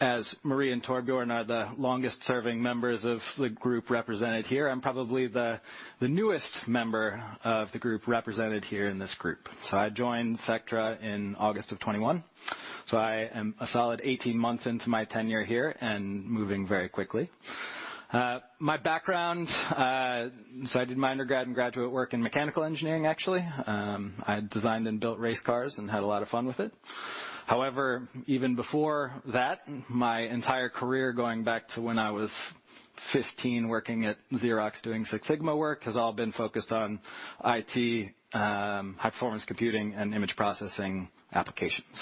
as Marie and Torbjörn are the longest serving members of the group represented here, I'm probably the newest member of the group represented here in this group. I joined Sectra in August of 2021, I am a solid 18 months into my tenure here and moving very quickly. My background, I did my undergrad and graduate work in mechanical engineering, actually. I designed and built race cars and had a lot of fun with it. However, even before that, my entire career going back to when I was 15, working at Xerox doing Six Sigma work, has all been focused on IT, high performance computing and image processing applications.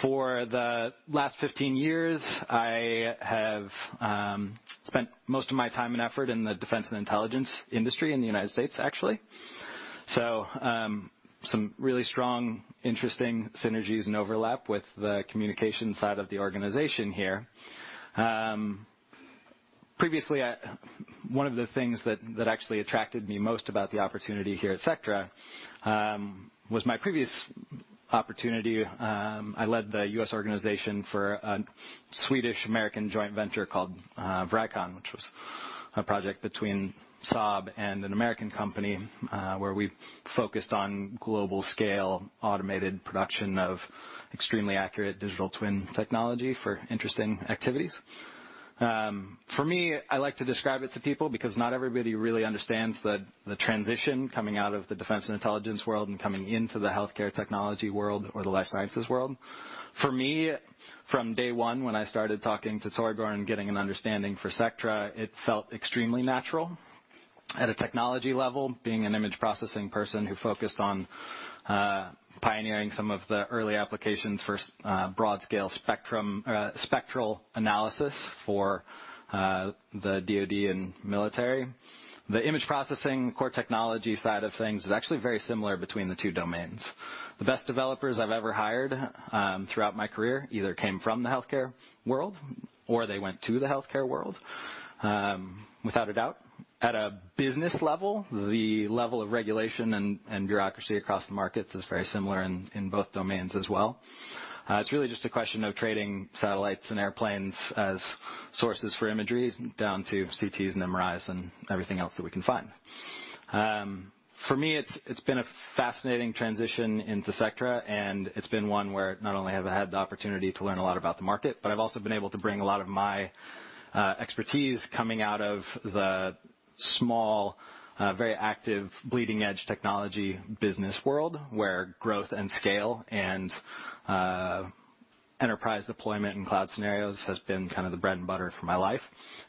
For the last 15 years, I have spent most of my time and effort in the defense and intelligence industry in the United States, actually. Some really strong, interesting synergies and overlap with the communication side of the organization here. Previously, I. One of the things that actually attracted me most about the opportunity here at Sectra was my previous opportunity. I led the U.S. organization for a Swedish-American joint venture called Vracon, which was a project between Saab and an American company, where we focused on global scale automated production of extremely accurate digital twin technology for interesting activities. For me, I like to describe it to people because not everybody really understands the transition coming out of the defense and intelligence world and coming into the healthcare technology world or the life sciences world. For me, from day one, when I started talking to Torbjörn, getting an understanding for Sectra, it felt extremely natural at a technology level, being an image processing person who focused on pioneering some of the early applications for broad scale spectrum, spectral analysis for the DoD and military. The image processing core technology side of things is actually very similar between the two domains. The best developers I've ever hired, throughout my career either came from the healthcare world or they went to the healthcare world, without a doubt. At a business level, the level of regulation and bureaucracy across the markets is very similar in both domains as well. It's really just a question of trading satellites and airplanes as sources for imagery down to CTs and MRIs and everything else that we can find. For me, it's been a fascinating transition into Sectra, and it's been one where not only have I had the opportunity to learn a lot about the market, but I've also been able to bring a lot of my expertise coming out of the small, very active, bleeding edge technology business world, where growth and scale and enterprise deployment in cloud scenarios has been kind of the bread and butter for my life,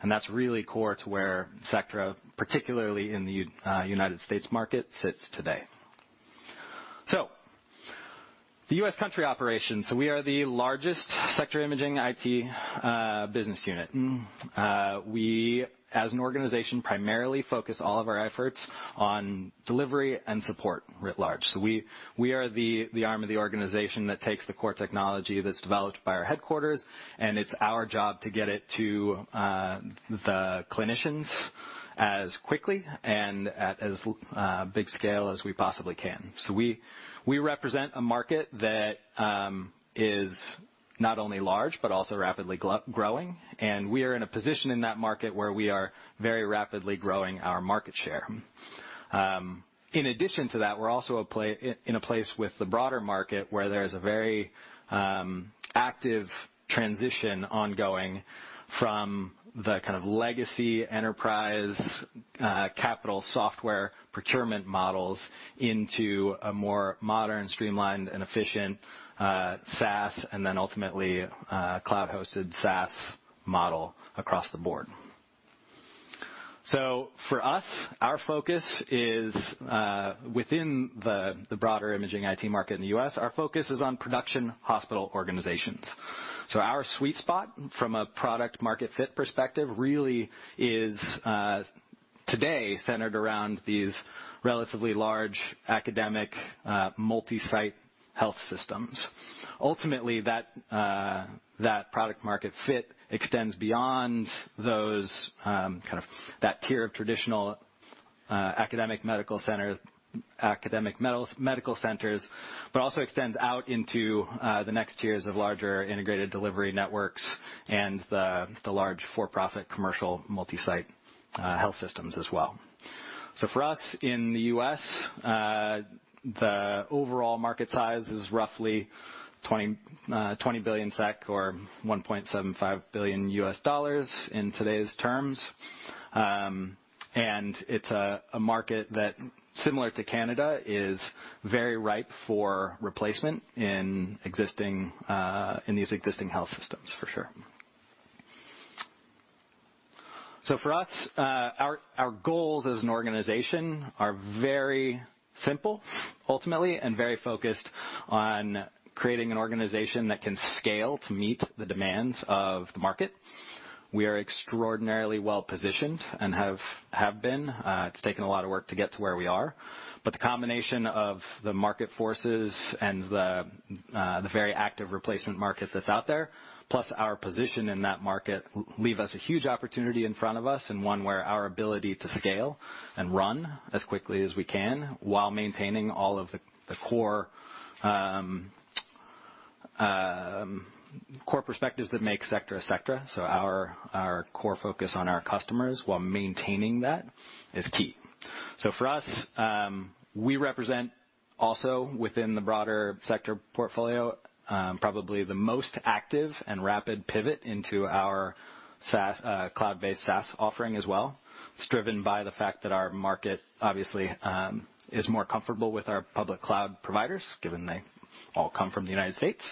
and that's really core to where Sectra, particularly in the United States market, sits today. The US country operations, so we are the largest Sectra Imaging IT business unit. We, as an organization, primarily focus all of our efforts on delivery and support writ large. We are the arm of the organization that takes the core technology that's developed by our headquarters, and it's our job to get it to the clinicians as quickly and at as big scale as we possibly can. We represent a market that is not only large, but also rapidly growing. We are in a position in that market where we are very rapidly growing our market share. In addition to that, we're also in a place with the broader market where there's a very active transition ongoing from the kind of legacy enterprise capital software procurement models into a more modern, streamlined, and efficient SaaS, and then ultimately cloud-hosted SaaS model across the board. For us, our focus is within the broader Imaging IT market in the U.S., our focus is on production hospital organizations. Our sweet spot from a product market fit perspective really is today centered around these relatively large academic, multi-site health systems. Ultimately, that product market fit extends beyond those, kind of that tier of traditional academic medical center, academic medical centers, but also extends out into the next tiers of larger integrated delivery networks and the large for-profit commercial multi-site health systems as well. For us in the U.S., the overall market size is roughly 20 billion SEK or 1.75 billion US dollars in today's terms. It's a market that similar to Canada is very ripe for replacement in existing in these existing health systems for sure. For us, our goals as an organization are very simple ultimately and very focused on creating an organization that can scale to meet the demands of the market. We are extraordinarily well-positioned and have been. It's taken a lot of work to get to where we are, but the combination of the market forces and the very active replacement market that's out there, plus our position in that market leave us a huge opportunity in front of us and one where our ability to scale and run as quickly as we can while maintaining all of the core perspectives that make Sectra Sectra. Our core focus on our customers while maintaining that is key. For us, we represent also within the broader Sectra portfolio, probably the most active and rapid pivot into our cloud-based SaaS offering as well. It's driven by the fact that our market obviously, is more comfortable with our public cloud providers, given they all come from the United States.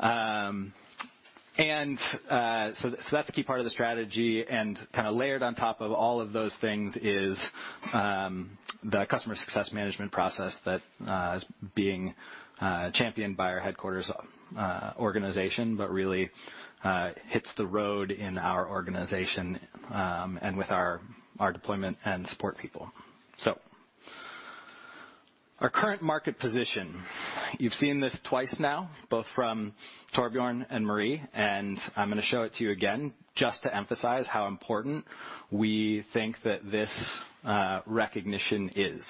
That's a key part of the strategy. Kinda layered on top of all of those things is the customer success management process that is being championed by our headquarters organization, but really hits the road in our organization and with our deployment and support people. Our current market position, you've seen this twice now, both from Torbjörn and Marie, and I'm gonna show it to you again just to emphasize how important we think that this recognition is.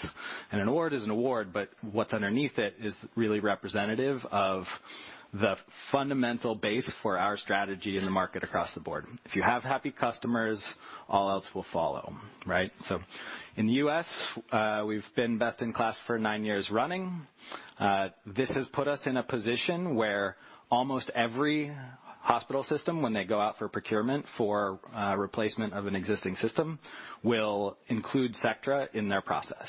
An award is an award, but what's underneath it is really representative of the fundamental base for our strategy in the market across the board. If you have happy customers, all else will follow, right. In the U.S., we've been best in class for nine years running. This has put us in a position where almost every hospital system, when they go out for procurement for replacement of an existing system, will include Sectra in their process.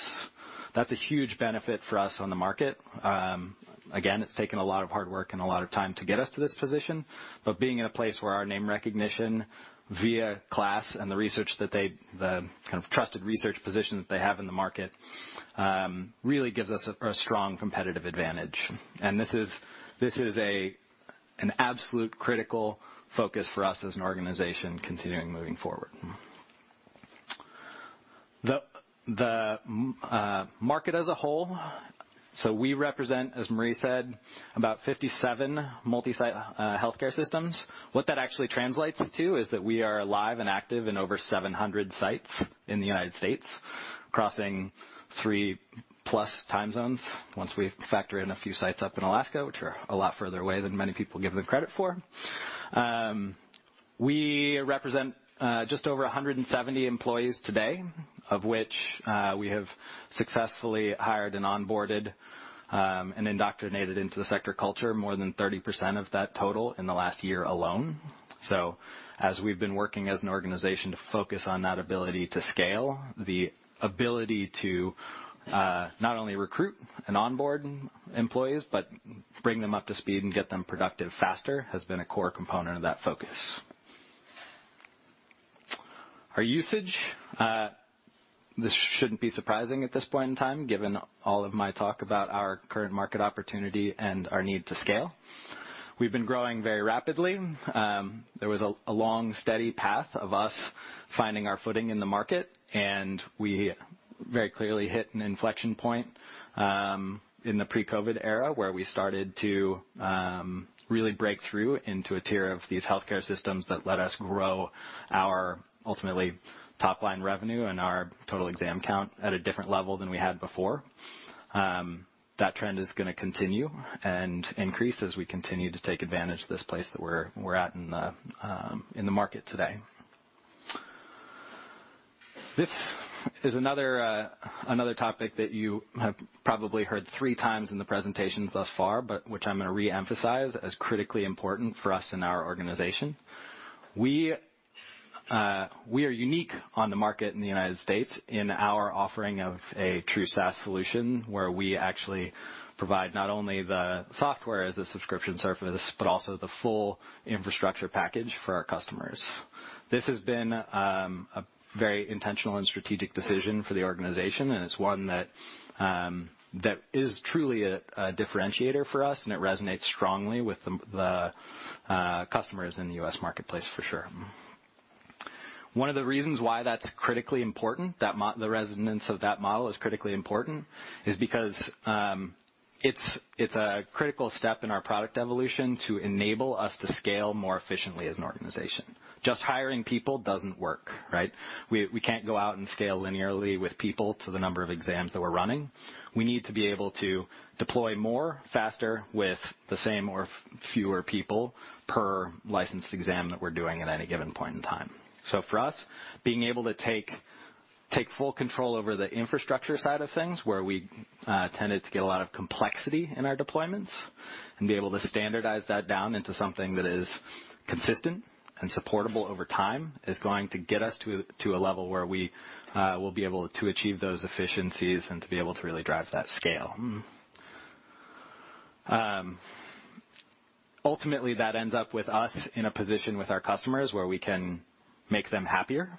That's a huge benefit for us on the market. Again, it's taken a lot of hard work and a lot of time to get us to this position. Being in a place where our name recognition via KLAS Research and the research that they, the kind of trusted research position that they have in the market, really gives us a strong competitive advantage. This is an absolute critical focus for us as an organization continuing moving forward. The market as a whole, so we represent, as Marie said, about 57 multi-site healthcare systems. What that actually translates to is that we are live and active in over 700 sites in the United States, crossing 3+ time zones once we factor in a few sites up in Alaska, which are a lot further away than many people give them credit for. We represent just over 170 employees today, of which we have successfully hired and onboarded and indoctrinated into the Sectra culture more than 30% of that total in the last year alone. As we've been working as an organization to focus on that ability to scale, the ability to not only recruit and onboard employees, but bring them up to speed and get them productive faster, has been a core component of that focus. Our usage, this shouldn't be surprising at this point in time, given all of my talk about our current market opportunity and our need to scale. We've been growing very rapidly. There was a long, steady path of us finding our footing in the market. We very clearly hit an inflection point in the pre-COVID era, where we started to really break through into a tier of these healthcare systems that let us grow our ultimately top-line revenue and our total exam count at a different level than we had before. That trend is gonna continue and increase as we continue to take advantage of this place that we're at in the market today. This is another topic that you have probably heard three times in the presentations thus far, which I'm gonna reemphasize as critically important for us in our organization. We are unique on the market in the United States in our offering of a true SaaS solution where we actually provide not only the software as a subscription service, but also the full infrastructure package for our customers. This has been a very intentional and strategic decision for the organization. It's one that is truly a differentiator for us and it resonates strongly with the customers in the U.S. marketplace for sure. One of the reasons why that's critically important, that the resonance of that model is critically important, is because it's a critical step in our product evolution to enable us to scale more efficiently as an organization. Just hiring people doesn't work, right? We can't go out and scale linearly with people to the number of exams that we're running. We need to be able to deploy more faster with the same or fewer people per licensed exam that we're doing at any given point in time. So for us, being able to take full control over the infrastructure side of things, where we tended to get a lot of complexity in our deployments and be able to standardize that down into something that is consistent and supportable over time, is going to get us to a level where we will be able to achieve those efficiencies and to be able to really drive that scale. Ultimately, that ends up with us in a position with our customers where we can make them happier.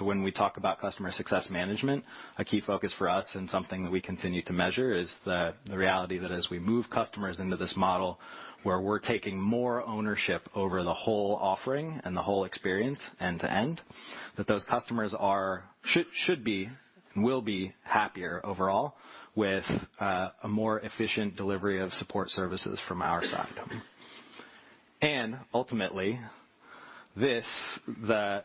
When we talk about customer success management, a key focus for us and something that we continue to measure is the reality that as we move customers into this model where we're taking more ownership over the whole offering and the whole experience end to end, that those customers are, should be and will be happier overall with a more efficient delivery of support services from our side. Ultimately, this the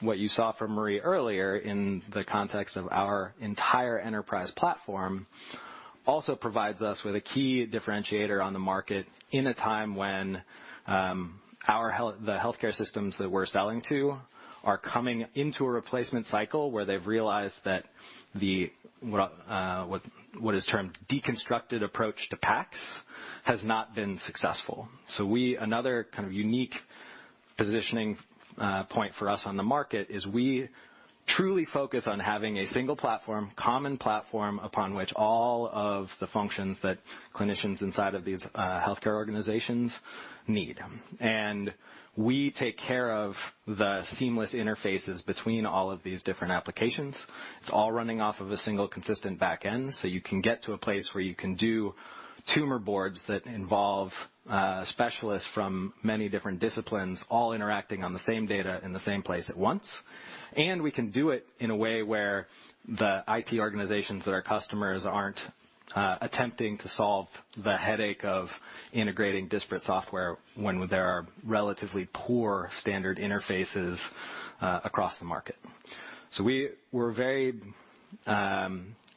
what you saw from Marie earlier in the context of our entire enterprise platform also provides us with a key differentiator on the market in a time when our healthcare systems that we're selling to are coming into a replacement cycle where they've realized that the what is termed deconstructed approach to PACS has not been successful. Another kind of unique positioning point for us on the market is we truly focus on having a single platform, common platform upon which all of the functions that clinicians inside of these healthcare organizations need. We take care of the seamless interfaces between all of these different applications. It's all running off of a single consistent back end, so you can get to a place where you can do tumor boards that involve specialists from many different disciplines all interacting on the same data in the same place at once. We can do it in a way where the IT organizations that are customers aren't attempting to solve the headache of integrating disparate software when there are relatively poor standard interfaces across the market. We're very,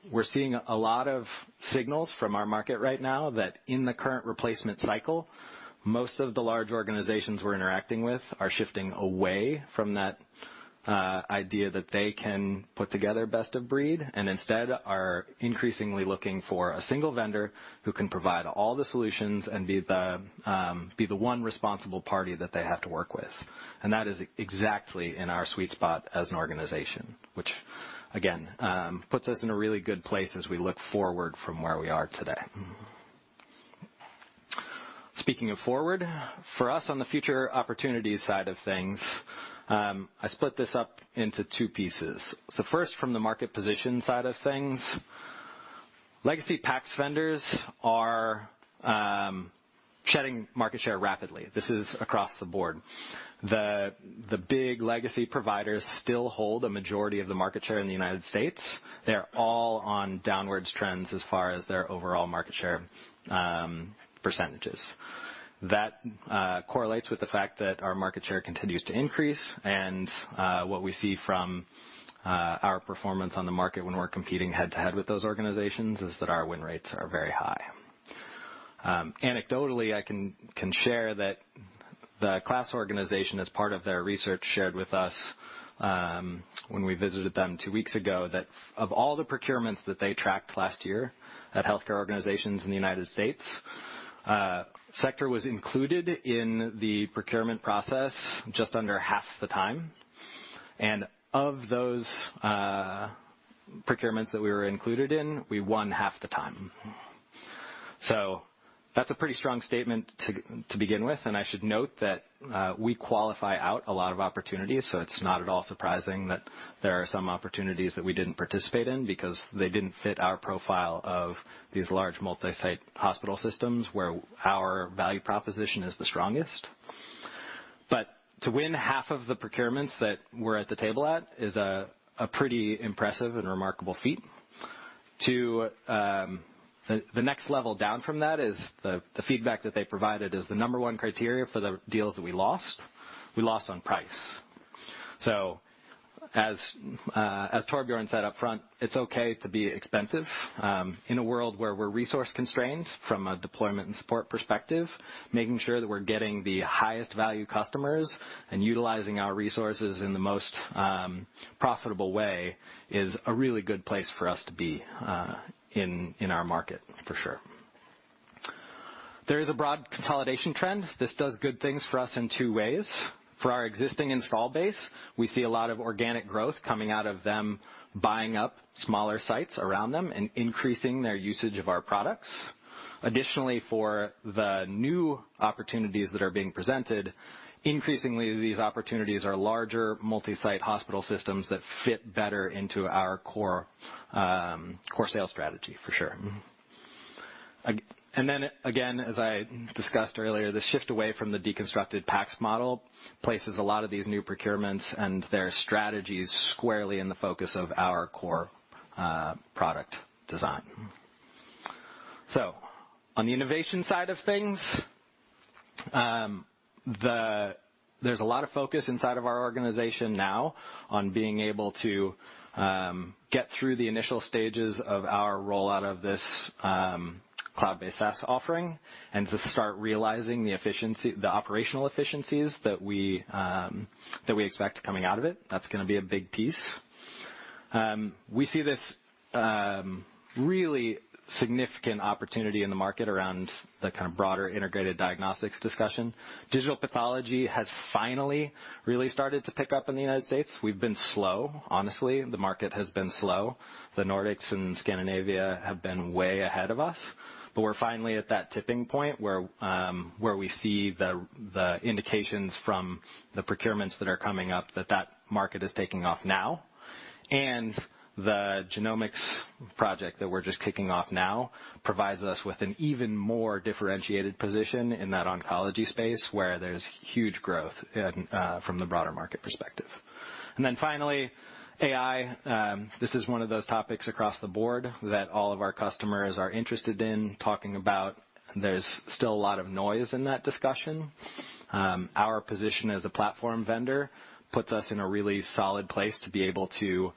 we're seeing a lot of signals from our market right now that in the current replacement cycle, most of the large organizations we're interacting with are shifting away from that idea that they can put together best of breed, and instead are increasingly looking for a single vendor who can provide all the solutions and be the one responsible party that they have to work with. That is exactly in our sweet spot as an organization, which again, puts us in a really good place as we look forward from where we are today. Speaking of forward, for us on the future opportunities side of things, I split this up into two pieces. First, from the market position side of things, legacy PACS vendors are shedding market share rapidly. This is across the board. The big legacy providers still hold a majority of the market share in the United States. They're all on downwards trends as far as their overall market share percentages. That correlates with the fact that our market share continues to increase and what we see from our performance on the market when we're competing head to head with those organizations is that our win rates are very high. Anecdotally, I can share that the KLAS organization, as part of their research, shared with us when we visited them two weeks ago, that of all the procurements that they tracked last year at healthcare organizations in the United States, Sectra was included in the procurement process just under half the time. Of those procurements that we were included in, we won half the time. That's a pretty strong statement to begin with. I should note that we qualify out a lot of opportunities, so it's not at all surprising that there are some opportunities that we didn't participate in because they didn't fit our profile of these large multi-site hospital systems where our value proposition is the strongest. To win half of the procurements that we're at the table at is a pretty impressive and remarkable feat. The next level down from that is the feedback that they provided as the number one criteria for the deals that we lost, we lost on price. As Torbjörn said up front, it's okay to be expensive. In a world where we're resource constrained from a deployment and support perspective, making sure that we're getting the highest value customers and utilizing our resources in the most profitable way is a really good place for us to be in our market for sure. There is a broad consolidation trend. This does good things for us in two ways. For our existing install base, we see a lot of organic growth coming out of them buying up smaller sites around them and increasing their usage of our products. Additionally, for the new opportunities that are being presented, increasingly these opportunities are larger multi-site hospital systems that fit better into our core sales strategy for sure. Then again, as I discussed earlier, the shift away from the deconstructed PACS model places a lot of these new procurements and their strategies squarely in the focus of our core product design. On the innovation side of things, there's a lot of focus inside of our organization now on being able to get through the initial stages of our rollout of this cloud-based SaaS offering and to start realizing the operational efficiencies that we expect coming out of it. That's gonna be a big piece. We see this really significant opportunity in the market around the kind of broader integrated diagnostics discussion. Digital Pathology has finally really started to pick up in the United States. We've been slow. Honestly, the market has been slow. The Nordics and Scandinavia have been way ahead of us. We're finally at that tipping point where we see the indications from the procurements that are coming up that that market is taking off now. The genomics project that we're just kicking off now provides us with an even more differentiated position in that oncology space where there's huge growth in from the broader market perspective. Finally, AI. This is one of those topics across the board that all of our customers are interested in talking about. There's still a lot of noise in that discussion. Our position as a platform vendor puts us in a really solid place to be able to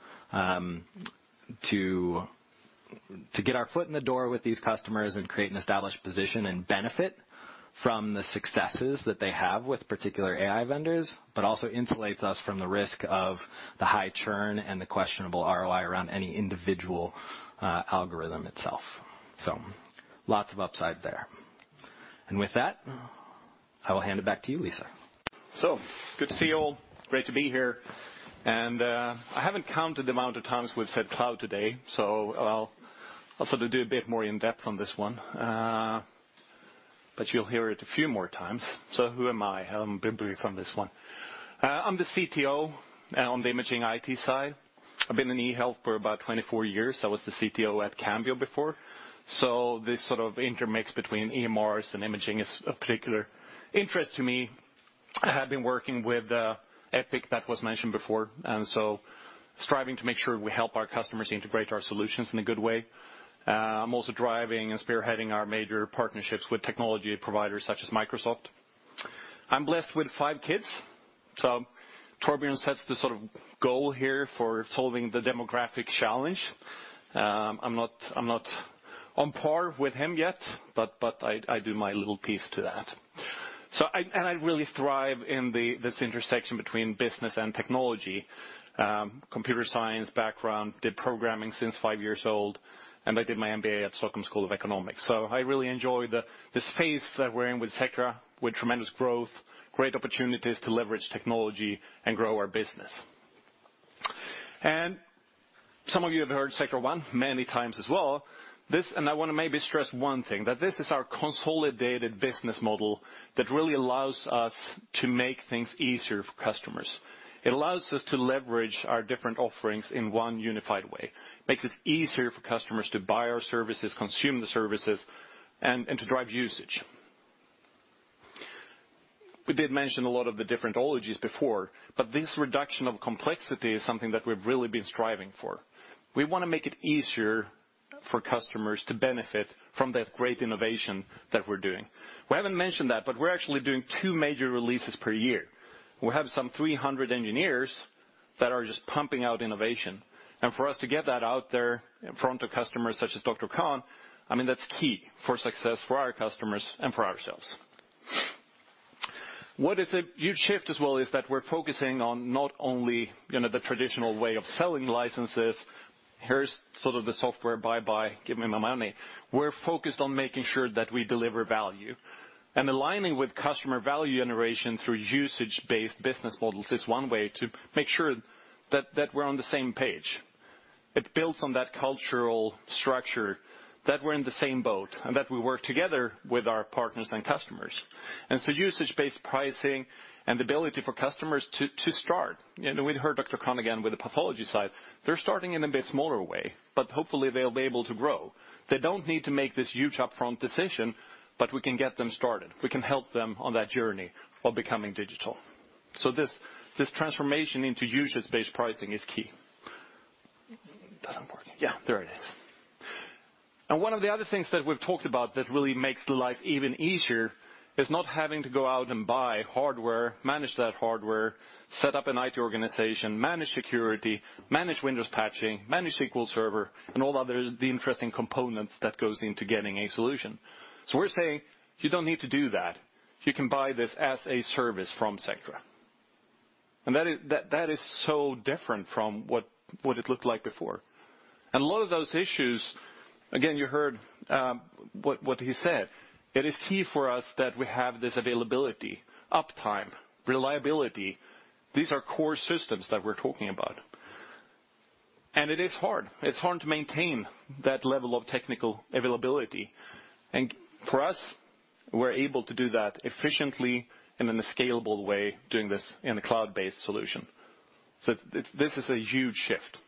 get our foot in the door with these customers and create an established position and benefit from the successes that they have with particular AI vendors, but also insulates us from the risk of the high churn and the questionable ROI around any individual algorithm itself. Lots of upside there. With that, I will hand it back to you, Lisa. Good to see you all. Great to be here. I haven't counted the amount of times we've said cloud today, I'll sort of do a bit more in depth on this one. You'll hear it a few more times. Who am I? I'm brief on this one. I'm the CTO on the Imaging IT side. I've been in e-health for about 24 years. I was the CTO at Cambio before. This sort of intermix between EMRs and imaging is of particular interest to me. I have been working with Epic that was mentioned before, striving to make sure we help our customers integrate our solutions in a good way. I'm also driving and spearheading our major partnerships with technology providers such as Microsoft. I'm blessed with five kids. Torbjörn sets the sort of goal here for solving the demographic challenge. I'm not on par with him yet, but I do my little piece to that. I really thrive in this intersection between business and technology. Computer science background, did programming since five years old, and I did my MBA at Stockholm School of Economics. I really enjoy this phase that we're in with Sectra, with tremendous growth, great opportunities to leverage technology and grow our business. Some of you have heard Sectra One many times as well. This, I wanna maybe stress one thing, that this is our consolidated business model that really allows us to make things easier for customers. It allows us to leverage our different offerings in one unified way. Makes it easier for customers to buy our services, consume the services, and to drive usage. We did mention a lot of the different ologies before, but this reduction of complexity is something that we've really been striving for. We wanna make it easier for customers to benefit from the great innovation that we're doing. We haven't mentioned that, but we're actually doing two major releases per year. We have some 300 engineers that are just pumping out innovation, and for us to get that out there in front of customers such as Dr. Kahn, I mean, that's key for success for our customers and for ourselves. What is a huge shift as well is that we're focusing on not only, you know, the traditional way of selling licenses. Here's sort of the software, bye-bye, give me my money. We're focused on making sure that we deliver value. Aligning with customer value generation through usage-based business models is one way to make sure that we're on the same page.It builds on that cultural structure that we're in the same boat, and that we work together with our partners and customers. Usage-based pricing and the ability for customers to start, you know, we'd heard Dr. Kahn again with the pathology side, they're starting in a bit smaller way, but hopefully they'll be able to grow. They don't need to make this huge upfront decision, but we can get them started. We can help them on that journey of becoming digital. This transformation into usage-based pricing is key. Doesn't work. Yeah, there it is. One of the other things that we've talked about that really makes life even easier is not having to go out and buy hardware, manage that hardware, set up an IT organization, manage security, manage Windows patching, manage SQL Server, and all other the interesting components that goes into getting a solution. We're saying you don't need to do that. You can buy this as a service from Sectra. That is, that is so different from what it looked like before. A lot of those issues, again, you heard, what he said, it is key for us that we have this availability, uptime, reliability. These are core systems that we're talking about. It's hard to maintain that level of technical availability. For us, we're able to do that efficiently and in a scalable way, doing this in a cloud-based solution. This is a huge shift.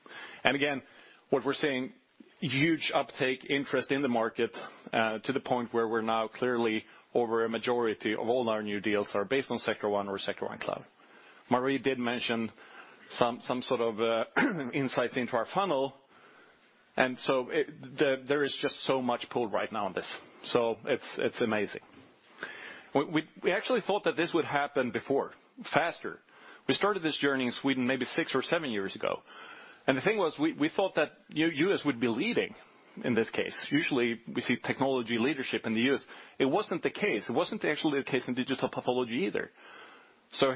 Again, what we're seeing, huge uptake interest in the market, to the point where we're now clearly over a majority of all our new deals are based on Sectra One or Sectra One Cloud. Marie did mention some sort of insights into our funnel, there is just so much pull right now on this, so it's amazing. We actually thought that this would happen before, faster. We started this journey in Sweden maybe six or seven years ago. The thing was we thought that U.S. would be leading in this case. Usually we see technology leadership in the U.S. It wasn't the case. It wasn't actually the case in Digital Pathology either.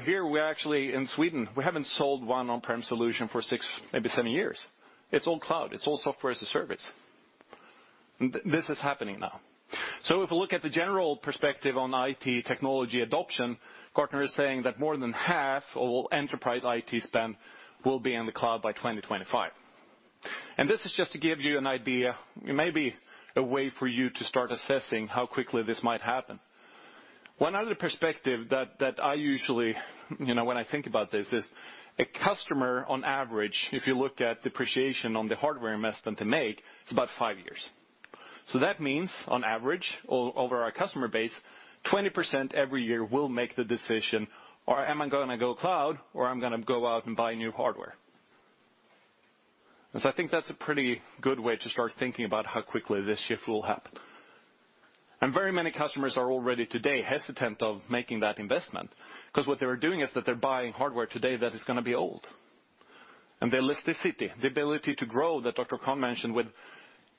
Here we actually, in Sweden, we haven't sold one on-prem solution for six, maybe seven years. It's all cloud. It's all software as a service. This is happening now. If we look at the general perspective on IT technology adoption, Gartner is saying that more than half of all enterprise IT spend will be in the cloud by 2025. This is just to give you an idea, maybe a way for you to start assessing how quickly this might happen. One other perspective that I usually, you know, when I think about this is a customer on average, if you looked at depreciation on the hardware investment to make, it's about five years. That means, on average, over our customer base, 20% every year will make the decision, "Am I gonna go cloud or I'm gonna go out and buy new hardware?" I think that's a pretty good way to start thinking about how quickly this shift will happen. Very many customers are already today hesitant of making that investment, 'cause what they're doing is that they're buying hardware today that is gonna be old. The elasticity, the ability to grow that Dr. Kahn mentioned with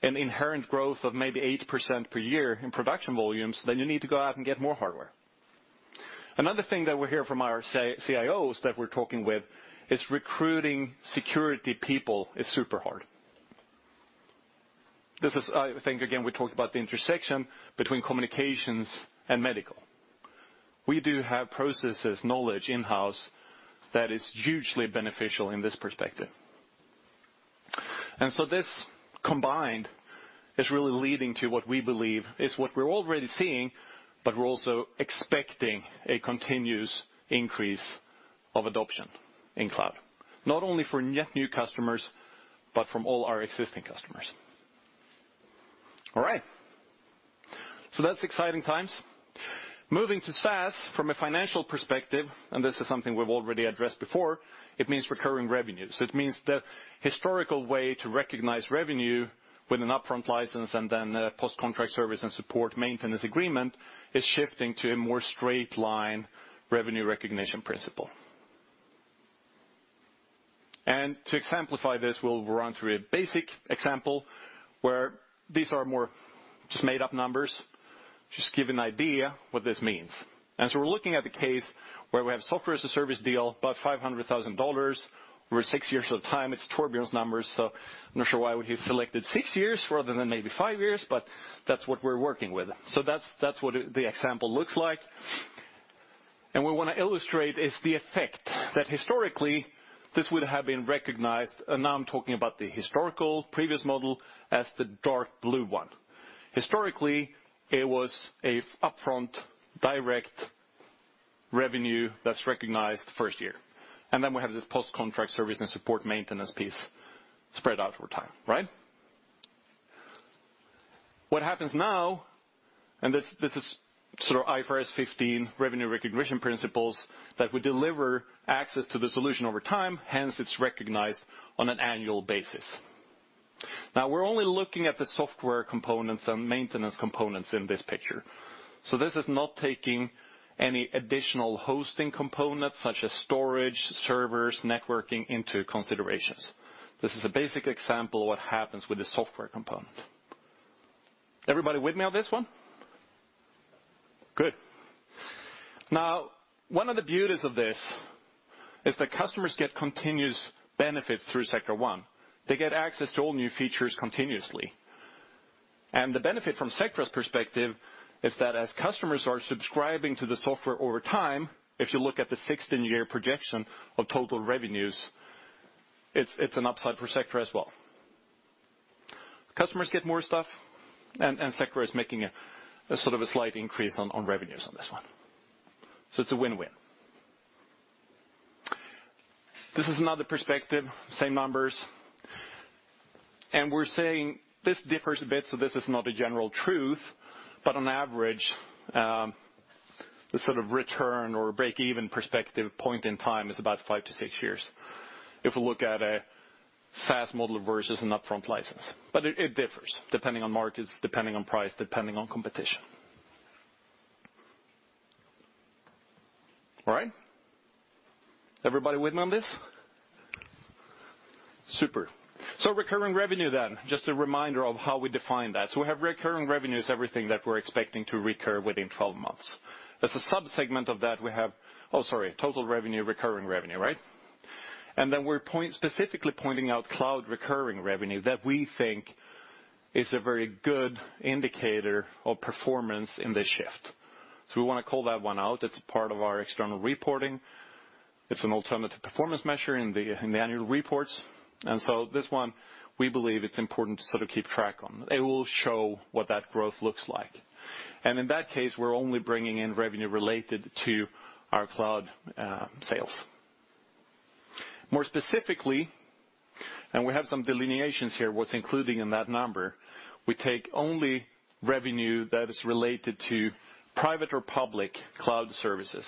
an inherent growth of maybe 8% per year in production volumes, you need to go out and get more hardware. Another thing that we hear from our CIOs that we're talking with is recruiting security people is super hard. This is, I think, again, we talked about the intersection between communications and medical. We do have processes, knowledge in-house that is hugely beneficial in this perspective. This combined is really leading to what we believe is what we're already seeing, but we're also expecting a continuous increase of adoption in cloud, not only for new customers, but from all our existing customers. All right. That's exciting times. Moving to SaaS from a financial perspective, this is something we've already addressed before, it means recurring revenues. It means the historical way to recognize revenue with an upfront license and then a post-contract service and support maintenance agreement is shifting to a more straight line revenue recognition principle. To exemplify this, we'll run through a basic example where these are more just made-up numbers, just give an idea what this means. We're looking at the case where we have Software as a Service deal, about $500,000 over six years of time. It's Torbjörn's numbers, I'm not sure why he selected six years rather than maybe five years, that's what we're working with. That's what the example looks like. We want to illustrate is the effect that historically this would have been recognized, now I'm talking about the historical previous model as the dark blue one. Historically, it was a upfront direct revenue that's recognized 1st year. We have this post-contract service and support maintenance piece spread out over time, right? What happens now, this is sort of IFRS 15 revenue recognition principles that we deliver access to the solution over time, hence it's recognized on an annual basis. We're only looking at the software components and maintenance components in this picture. This is not taking any additional hosting components such as storage, servers, networking into considerations. This is a basic example of what happens with the software component. Everybody with me on this one? Good. One of the beauties of this is that customers get continuous benefits through Sectra One. They get access to all new features continuously. The benefit from Sectra's perspective is that as customers are subscribing to the software over time, if you look at the 16-year projection of total revenues, it's an upside for Sectra as well. Customers get more stuff, and Sectra is making a sort of a slight increase on revenues on this one. It's a win-win. This is another perspective, same numbers. We're saying this differs a bit. This is not a general truth, but on average, the sort of return or break-even perspective point in time is about 5-6 years if we look at a SaaS model versus an upfront license. It differs depending on markets, depending on price, depending on competition. All right? Everybody with me on this? Super. Recurring revenue, just a reminder of how we define that. We have recurring revenues, everything that we're expecting to recur within 12 months. As a sub-segment of that, total revenue, recurring revenue, right? We're specifically pointing out cloud recurring revenue that we think is a very good indicator of performance in this shift. We wanna call that one out. It's part of our external reporting. It's an alternative performance measure in the, in the annual reports. This one, we believe it's important to sort of keep track on. It will show what that growth looks like. In that case, we're only bringing in revenue related to our cloud sales. More specifically, we have some delineations here, what's including in that number, we take only revenue that is related to private or public cloud services.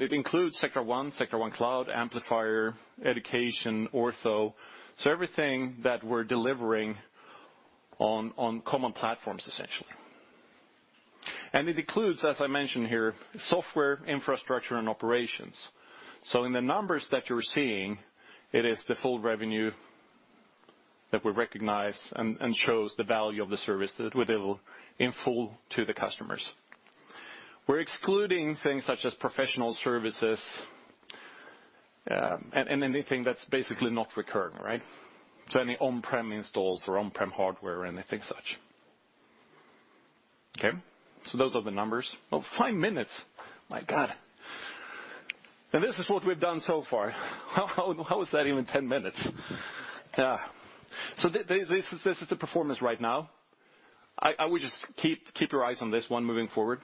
It includes Sectra One, Sectra One Cloud, Amplifier, Education, Ortho, so everything that we're delivering on common platforms, essentially. It includes, as I mentioned here, software, infrastructure, and operations. In the numbers that you're seeing, it is the full revenue that we recognize and shows the value of the service that we deliver in full to the customers. We're excluding things such as professional services, and anything that's basically not recurring, right? Any on-prem installs or on-prem hardware or anything such. Okay? Those are the numbers. Oh, five minutes. My God. This is what we've done so far. How is that even 10 minutes? This is the performance right now. I would just keep your eyes on this one moving forward.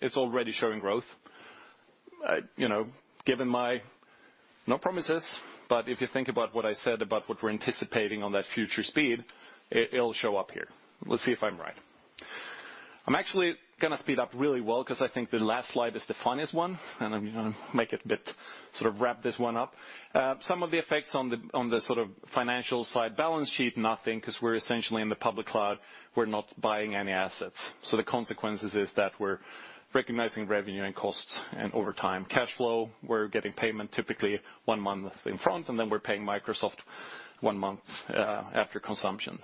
It's already showing growth. You know, given my no promises, but if you think about what I said about what we're anticipating on that future speed, it'll show up here. We'll see if I'm right. I'm actually gonna speed up really well 'cause I think the last slide is the funniest one, and I'm gonna make it a bit, sort of wrap this one up. Some of the effects on the, on the sort of financial side, balance sheet, nothing, 'cause we're essentially in the public cloud. We're not buying any assets. The consequences is that we're recognizing revenue and costs and over time cashflow. We're getting payment typically one month in front, and then we're paying Microsoft one month after consumption.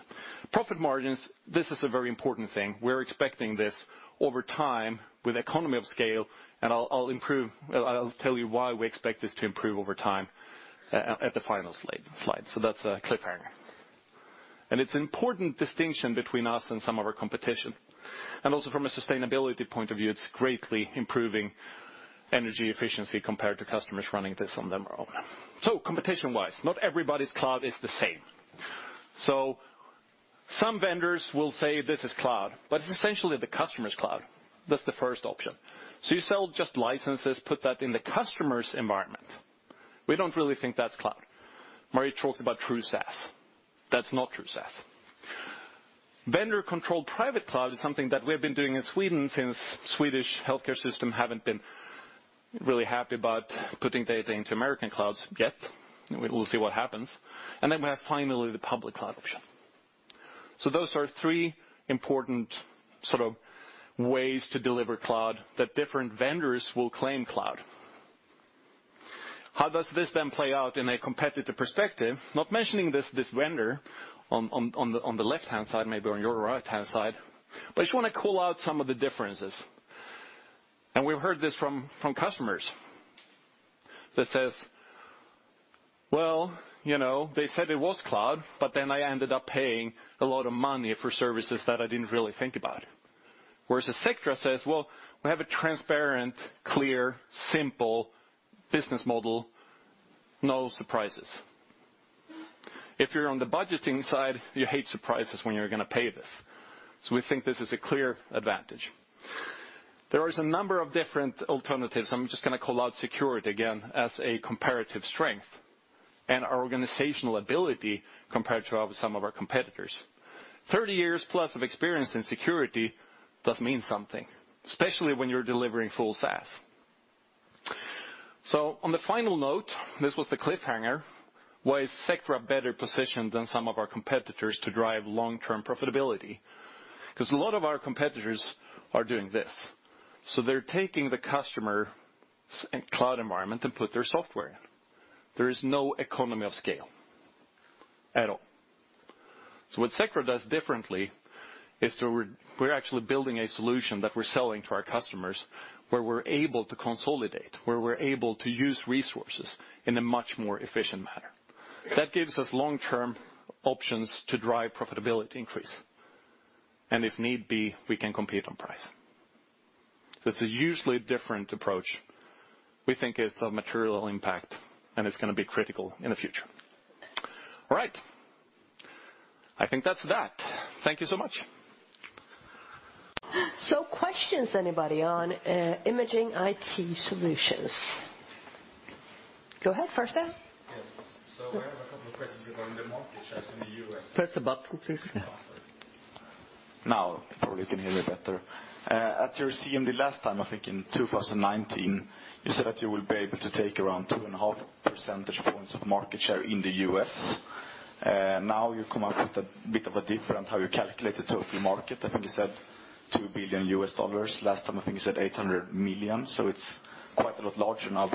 Profit margins, this is a very important thing. We're expecting this over time with economy of scale, and I'll tell you why we expect this to improve over time at the final slide. That's a cliffhanger. It's important distinction between us and some of our competition. Also from a sustainability point of view, it's greatly improving energy efficiency compared to customers running this on their own. Competition-wise, not everybody's cloud is the same. Some vendors will say this is cloud, but it's essentially the customer's cloud. That's the first option. You sell just licenses, put that in the customer's environment. We don't really think that's cloud. Marie talked about true SaaS. That's not true SaaS. Vendor-controlled private cloud is something that we've been doing in Sweden since Swedish healthcare system haven't been really happy about putting data into American clouds yet. We'll see what happens. We have finally the public cloud option. Those are three important sort of ways to deliver cloud that different vendors will claim cloud. How does this then play out in a competitive perspective? Not mentioning this vendor on, on the, on the left-hand side, maybe on your right-hand side, but I just wanna call out some of the differences. We've heard this from customers that says, "Well, you know, they said it was cloud, but then I ended up paying a lot of money for services that I didn't really think about." Whereas Sectra says, "Well, we have a transparent, clear, simple business model, no surprises." If you're on the budgeting side, you hate surprises when you're gonna pay this, so we think this is a clear advantage. There is a number of different alternatives. I'm just gonna call out security again as a comparative strength and our organizational ability compared to of some of our competitors. 30 years plus of experience in security does mean something, especially when you're delivering full SaaS. On the final note, this was the cliffhanger, why is Sectra better positioned than some of our competitors to drive long-term profitability? 'Cause a lot of our competitors are doing this. They're taking the customer cloud environment and put their software in. There is no economy of scale at all. What Sectra does differently is that we're actually building a solution that we're selling to our customers, where we're able to consolidate, where we're able to use resources in a much more efficient manner. That gives us long-term options to drive profitability increase. If need be, we can compete on price. It's a usually different approach. We think it's a material impact, and it's going to be critical in the future. All right. I think that's that. Thank you so much. Questions, anybody, on Imaging IT Solutions? Go ahead, Farseth. Yes. I have a couple of questions regarding the market shares in the U.S. Press the button please. Oh, sorry. Now, probably you can hear me better. At your CMD last time, I think in 2019, you said that you will be able to take around 2.5 percentage points of market share in the U.S. Now you've come up with a bit of a different how you calculate the total market. I think you said $2 billion. Last time, I think you said $800 million, so it's quite a lot larger now.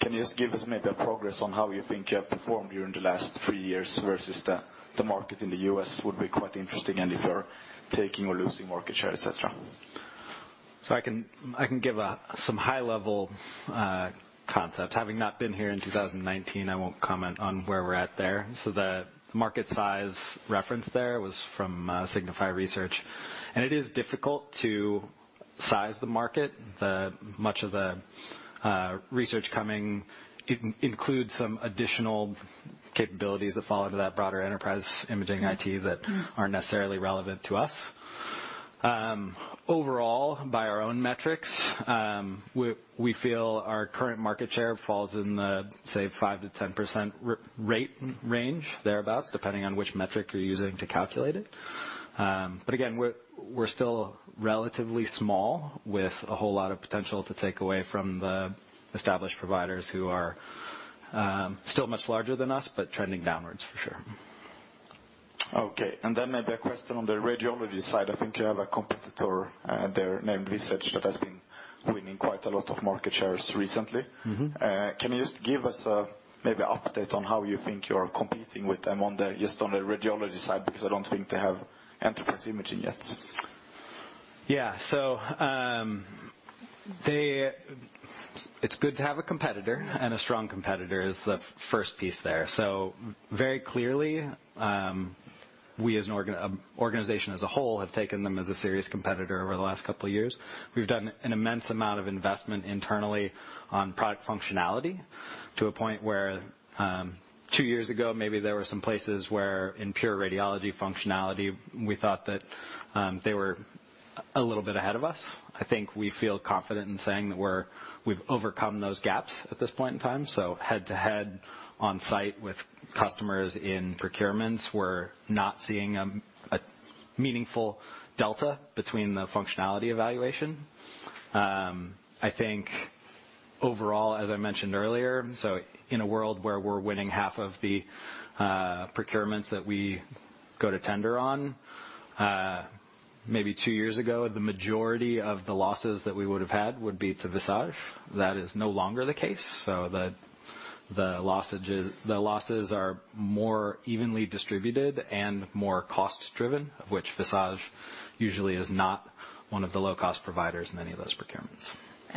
Can you just give us maybe a progress on how you think you have performed during the last three years versus the market in the U.S. would be quite interesting? If you're taking or losing market share, et cetera. I can give some high-level concept. Having not been here in 2019, I won't comment on where we're at there. The market size reference there was from Signify Research. It is difficult to size the market. Much of the research coming in-includes some additional capabilities that fall into that broader enterprise imaging IT that aren't necessarily relevant to us. Overall, by our own metrics, we feel our current market share falls in the, say, 5%-10% range, thereabout, depending on which metric you're using to calculate it. Again, we're still relatively small with a whole lot of potential to take away from the established providers who are still much larger than us, but trending downwards for sure. Okay. Maybe a question on the radiology side. I think you have a competitor, there named Visage that has been winning quite a lot of market shares recently. Can you just give us a, maybe update on how you think you are competing with them on the, just on the radiology side, because I don't think they have enterprise imaging yet. Yeah. It's good to have a competitor, and a strong competitor is the first piece there. Very clearly, we as an organization as a whole have taken them as a serious competitor over the last couple of years. We've done an immense amount of investment internally on product functionality to a point where, two years ago, maybe there were some places where in pure radiology functionality, we thought that they were a little bit ahead of us. I think we feel confident in saying that we've overcome those gaps at this point in time. Head-to-head on site with customers in procurements, we're not seeing a meaningful delta between the functionality evaluation. I think overall, as I mentioned earlier, so in a world where we're winning half of the procurements that we go to tender on, maybe two years ago, the majority of the losses that we would have had would be to Visage. That is no longer the case. The losses are more evenly distributed and more cost-driven, of which Visage usually is not one of the low-cost providers in any of those procurements.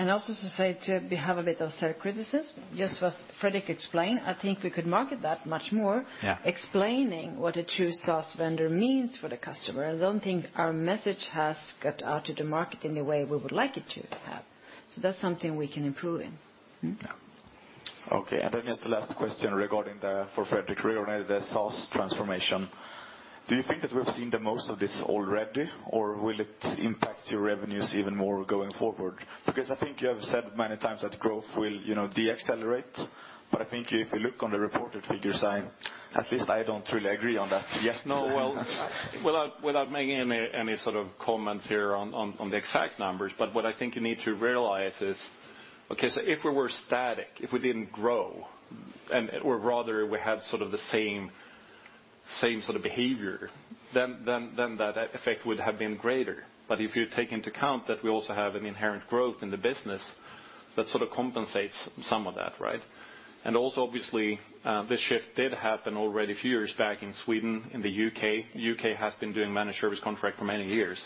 Also to say, to have a bit of self-criticism, just as Fredrik explained, I think we could market that much more. Yeah. explaining what a true SaaS vendor means for the customer. I don't think our message has got out to the market in the way we would like it to have. That's something we can improve in. Yeah. Okay. Then just the last question regarding the, for Fredrik, really, the SaaS transformation. Do you think that we've seen the most of this already, or will it impact your revenues even more going forward? I think you have said many times that growth will, you know, deaccelerate. I think if you look on the reported figures, at least I don't really agree on that yet. No. Well, without making any sort of comments here on, on the exact numbers, but what I think you need to realize is, okay, if we were static, if we didn't grow. Rather we had sort of the same sort of behavior, then, then that effect would have been greater. If you take into account that we also have an inherent growth in the business, that sort of compensates some of that, right? Also obviously, this shift did happen already a few years back in Sweden, in the U.K. U.K. has been doing managed service contract for many years.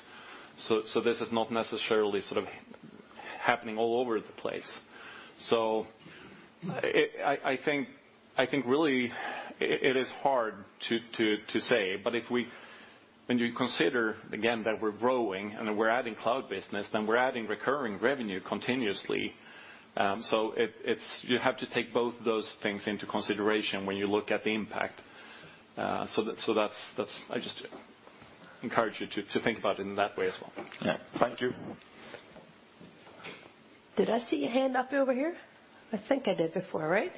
So this is not necessarily sort of happening all over the place. I think, I think really it is hard to, to say. If we when you consider again that we're growing and we're adding cloud business, then we're adding recurring revenue continuously. It, it's You have to take both those things into consideration when you look at the impact. That, so that's... I just encourage you to think about it in that way as well. Yeah. Thank you. Did I see a hand up over here? I think I did before, right?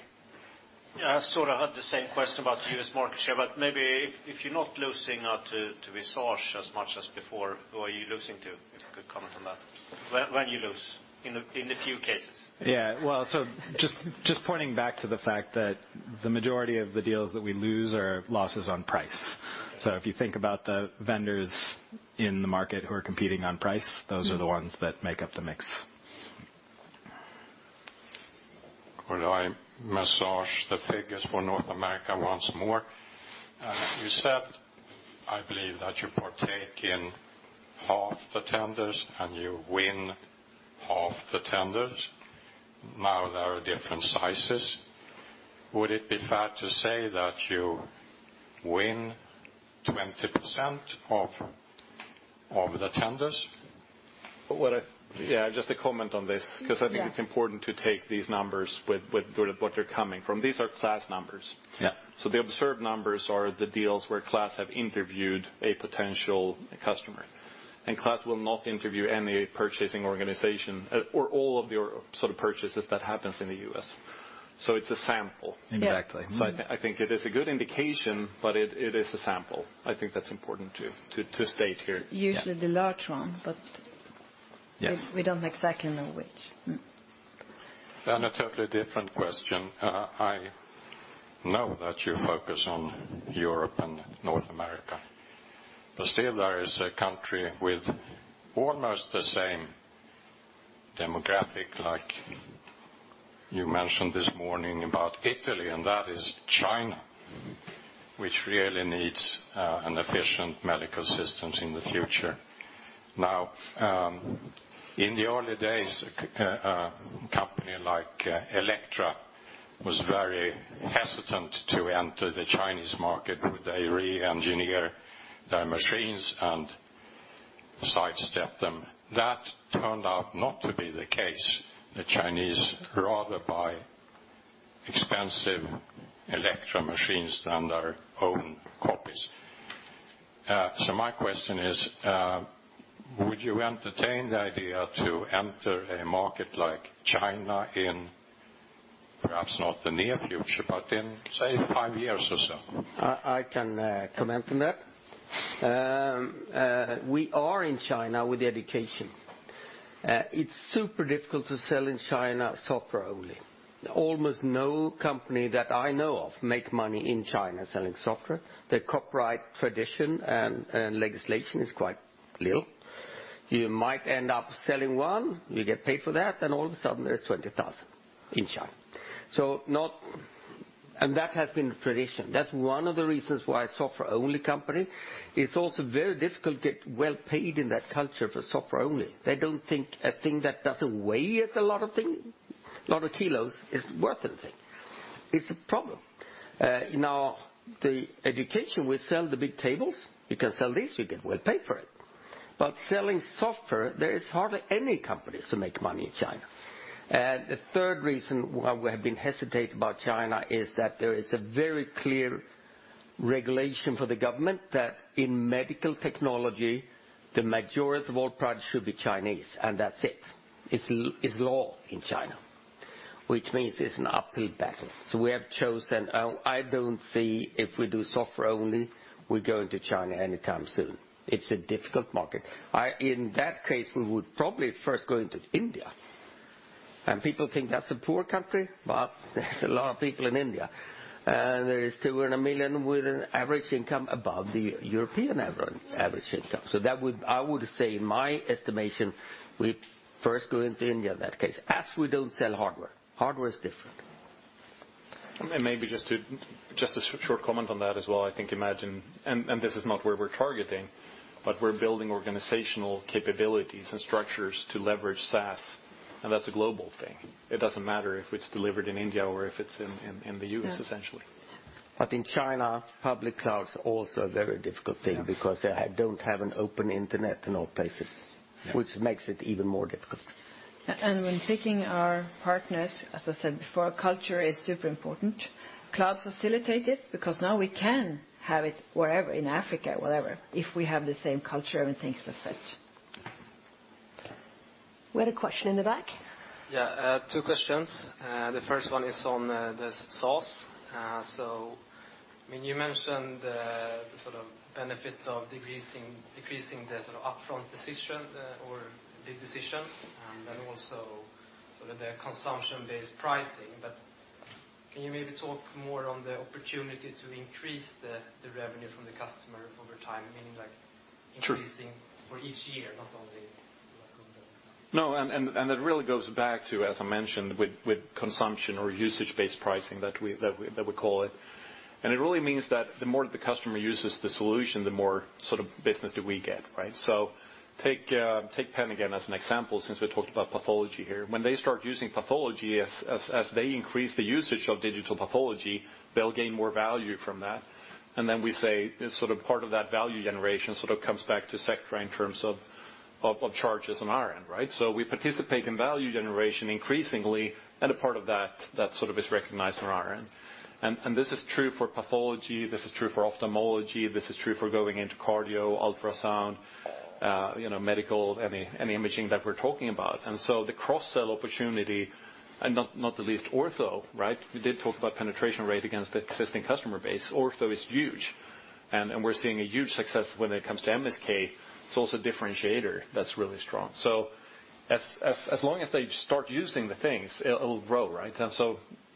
Yeah, I sort of had the same question about U.S. market share, but maybe if you're not losing out to Visage as much as before, who are you losing to? If you could comment on that. When you lose in the few cases. Well, just pointing back to the fact that the majority of the deals that we lose are losses on price. If you think about the vendors in the market who are competing on price. Those are the ones that make up the mix. Could I massage the figures for North America once more? You said, I believe that you partake in half the tenders and you win half the tenders. There are different sizes. Would it be fair to say that you win 20% of the tenders? Yeah, just to comment on this. Yes. I think it's important to take these numbers with where they're coming from. These are KLAS numbers. Yeah. The observed numbers are the deals where KLAS Research have interviewed a potential customer, and KLAS Research will not interview any purchasing organization or all of your sort of purchases that happens in the U.S. It's a sample. Yeah. Exactly. I think it is a good indication, but it is a sample. I think that's important to state here. Usually the large one. Yes. We don't exactly know which. A totally different question. I know that you focus on Europe and North America, still there is a country with almost the same demographic like you mentioned this morning about Italy, that is China, which really needs an efficient medical systems in the future. In the early days, a company like Elekta was very hesitant to enter the Chinese market. Would they re-engineer their machines and sidestep them? That turned out not to be the case. The Chinese rather buy expensive Elekta machines than their own copies. My question is, would you entertain the idea to enter a market like China in perhaps not the near future, but in, say, five years or so? I can comment on that. We are in China with education. It's super difficult to sell in China software only. Almost no company that I know of make money in China selling software. The copyright tradition and legislation is quite little. You might end up selling one, you get paid for that, all of a sudden there's 20,000 in China. That has been the tradition. That's one of the reasons why software-only company, it's also very difficult to get well-paid in that culture for software only. They don't think a thing that doesn't weigh a lot of kilos is worth anything. It's a problem. Now the education, we sell the big tables. You can sell these, you get well-paid for it. Selling software, there is hardly any companies that make money in China. The third reason why we have been hesitant about China is that there is a very clear regulation for the government that in medical technology, the majority of all products should be Chinese, and that's it. It's law in China, which means it's an uphill battle. We have chosen, I don't see if we do software only, we go into China anytime soon. It's a difficult market. In that case, we would probably first go into India, and people think that's a poor country, but there's a lot of people in India, and there is two in a million with an average income above the European average income. That would, I would say in my estimation, we'd first go into India in that case, as we don't sell hardware. Hardware is different. Maybe just to, just a short comment on that as well, I think imagine, and this is not where we're targeting, but we're building organizational capabilities and structures to leverage SaaS, and that's a global thing. It doesn't matter if it's delivered in India or if it's in the U.S., essentially. Yeah. In China, public cloud's also a very difficult thing. Yeah. Because they don't have an open internet in all places. Yeah. Which makes it even more difficult. When picking our partners, as I said before, culture is super important. Cloud facilitate it because now we can have it wherever, in Africa, wherever. If we have the same culture, everything's perfect. We had a question in the back. Yeah, two questions. The first one is on the SaaS. I mean, you mentioned the sort of benefit of decreasing the sort of upfront decision, or big decision, and then also sort of the consumption-based pricing. Can you maybe talk more on the opportunity to increase the revenue from the customer over time? Meaning like. Sure. Increasing for each year, not only like on the- No. It really goes back to, as I mentioned, with consumption or usage-based pricing that we call it. It really means that the more the customer uses the solution, the more sort of business do we get, right? Take Penn again as an example, since we talked about pathology here. When they start using pathology, as they increase the usage of Digital Pathology, they'll gain more value from that. Then we say sort of part of that value generation sort of comes back to Sectra in terms of charges on our end, right? We participate in value generation increasingly, and a part of that sort of is recognized on our end. This is true for pathology, this is true for ophthalmology, this is true for going into cardio, ultrasound, you know, medical, any imaging that we're talking about. And so the cross-sell opportunity, and not the least ortho, right? We did talk about penetration rate against the existing customer base. Ortho is huge and we're seeing a huge success when it comes to MSK. It's also a differentiator that's really strong. As long as they start using the things, it'll grow, right?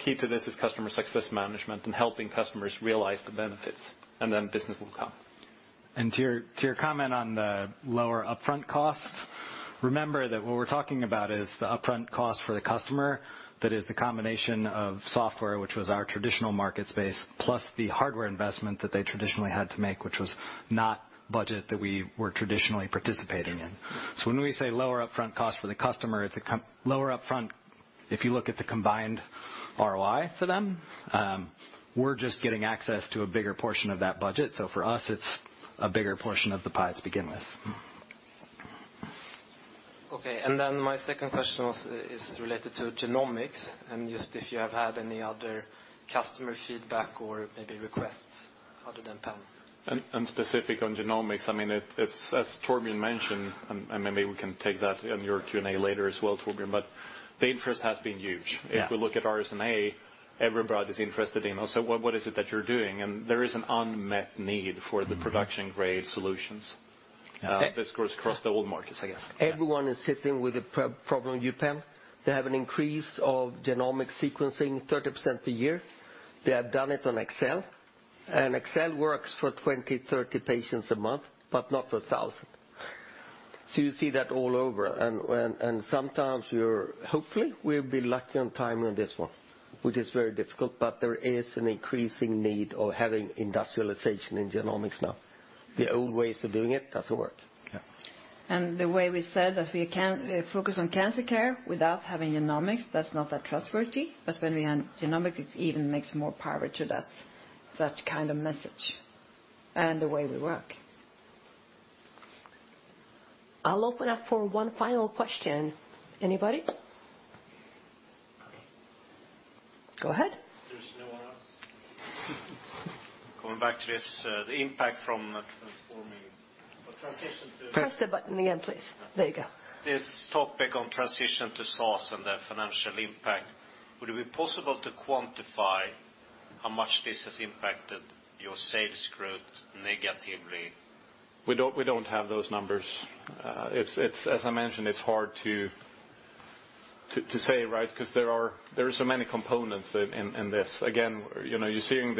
Key to this is customer success management and helping customers realize the benefits, and then business will come. To your comment on the lower upfront cost, remember that what we're talking about is the upfront cost for the customer, that is the combination of software, which was our traditional market space, plus the hardware investment that they traditionally had to make, which was not budget that we were traditionally participating in. When we say lower upfront cost for the customer, it's lower upfront if you look at the combined ROI for them. We're just getting access to a bigger portion of that budget. For us, it's a bigger portion of the pie to begin with. Okay. Then my second question is related to genomics just if you have had any other customer feedback or maybe requests other than Penn. Specific on genomics, I mean, it's as Torbjörn mentioned, and maybe we can take that in your Q&A later as well, Torbjörn, but the interest has been huge. Yeah. If we look at RSNA, everybody's interested in, "Oh, so what is it that you're doing?" There is an unmet need for the production-grade solutions. Okay. This goes across the old markets, I guess. Yeah. Everyone is sitting with a problem UPEM. They have an increase of genomic sequencing 30% per year. They have done it on Excel, and Excel works for 20, 30 patients a month, but not 1,000. You see that all over and sometimes, hopefully, we'll be lucky on timing on this one, which is very difficult, but there is an increasing need of having industrialization in genomics now. The old ways of doing it doesn't work. Yeah. The way we said that we can focus on cancer care without having genomics, that's not that trustworthy. When we add genomics, it even makes more power to that, such kind of message and the way we work. I'll open up for one final question. Anybody? Go ahead. There's no one else. Coming back to this, the impact from transforming... Press the button again, please. There you go. This topic on transition to SaaS and the financial impact, would it be possible to quantify how much this has impacted your sales growth negatively? We don't have those numbers. It's, as I mentioned, it's hard to say, right? Because there are so many components in this. Again, you know, you're seeing.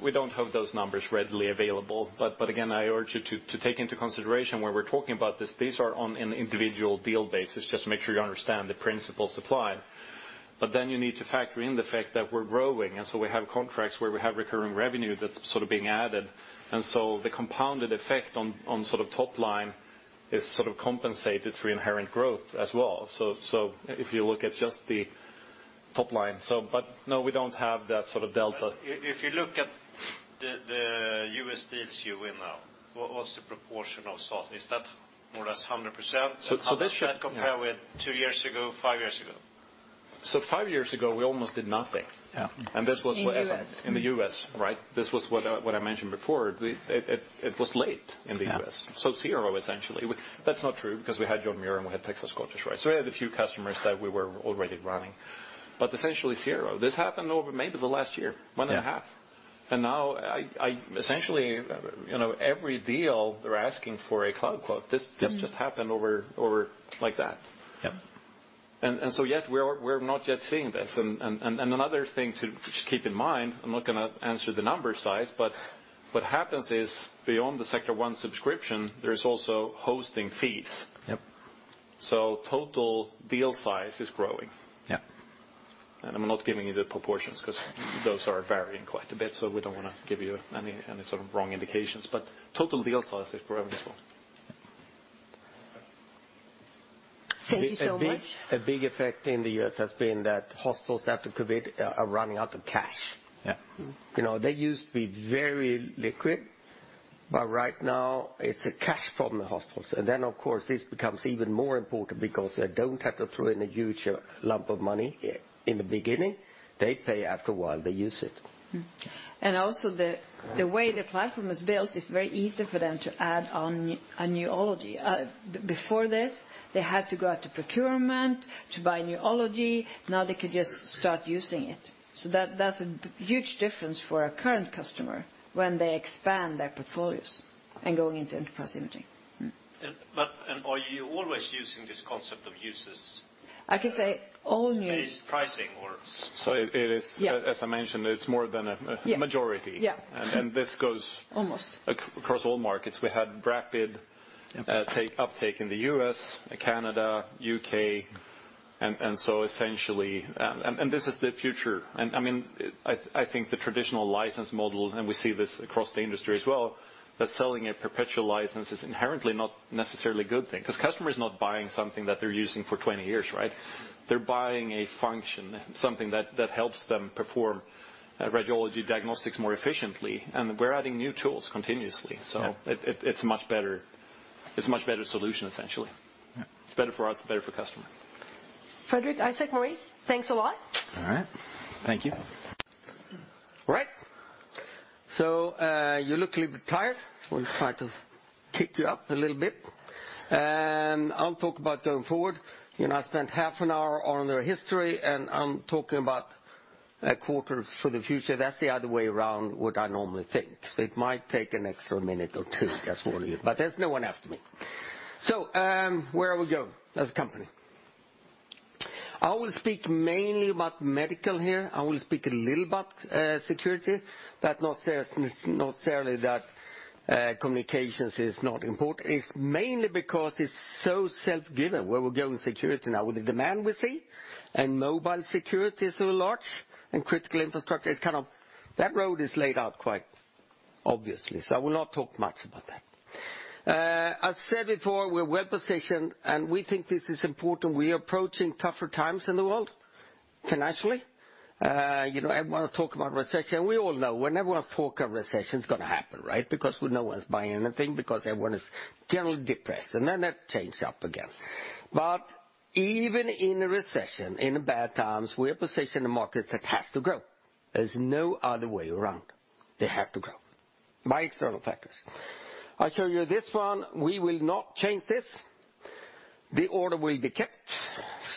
We don't have those numbers readily available. Again, I urge you to take into consideration when we're talking about this, these are on an individual deal basis, just to make sure you understand the principles applied. You need to factor in the fact that we're growing, we have contracts where we have recurring revenue that's sort of being added. The compounded effect on sort of top line is sort of compensated through inherent growth as well. If you look at just the top line. No, we don't have that sort of delta. If you look at the US deals you win now, what was the proportion of SaaS? Is that more or less 100%? this should- How does that compare with two years ago, five years ago? Five years ago, we almost did nothing. Yeah. this was. In U.S. In the U.S., right? This was what I mentioned before. It was late in the U.S. Yeah. Zero, essentially. That's not true, because we had John Muir and we had Scottish Rite for Children. We had a few customers that we were already running, but essentially zero. This happened over maybe the last year, one and a half. Yeah. Now I essentially, you know, every deal, they're asking for a cloud quote. This just happened over like that. Yeah. Yes, we're not yet seeing this. Another thing to just keep in mind, I'm not gonna answer the number size, but what happens is, beyond the Sectra One subscription, there's also hosting fees. Yep. Total deal size is growing. Yeah. I'm not giving you the proportions 'cause those are varying quite a bit, so we don't wanna give you any sort of wrong indications. Total deal size is growing as well. Thank you so much. A big effect in the U.S. has been that hospitals after COVID are running out of cash. Yeah. You know, they used to be very liquid, but right now it's a cash problem in the hospitals. Of course, this becomes even more important because they don't have to throw in a huge lump of money in the beginning. They pay after a while, they use it. Also the way the platform is built, it's very easy for them to add on a newology. Before this, they had to go out to procurement to buy newology. Now they could just start using it. That's a huge difference for a current customer when they expand their portfolios and going into enterprise imaging. And are you always using this concept of users? I can say all. Based pricing or? So it is- Yeah. As I mentioned, it's more than a majority. Yeah. This. Almost across all markets. We had rapid uptake in the US, Canada, UK, essentially. This is the future. I mean, I think the traditional license model, and we see this across the industry as well, that selling a perpetual license is inherently not necessarily a good thing 'cause customer is not buying something that they're using for 20 years, right? They're buying a function, something that helps them perform radiology diagnostics more efficiently, and we're adding new tools continuously. Yeah. It's much better. It's a much better solution, essentially. Yeah. It's better for us, better for customer. Fredrik, Isaac, Marie, thanks a lot. All right. Thank you. All right. You look a little bit tired. We'll try to kick you up a little bit. I'll talk about going forward. You know, I spent half an hour on the history, and I'm talking about a quarter for the future. That's the other way around what I normally think. It might take an extra minute or two, just warning you. There's no one else to meet. Where are we going as a company? I will speak mainly about medical here. I will speak a little about security, but not necessarily that communications is not important. It's mainly because it's so self-given where we go in security now, with the demand we see, and mobile security is so large, and critical infrastructure is kind of. That road is laid out quite obviously, so I will not talk much about that. I said before, we're well-positioned. We think this is important. We are approaching tougher times in the world financially. You know, everyone's talking about recession. We all know whenever one talk of recession, it's gonna happen, right? Because when no one's buying anything, because everyone is generally depressed, then that change up again. Even in a recession, in bad times, we are positioned in markets that has to grow. There's no other way around. They have to grow by external factors. I show you this one. We will not change this. The order will be kept.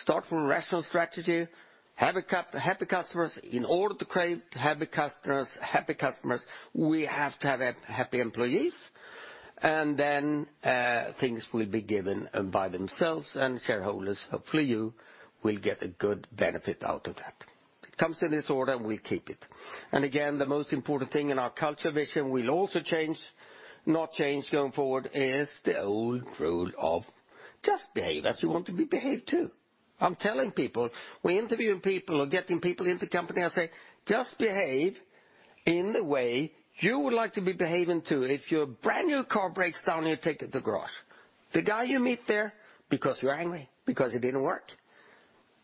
Start from rational strategy, have happy customers. In order to create happy customers, we have to have happy employees. Then things will be given by themselves, and shareholders, hopefully you, will get a good benefit out of that. It comes in this order, we'll keep it. Again, the most important thing in our culture vision will also change, not change going forward is the old rule of just behave as you want to be behaved too. I'm telling people, we're interviewing people or getting people into the company and say, "Just behave in the way you would like to be behaving too." If your brand-new car breaks down, and you take it to garage, the guy you meet there because you're angry, because it didn't work,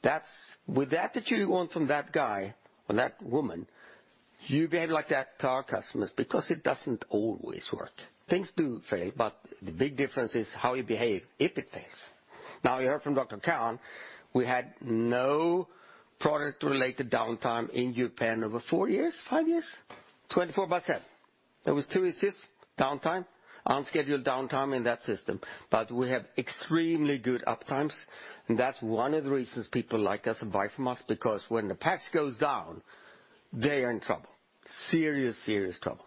that's. With the attitude you want from that guy or that woman, you behave like that to our customers because it doesn't always work. Things do fail, the big difference is how you behave if it fails. Now you heard from Dr. Kahn, we had no product-related downtime in Europe in over four years, five years, 24/7. There was two issues, downtime, unscheduled downtime in that system. We have extremely good uptimes. That's one of the reasons people like us and buy from us, because when the patch goes down, they are in trouble. Serious, serious trouble.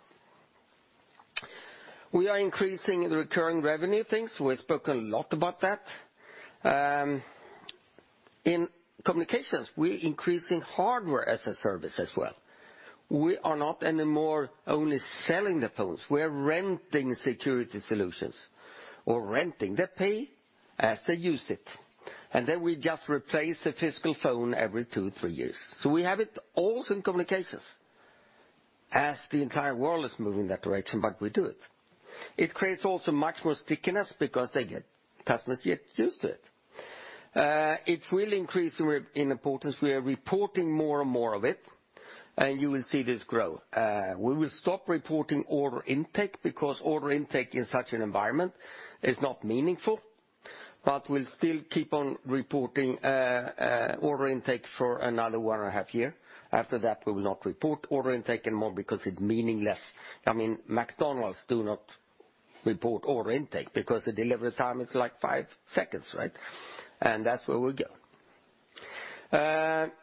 We are increasing the recurring revenue things. We've spoken a lot about that. In communications, we're increasing hardware as a service as well. We are not anymore only selling the phones. We're renting security solutions or renting. They pay as they use it. We just replace the physical phone every two, three years. We have it all in communications as the entire world is moving that direction. We do it. It creates also much more stickiness because customers get used to it. It will increase in importance. We are reporting more and more of it, and you will see this grow. We will stop reporting order intake because order intake in such an environment is not meaningful, but we'll still keep on reporting order intake for another one and a half year. After that, we will not report order intake anymore because it's meaningless. I mean, McDonald's do not report order intake because the delivery time is like five seconds, right? That's where we go.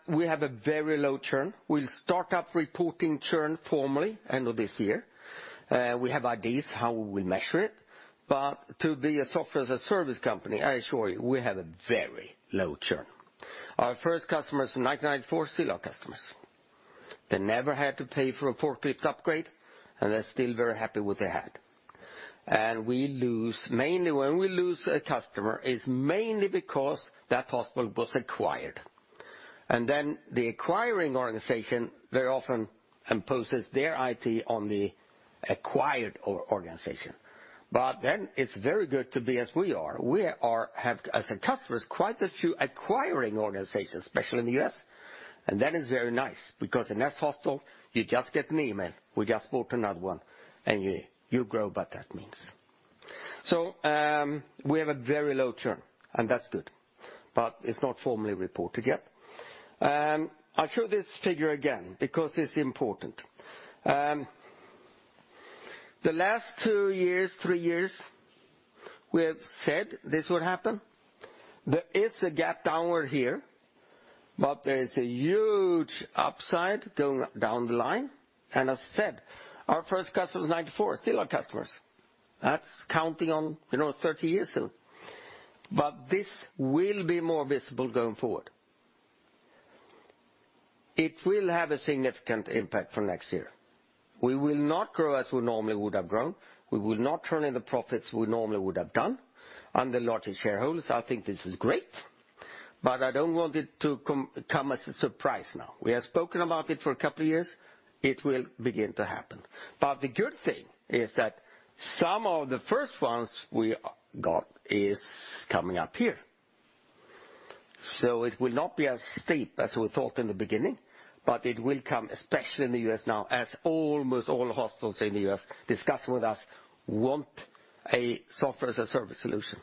We have a very low churn. We'll start up reporting churn formally end of this year. We have ideas how we will measure it, but to be a software-as-a-service company, I assure you, we have a very low churn. Our first customers in 1994 are still our customers. They never had to pay for a forklift upgrade, and they're still very happy with what they had. Mainly, when we lose a customer, it's mainly because that hospital was acquired. The acquiring organization very often imposes their IT on the acquired organization. it's very good to be as we are. We have, as in customers, quite a few acquiring organizations, especially in the U.S., and that is very nice because in each hospital, you just get an email, we just bought another one, and you grow by that means. we have a very low churn, and that's good, but it's not formally reported yet. I show this figure again because it's important. The last two years, three years, we have said this would happen. There is a gap downward here, there is a huge upside going down the line. I said, our first customers in 94 are still our customers. That's counting on, you know, 30 years soon. This will be more visible going forward. It will have a significant impact from next year. We will not grow as we normally would have grown. We will not turn in the profits we normally would have done. On the larger shareholders, I think this is great, but I don't want it to come as a surprise now. We have spoken about it for a couple of years. It will begin to happen. The good thing is that some of the first ones we got is coming up here. It will not be as steep as we thought in the beginning, but it will come, especially in the U.S. now, as almost all hospitals in the U.S. discussing with us want a software-as-a-service solution.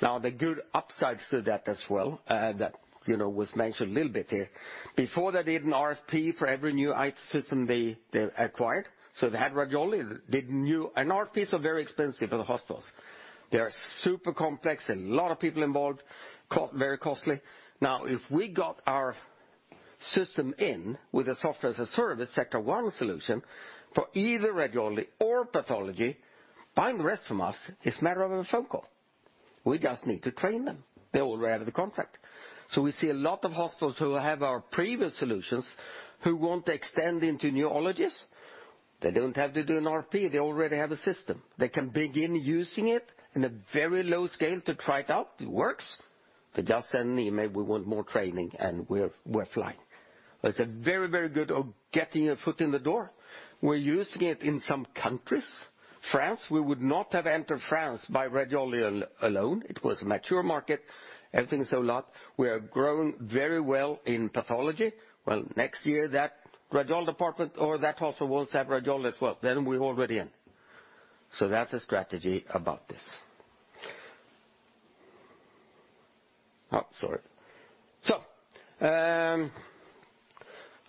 The good upsides to that as well, that, you know, was mentioned a little bit here. Before, they did an RFP for every new IT system they acquired. They had Radiology, they knew. RFPs are very expensive for the hospitals. They are super complex, a lot of people involved, very costly. If we got our system in with a Software as a Service Sectra One solution for either radiology or pathology, buying the rest from us is a matter of a phone call. We just need to train them. They already have the contract. We see a lot of hospitals who have our previous solutions who want to extend into neurologists. They don't have to do an RP, they already have a system. They can begin using it in a very low scale to try it out. It works. They just send an email, we want more training, and we're flying. It's a very, very good of getting a foot in the door. We're using it in some countries. France, we would not have entered France by radiology alone. It was a mature market, everything is a lot. We are growing very well in pathology. Next year that radiology department or that hospital wants to have radiology as well, then we're already in. That's a strategy about this. Sorry.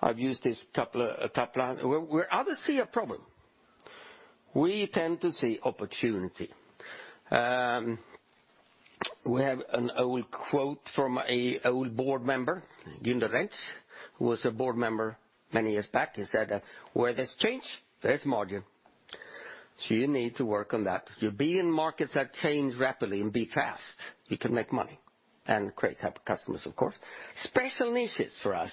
I've used this couple of top line. Where others see a problem, we tend to see opportunity. We have an old quote from a old board member, Gunder Lerenius, who was a board member many years back. He said that, "Where there's change, there's margin." You need to work on that. If you be in markets that change rapidly and be fast, you can make money and create happy customers, of course. Special niches for us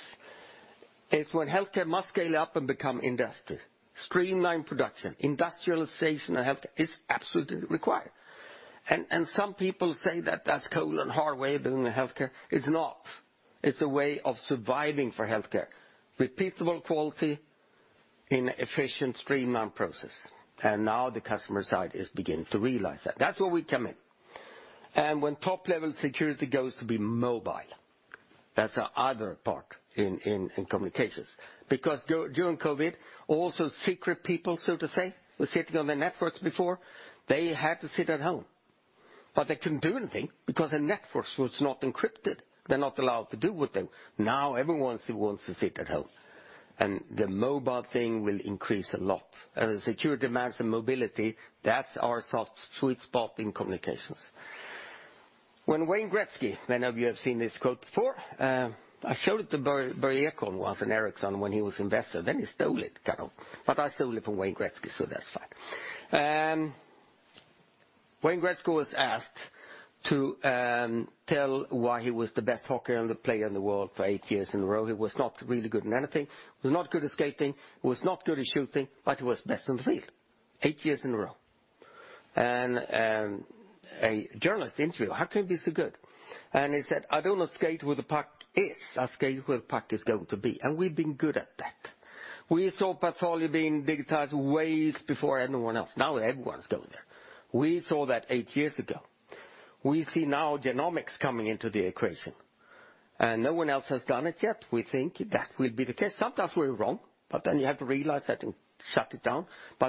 is when healthcare must scale up and become industry. Streamline production, industrialization of healthcare is absolutely required. Some people say that that's cold and hard way of doing the healthcare. It's not. It's a way of surviving for healthcare. Repeatable quality in efficient, streamlined process. Now the customer side is beginning to realize that. That's where we come in. When top-level security goes to be mobile. That's the other part in communications. Because during COVID, all those secret people, so to say, were sitting on their networks before, they had to sit at home. They couldn't do anything because their networks was not encrypted. They're not allowed to do with them. Everyone still wants to sit at home. The mobile thing will increase a lot. As security demands some mobility, that's our soft sweet spot in communications. When Wayne Gretzky, many of you have seen this quote before, I showed it to Börje Ekholm once in Ericsson when he was investor, then he stole it, kind of. I stole it from Wayne Gretzky, so that's fine. Wayne Gretzky was asked to tell why he was the best hockey and the player in the world for eight years in a row. He was not really good in anything. He was not good at skating, he was not good at shooting, he was best in the field. eight years in a row. A journalist interviewed, "How can you be so good?" He said, "I do not skate where the puck is, I skate where the puck is going to be." We've been good at that. We saw pathology being digitized ways before anyone else. Now everyone's going there. We saw that eight years ago. We see now Genomics coming into the equation. No one else has done it yet. We think that will be the case. Sometimes we're wrong, you have to realize that and shut it down.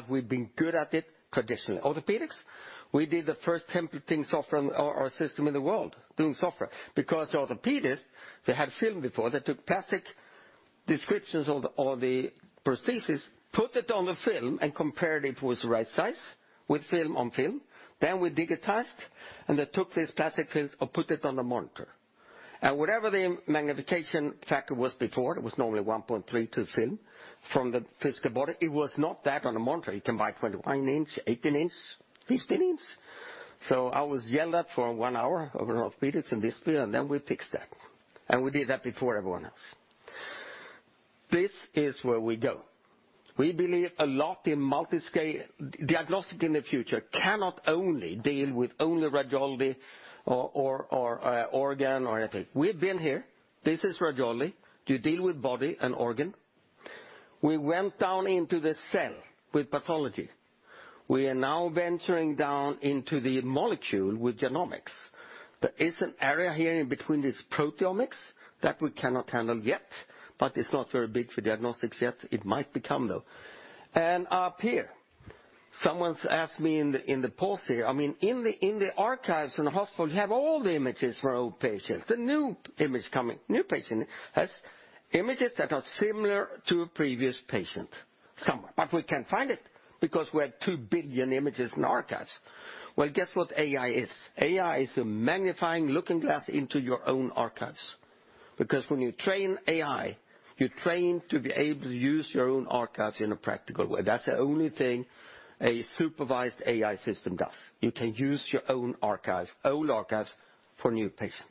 We've been good at it traditionally. Orthopaedics, we did the first templating software on our system in the world doing software. Because orthopaedist, they had film before. They took plastic descriptions of the, all the prosthesis, put it on the film, compared it was the right size with film on film. We digitized, and they took these plastic films and put it on a monitor. Whatever the magnification factor was before, it was normally 1.3 to film from the physical body, it was not that on a monitor. You can buy 29 inch, 18 inch, 15 inch. I was yelled at for one hour over orthopedics and this, and then we fixed that. We did that before everyone else. This is where we go. We believe a lot in multi-scale. Diagnostic in the future cannot only deal with only radiology or, or organ or anything. We've been here. This is radiology. You deal with body and organ. We went down into the cell with pathology. We are now venturing down into the molecule with genomics. There is an area here in between these proteomics that we cannot handle yet, but it's not very big for diagnostics yet. It might become, though. Up here, someone's asked me in the pulse here, I mean, in the archives in the hospital, you have all the images from old patients. The new image coming, new patient has images that are similar to a previous patient somewhere. We can't find it because we have 2 billion images in archives. Well, guess what AI is? AI is a magnifying looking glass into your own archives. When you train AI, you train to be able to use your own archives in a practical way. That's the only thing a supervised AI system does. You can use your own archives, old archives for new patients.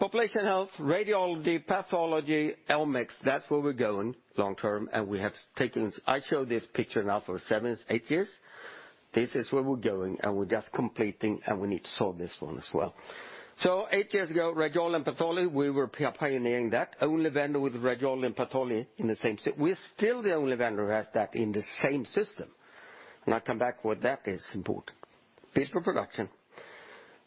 Population health, radiology, pathology, Elmex, that's where we're going long term. I show this picture now for seven, eight years. This is where we're going, we're just completing, and we need to solve this one as well. Eight years ago, radiology and pathology, we were pioneering that. Only vendor with radiology and pathology in the same system. We're still the only vendor who has that in the same system. I come back why that is important. Piece for production.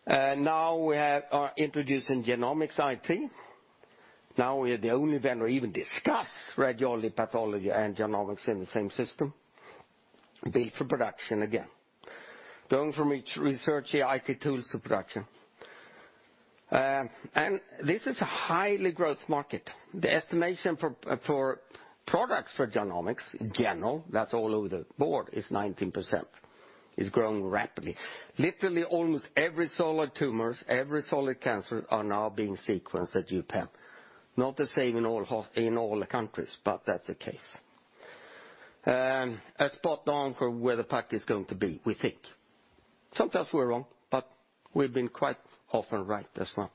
Now we are introducing Genomics IT. Now we are the only vendor to even discuss radiology, pathology, and Genomics in the same system. B for production again. Going from each research IT tools to production. This is a highly growth market. The estimation for products for Genomics in general, that's all over the board, is 19%. It's growing rapidly. Literally, almost every solid tumors, every solid cancer are now being sequenced at UPenn. Not the same in all the countries, that's the case. Are spot on for where the PACS is going to be, we think. Sometimes we're wrong, we've been quite often right as well.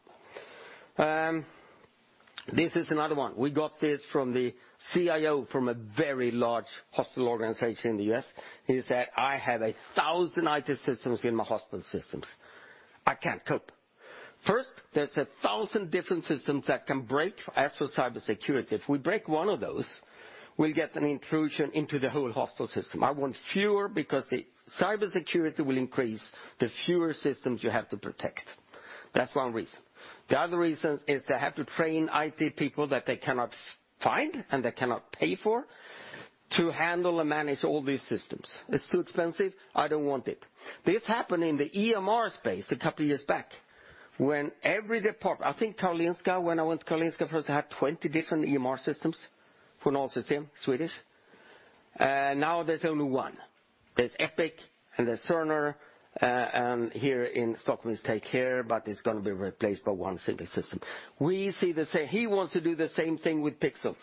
This is another one. We got this from the CIO from a very large hospital organization in the U.S., is that I have 1,000 IT systems in my hospital systems. I can't cope. First, there's 1,000 different systems that can break. As for cybersecurity, if we break one of those, we'll get an intrusion into the whole hospital system. I want fewer because the cybersecurity will increase, the fewer systems you have to protect. That's one reason. The other reasons is they have to train IT people that they cannot find and they cannot pay for to handle and manage all these systems. It's too expensive, I don't want it. This happened in the EMR space a couple of years back when every department. I think Karolinska, when I went to Karolinska first, had 20 different EMR systems for non-system Swedish. Now there's only one. There's Epic and there's Cerner, here in Stockholm is TakeCare, but it's gonna be replaced by one single system. We see the same. He wants to do the same thing with pixels.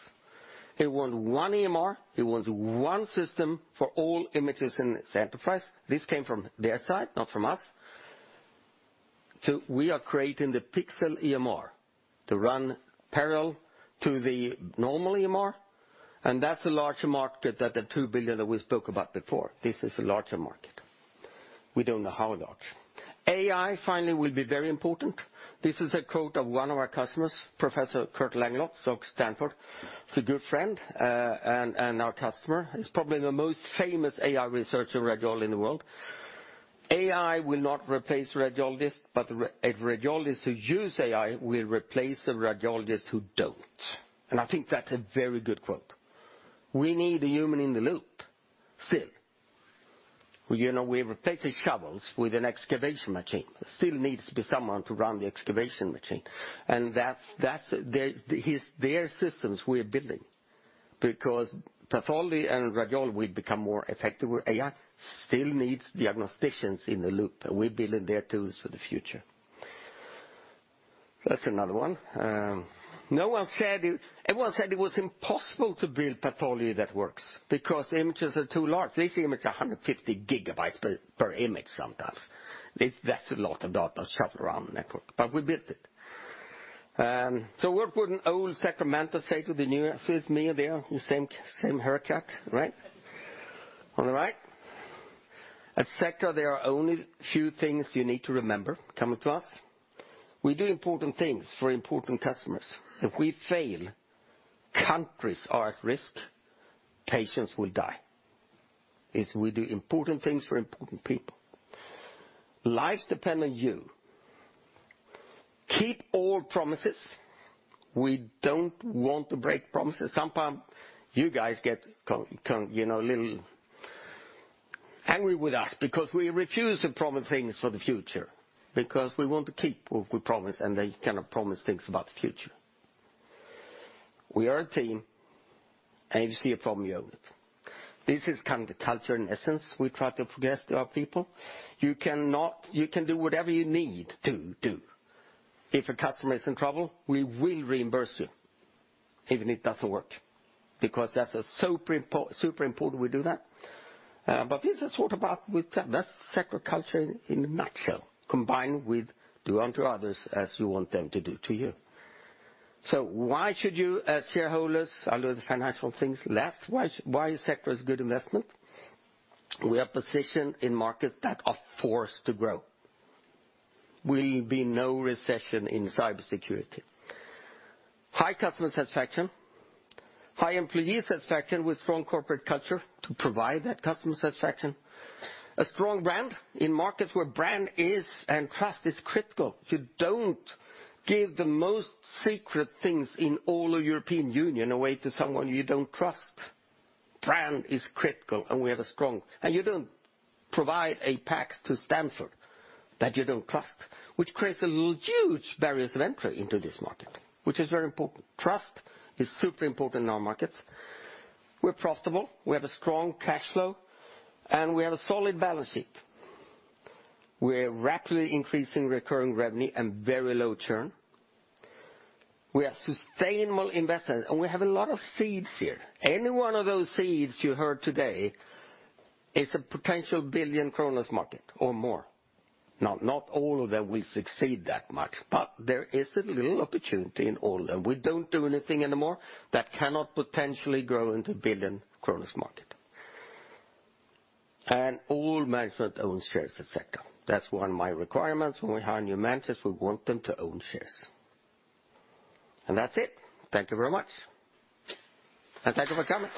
He want one EMR, he wants one system for all images and samples. This came from their side, not from us. We are creating the pixel EMR to run parallel to the normal EMR, and that's the larger market that the 2 billion that we spoke about before. This is a larger market. We don't know how large. AI, finally, will be very important. This is a quote of one of our customers, Professor Kurt Langlotz of Stanford. He's a good friend, and our customer. He's probably the most famous AI researcher radiologist in the world. "AI will not replace radiologists, but a radiologist who use AI will replace the radiologists who don't." I think that's a very good quote. We need a human in the loop still. You know, we replace shovels with an excavation machine. There still needs to be someone to run the excavation machine. That's their systems we're building because pathology and radiology will become more effective with AI. Still needs diagnosticians in the loop, and we're building their tools for the future. That's another one. Everyone said it was impossible to build pathology that works because images are too large. These images are 150 gigabytes per image sometimes. That's a lot of data to shuffle around the network, but we built it. What would an old Sectra say to the new? See, it's me there, the same haircut, right? All right. At Sectra, there are only few things you need to remember coming to us. We do important things for important customers. If we fail, countries are at risk, patients will die, we do important things for important people. Lives depend on you. Keep all promises. We don't want to break promises. Sometimes you guys get, you know, a little angry with us because we refuse to promise things for the future, because we want to keep what we promise, then you cannot promise things about the future. We are a team. If you see a problem, you own it. This is kind of the culture in essence we try to progress to our people. You can do whatever you need to do. If a customer is in trouble, we will reimburse you even if it doesn't work, because that's super important we do that. This is sort of We tell that's Sectra culture in a nutshell, combined with do unto others as you want them to do to you. Why should you, as shareholders, I'll do the financial things last. Why is Sectra a good investment? We are positioned in markets that are forced to grow. Will be no recession in cybersecurity. High customer satisfaction, high employee satisfaction with strong corporate culture to provide that customer satisfaction. A strong brand in markets where brand is and trust is critical. You don't give the most secret things in all of European Union away to someone you don't trust. Brand is critical, and we have a strong... You don't provide a PACS to Stanford that you don't trust, which creates a huge barriers of entry into this market, which is very important. Trust is super important in our markets. We're profitable, we have a strong cash flow, and we have a solid balance sheet. We're rapidly increasing recurring revenue and very low churn. We have sustainable investment, and we have a lot of seeds here. Any one of those seeds you heard today is a potential 1 billion market or more. Now, not all of them will succeed that much, but there is a little opportunity in all of them. We don't do anything anymore that cannot potentially grow into 1 billion market. All management owns shares at Sectra. That's one of my requirements when we hire new managers, we want them to own shares. That's it. Thank you very much. Thank you for coming.